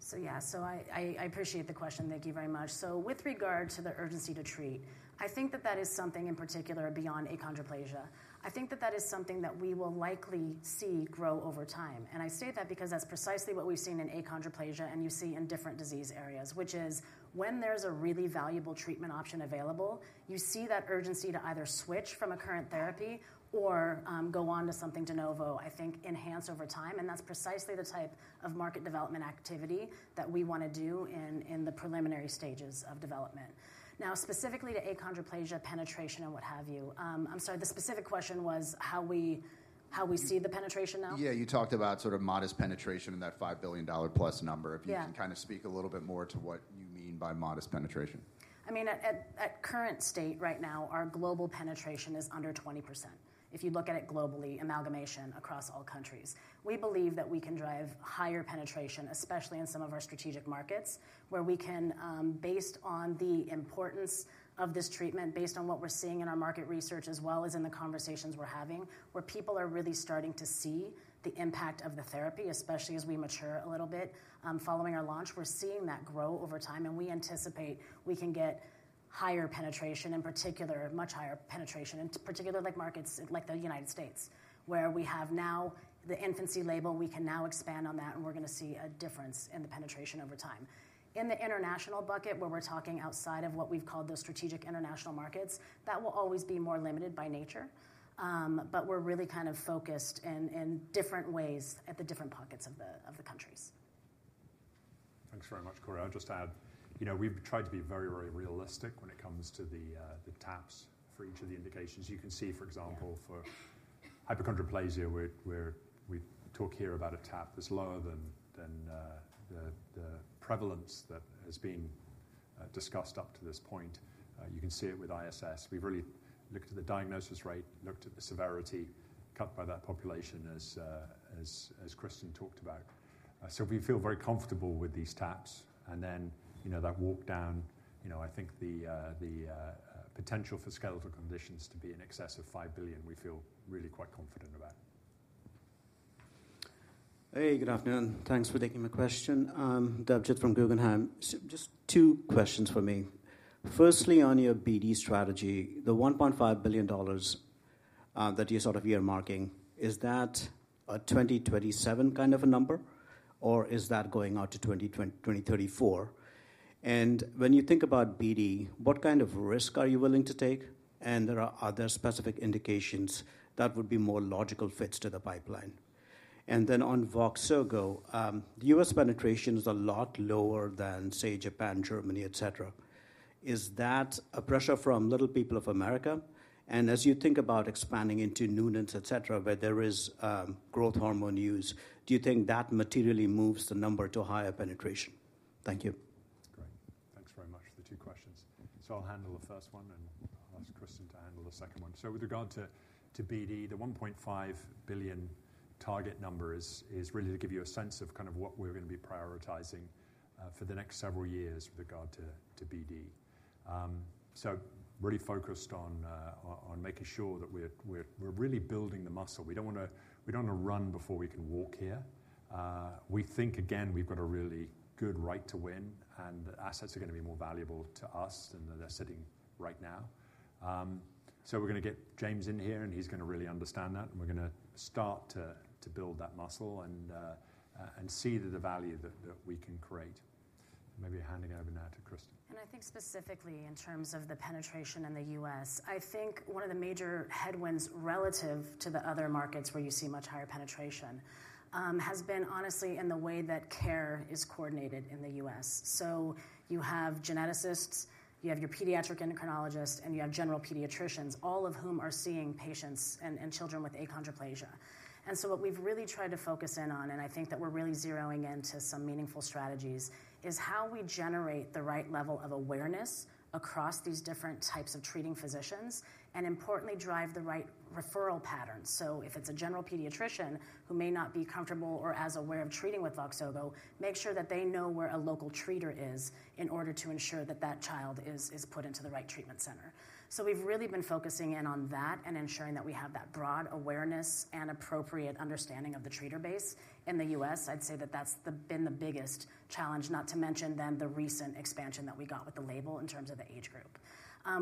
S5: So yeah, so I appreciate the question. Thank you very much. So with regard to the urgency to treat, I think that that is something in particular beyond achondroplasia. I think that that is something that we will likely see grow over time. And I say that because that's precisely what we've seen in achondroplasia and you see in different disease areas, which is when there's a really valuable treatment option available, you see that urgency to either switch from a current therapy or, go on to something de novo, I think, enhance over time, and that's precisely the type of market development activity that we wanna do in the preliminary stages of development. Now, specifically to achondroplasia, penetration, and what have you, I'm sorry, the specific question was how we see the penetration now?
S10: Yeah, you talked about sort of modest penetration in that $5 billion-plus number.
S5: Yeah.
S10: If you can kind of speak a little bit more to what you mean by modest penetration?...
S5: I mean, at current state right now, our global penetration is under 20%. If you look at it globally, amalgamation across all countries. We believe that we can drive higher penetration, especially in some of our strategic markets, where we can, based on the importance of this treatment, based on what we're seeing in our market research, as well as in the conversations we're having, where people are really starting to see the impact of the therapy, especially as we mature a little bit, following our launch. We're seeing that grow over time, and we anticipate we can get higher penetration, in particular, much higher penetration, in particular, like markets like the United States, where we have now the infancy label, we can now expand on that, and we're gonna see a difference in the penetration over time. In the international bucket, where we're talking outside of what we've called those strategic international markets, that will always be more limited by nature. But we're really kind of focused in different ways at the different pockets of the countries.
S2: Thanks very much, Cory. I'll just add, you know, we've tried to be very, very realistic when it comes to the TAPS for each of the indications. You can see, for example, for hypochondroplasia, where we talk here about a TAP that's lower than the prevalence that has been discussed up to this point. You can see it with ISS. We've really looked at the diagnosis rate, looked at the severity cut by that population as Cristin talked about. So we feel very comfortable with these TAPS, and then, you know, that walk down, you know, I think the potential for skeletal conditions to be in excess of $5 billion, we feel really quite confident about.
S11: Hey, good afternoon. Thanks for taking my question. I'm Debjit from Guggenheim. So just two questions for me. Firstly, on your BD strategy, the $1.5 billion that you're sort of earmarking, is that a 2027 kind of a number, or is that going out to 2034? And when you think about BD, what kind of risk are you willing to take? And are there specific indications that would be more logical fits to the pipeline? And then on Voxzogo, U.S. penetration is a lot lower than, say, Japan, Germany, etc. Is that a pressure from Little People of America? And as you think about expanding into Noonan's, etc., where there is growth hormone use, do you think that materially moves the number to higher penetration? Thank you.
S2: Great. Thanks very much for the two questions. So I'll handle the first one, and I'll ask Cristin to handle the second one. So with regard to BD, the $1.5 billion target number is really to give you a sense of kind of what we're gonna be prioritizing for the next several years with regard to BD. So really focused on making sure that we're really building the muscle. We don't wanna, we don't wanna run before we can walk here. We think, again, we've got a really good right to win, and the assets are gonna be more valuable to us than they're sitting right now. So we're gonna get James in here, and he's gonna really understand that, and we're gonna start to build that muscle and see the value that we can create. Maybe handing over now to Cristin.
S5: And I think specifically in terms of the penetration in the U.S., I think one of the major headwinds relative to the other markets where you see much higher penetration has been honestly in the way that care is coordinated in the U.S. So you have geneticists, you have your pediatric endocrinologist, and you have general pediatricians, all of whom are seeing patients and children with achondroplasia. And so what we've really tried to focus in on, and I think that we're really zeroing in to some meaningful strategies, is how we generate the right level of awareness across these different types of treating physicians and importantly, drive the right referral patterns. So if it's a general pediatrician who may not be comfortable or as aware of treating with Voxzogo, make sure that they know where a local treater is in order to ensure that that child is put into the right treatment center. So we've really been focusing in on that and ensuring that we have that broad awareness and appropriate understanding of the treater base. In the U.S., I'd say that that's been the biggest challenge, not to mention then the recent expansion that we got with the label in terms of the age group.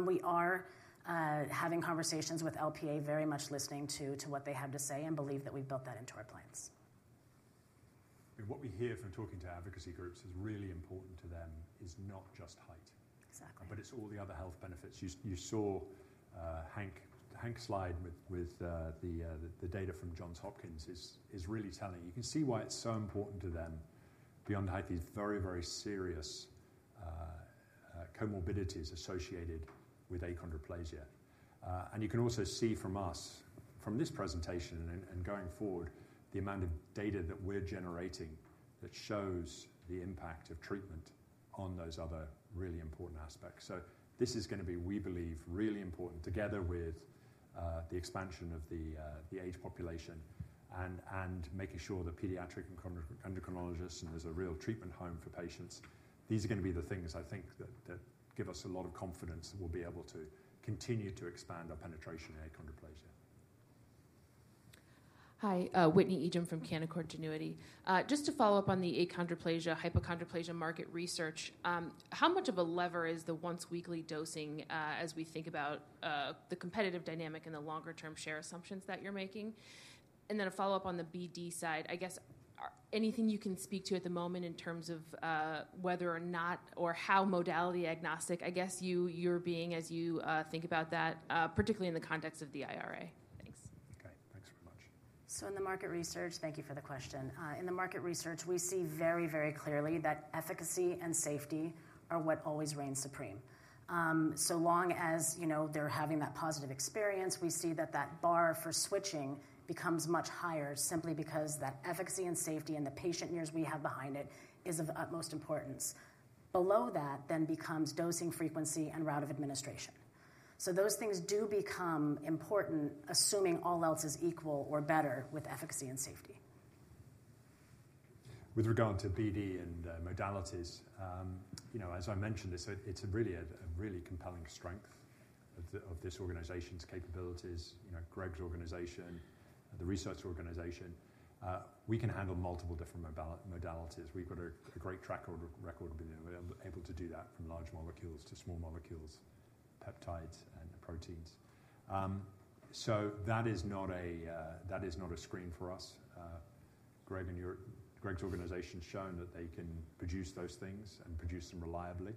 S5: We are having conversations with LPA, very much listening to what they have to say and believe that we've built that into our plans.
S2: And what we hear from talking to advocacy groups is really important to them, is not just height.
S5: Exactly
S2: But it's all the other health benefits. You saw Hank's slide with the data from Johns Hopkins is really telling. You can see why it's so important to them beyond the height, these very serious comorbidities associated with achondroplasia. And you can also see from us, from this presentation and going forward, the amount of data that we're generating that shows the impact of treatment on those other really important aspects. So this is gonna be, we believe, really important, together with the expansion of the age population and making sure that pediatric endocrinologists, and there's a real treatment home for patients. These are gonna be the things I think that give us a lot of confidence that we'll be able to continue to expand our penetration in achondroplasia.
S12: Hi, Whitney Ijem from Canaccord Genuity. Just to follow up on the achondroplasia, hypochondroplasia market research, how much of a lever is the once weekly dosing, as we think about the competitive dynamic and the longer-term share assumptions that you're making? And then a follow-up on the BD side, I guess, anything you can speak to at the moment in terms of whether or not or how modality agnostic, I guess you're being as you think about that, particularly in the context of the IRA. Thanks.
S2: Okay, thanks very much.
S5: So in the market research. Thank you for the question. In the market research, we see very, very clearly that efficacy and safety are what always reigns supreme. So long as, you know, they're having that positive experience, we see that that bar for switching becomes much higher simply because that efficacy and safety and the patient years we have behind it is of utmost importance. Below that then becomes dosing frequency and route of administration. So those things do become important, assuming all else is equal or better with efficacy and safety.
S2: With regard to BD and modalities, you know, as I mentioned this, it's a really compelling strength of this organization's capabilities. You know, Greg's organization, the research organization, we can handle multiple different modalities. We've got a great track record. We're able to do that from large molecules to small molecules, peptides, and proteins. So that is not a screen for us. Greg's organization has shown that they can produce those things and produce them reliably,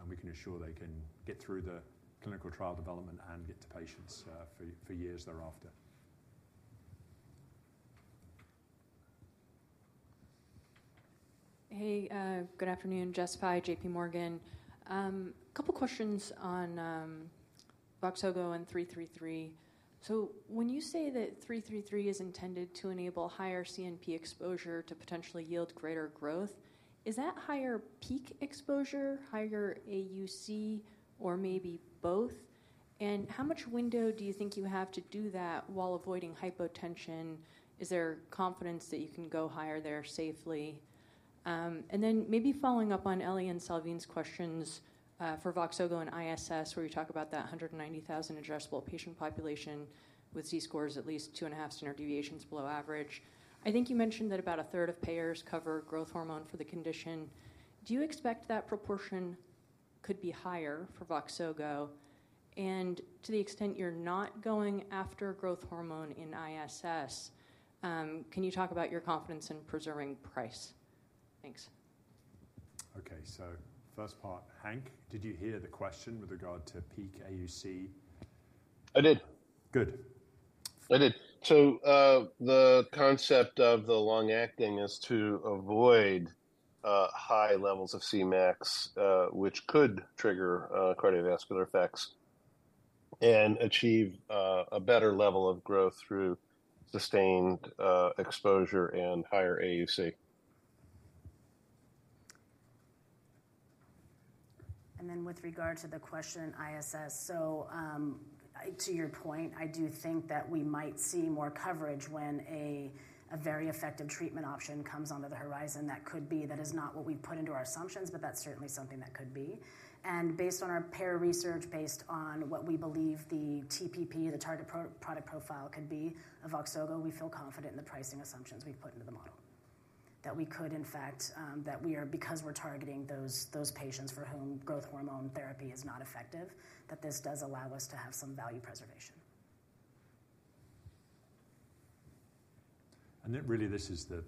S2: and we can ensure they can get through the clinical trial development and get to patients for years thereafter.
S13: Hey, good afternoon, Jessica Fye, JP Morgan. A couple of questions on Voxzogo and 333. So when you say that 333 is intended to enable higher CNP exposure to potentially yield greater growth, is that higher peak exposure, higher AUC, or maybe both? And how much window do you think you have to do that while avoiding hypotension? Is there confidence that you can go higher there safely? And then maybe following up on Ellie and Salveen's questions, for Voxzogo and ISS, where you talk about that 190,000 addressable patient population with Z-scores at least 2.5 standard deviations below average. I think you mentioned that about a third of payers cover growth hormone for the condition. Do you expect that proportion could be higher for Voxzogo? To the extent you're not going after growth hormone in ISS, can you talk about your confidence in preserving price? Thanks.
S2: Okay. So first part, Hank, did you hear the question with regard to peak AUC?
S4: I did.
S2: Good.
S4: I did. So, the concept of the long-acting is to avoid high levels of Cmax, which could trigger cardiovascular effects, and achieve a better level of growth through sustained exposure and higher AUC.
S5: And then with regard to the question, ISS. So, to your point, I do think that we might see more coverage when a very effective treatment option comes onto the horizon. That could be, that is not what we put into our assumptions, but that's certainly something that could be. And based on our payer research, based on what we believe the TPP, the target product profile, could be of Voxzogo, we feel confident in the pricing assumptions we've put into the model. That we could in fact, That we are because we're targeting those patients for whom growth hormone therapy is not effective, that this does allow us to have some value preservation.
S2: Really, this is the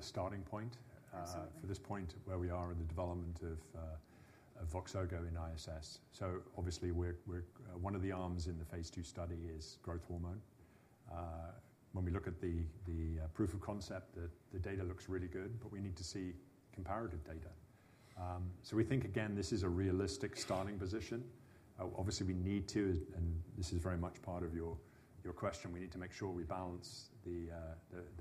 S2: starting point-
S5: Absolutely...
S2: for this point where we are in the development of Voxzogo in ISS. So obviously, we're one of the arms in the phase two study is growth hormone. When we look at the proof of concept, the data looks really good, but we need to see comparative data. So we think, again, this is a realistic starting position. Obviously, we need to, and this is very much part of your question, we need to make sure we balance the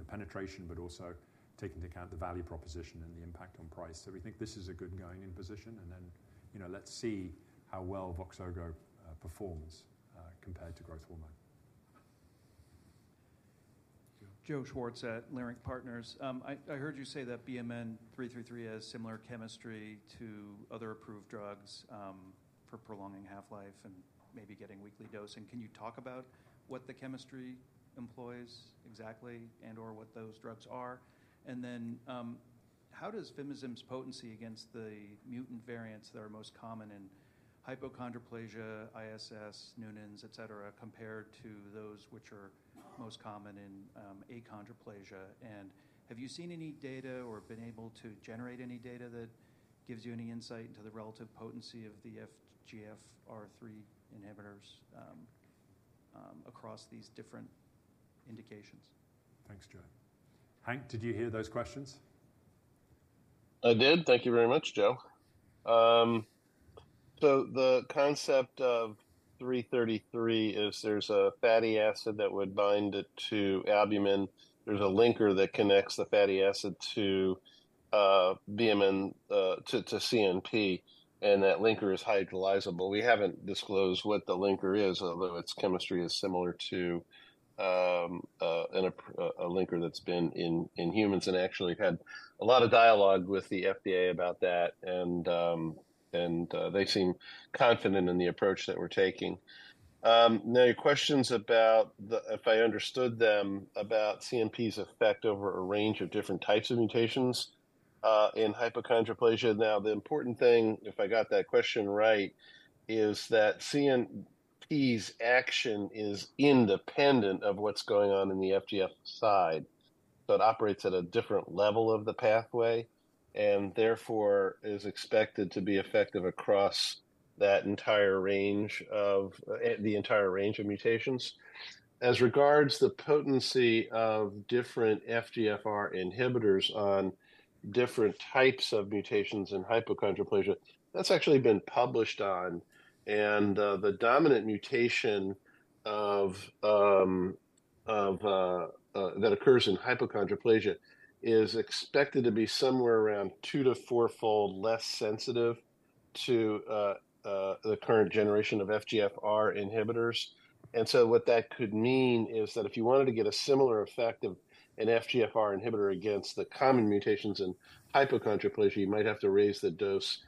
S2: penetration, but also take into account the value proposition and the impact on price. So we think this is a good going-in position, and then, you know, let's see how well Voxzogo performs compared to growth hormone. Joe?
S14: Joe Schwartz at Leerink Partners. I heard you say that BMN 333 has similar chemistry to other approved drugs for prolonging half-life and maybe getting weekly dosing. Can you talk about what the chemistry employs exactly and/or what those drugs are? And then, how does Pemazyre's potency against the mutant variants that are most common in hypochondroplasia, ISS, Noonan’s, et cetera, compared to those which are most common in achondroplasia? And have you seen any data or been able to generate any data that gives you any insight into the relative potency of the FGFR3 inhibitors across these different indications?
S2: Thanks, Joe. Hank, did you hear those questions?
S4: I did. Thank you very much, Joe. So the concept of BMN 333 is there's a fatty acid that would bind it to albumin. There's a linker that connects the fatty acid to BMN to CNP, and that linker is hydrolyzable. We haven't disclosed what the linker is, although its chemistry is similar to a linker that's been in humans and actually had a lot of dialogue with the FDA about that, and they seem confident in the approach that we're taking. Now, your questions about the... If I understood them, about CNP's effect over a range of different types of mutations in hypochondroplasia. Now, the important thing, if I got that question right, is that CNP's action is independent of what's going on in the FGF side, but operates at a different level of the pathway, and therefore, is expected to be effective across that entire range of mutations. As regards the potency of different FGFR inhibitors on different types of mutations in hypochondroplasia, that's actually been published on, and the dominant mutation that occurs in hypochondroplasia is expected to be somewhere around two- to fourfold less sensitive to the current generation of FGFR inhibitors. And so what that could mean is that if you wanted to get a similar effect of an FGFR inhibitor against the common mutations in hypochondroplasia, you might have to raise the dose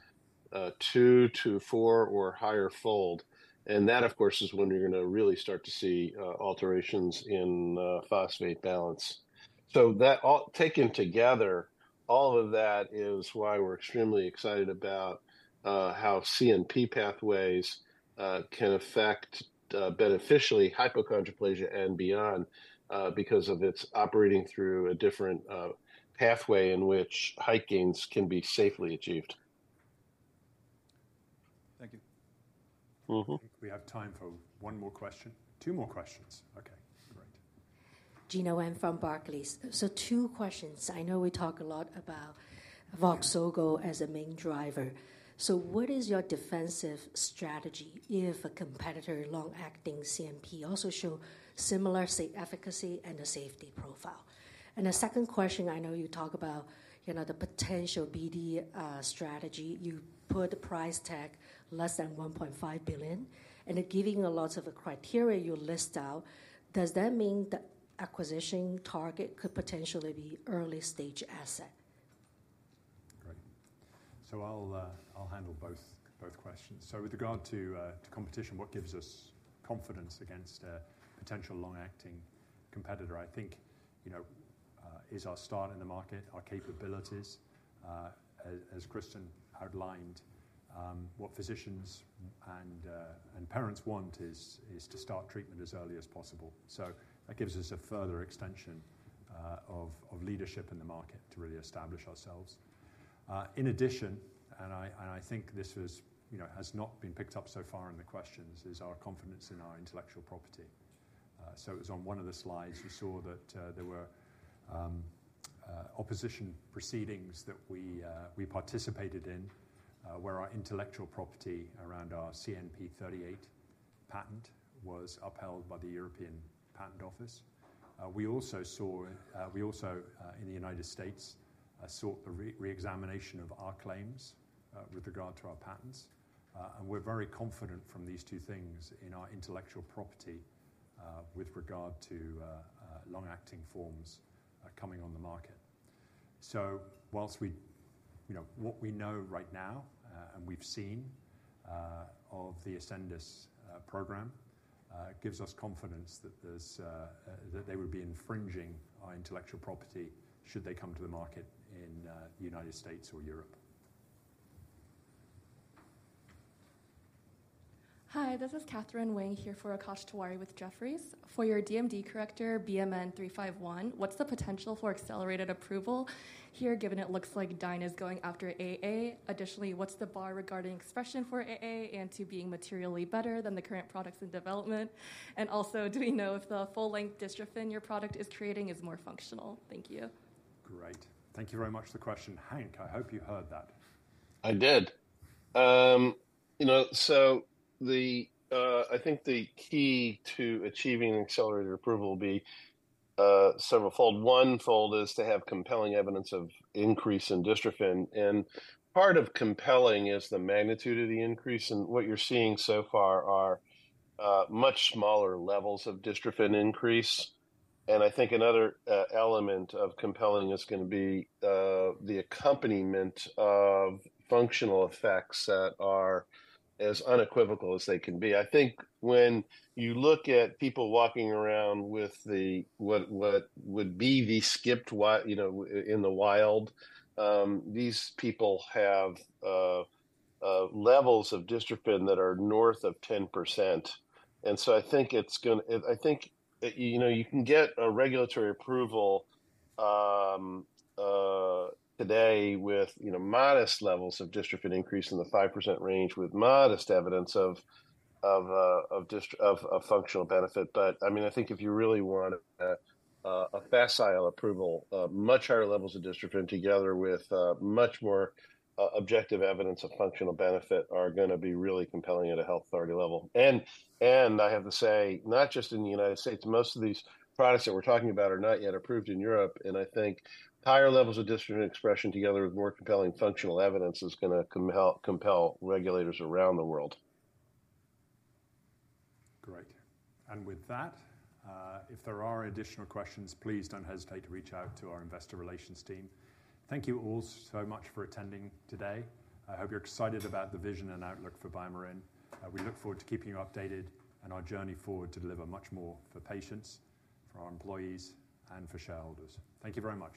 S4: two- to four- or higher fold. That, of course, is when you're gonna really start to see alterations in phosphate balance. That all, taken together, all of that is why we're extremely excited about how CNP pathways can affect beneficially hypochondroplasia and beyond, because of its operating through a different pathway in which high gains can be safely achieved.
S2: Thank you.
S4: Mm-hmm.
S2: We have time for one more question. Two more questions. Okay, great.
S15: Gena Wang from Barclays. So two questions. I know we talk a lot about Voxzogo as a main driver. So what is your defensive strategy if a competitor long-acting CNP also show similar, say, efficacy and a safety profile? And a second question, I know you talk about, you know, the potential BD strategy. You put price tag less than $1.5 billion, and giving a lot of the criteria you list out, does that mean the acquisition target could potentially be early-stage asset?
S2: Great. So I'll handle both questions. So with regard to competition, what gives us confidence against a potential long-acting competitor, I think, you know, is our start in the market, our capabilities. As Cristin outlined, what physicians and parents want is to start treatment as early as possible. So that gives us a further extension of leadership in the market to really establish ourselves. In addition, and I think this was, you know, has not been picked up so far in the questions, is our confidence in our intellectual property. So it was on one of the slides, we saw that there were opposition proceedings that we participated in, where our intellectual property around our CNP-38 patent was upheld by the European Patent Office. We also saw, we also, in the United States, sought the re-examination of our claims with regard to our patents. And we're very confident from these two things in our intellectual property with regard to long-acting forms coming on the market. So whilst we... You know, what we know right now, and we've seen, of the Ascendis program, gives us confidence that this, that they would be infringing our intellectual property should they come to the market in United States or Europe.
S16: Hi, this is Katherine Wang, here for Akash Tewari with Jefferies. For your DMD corrector, BMN 351, what's the potential for accelerated approval here, given it looks like Dyne is going after AA? Additionally, what's the bar regarding expression for AA and to being materially better than the current products in development? And also, do we know if the full-length dystrophin your product is creating is more functional? Thank you.
S2: Great. Thank you very much for the question. Hank, I hope you heard that.
S4: I did. You know, so the, I think the key to achieving an accelerated approval will be several fold. One fold is to have compelling evidence of increase in dystrophin. And part of compelling is the magnitude of the increase, and what you're seeing so far are much smaller levels of dystrophin increase. And I think another element of compelling is gonna be the accompaniment of functional effects that are as unequivocal as they can be. I think when you look at people walking around with the, what would be the skipped wi-- you know, in the wild, these people have levels of dystrophin that are north of 10%. And so I think it's gonna... I think, you know, you can get a regulatory approval today with, you know, modest levels of dystrophin increase in the 5% range, with modest evidence of functional benefit. But I mean, I think if you really want a facile approval, much higher levels of dystrophin together with much more objective evidence of functional benefit are gonna be really compelling at a health authority level. And I have to say, not just in the United States, most of these products that we're talking about are not yet approved in Europe, and I think higher levels of dystrophin expression together with more compelling functional evidence is gonna compel regulators around the world.
S2: Great. And with that, if there are additional questions, please don't hesitate to reach out to our investor relations team. Thank you all so much for attending today. I hope you're excited about the vision and outlook for BioMarin. We look forward to keeping you updated on our journey forward to deliver much more for patients, for our employees, and for shareholders. Thank you very much.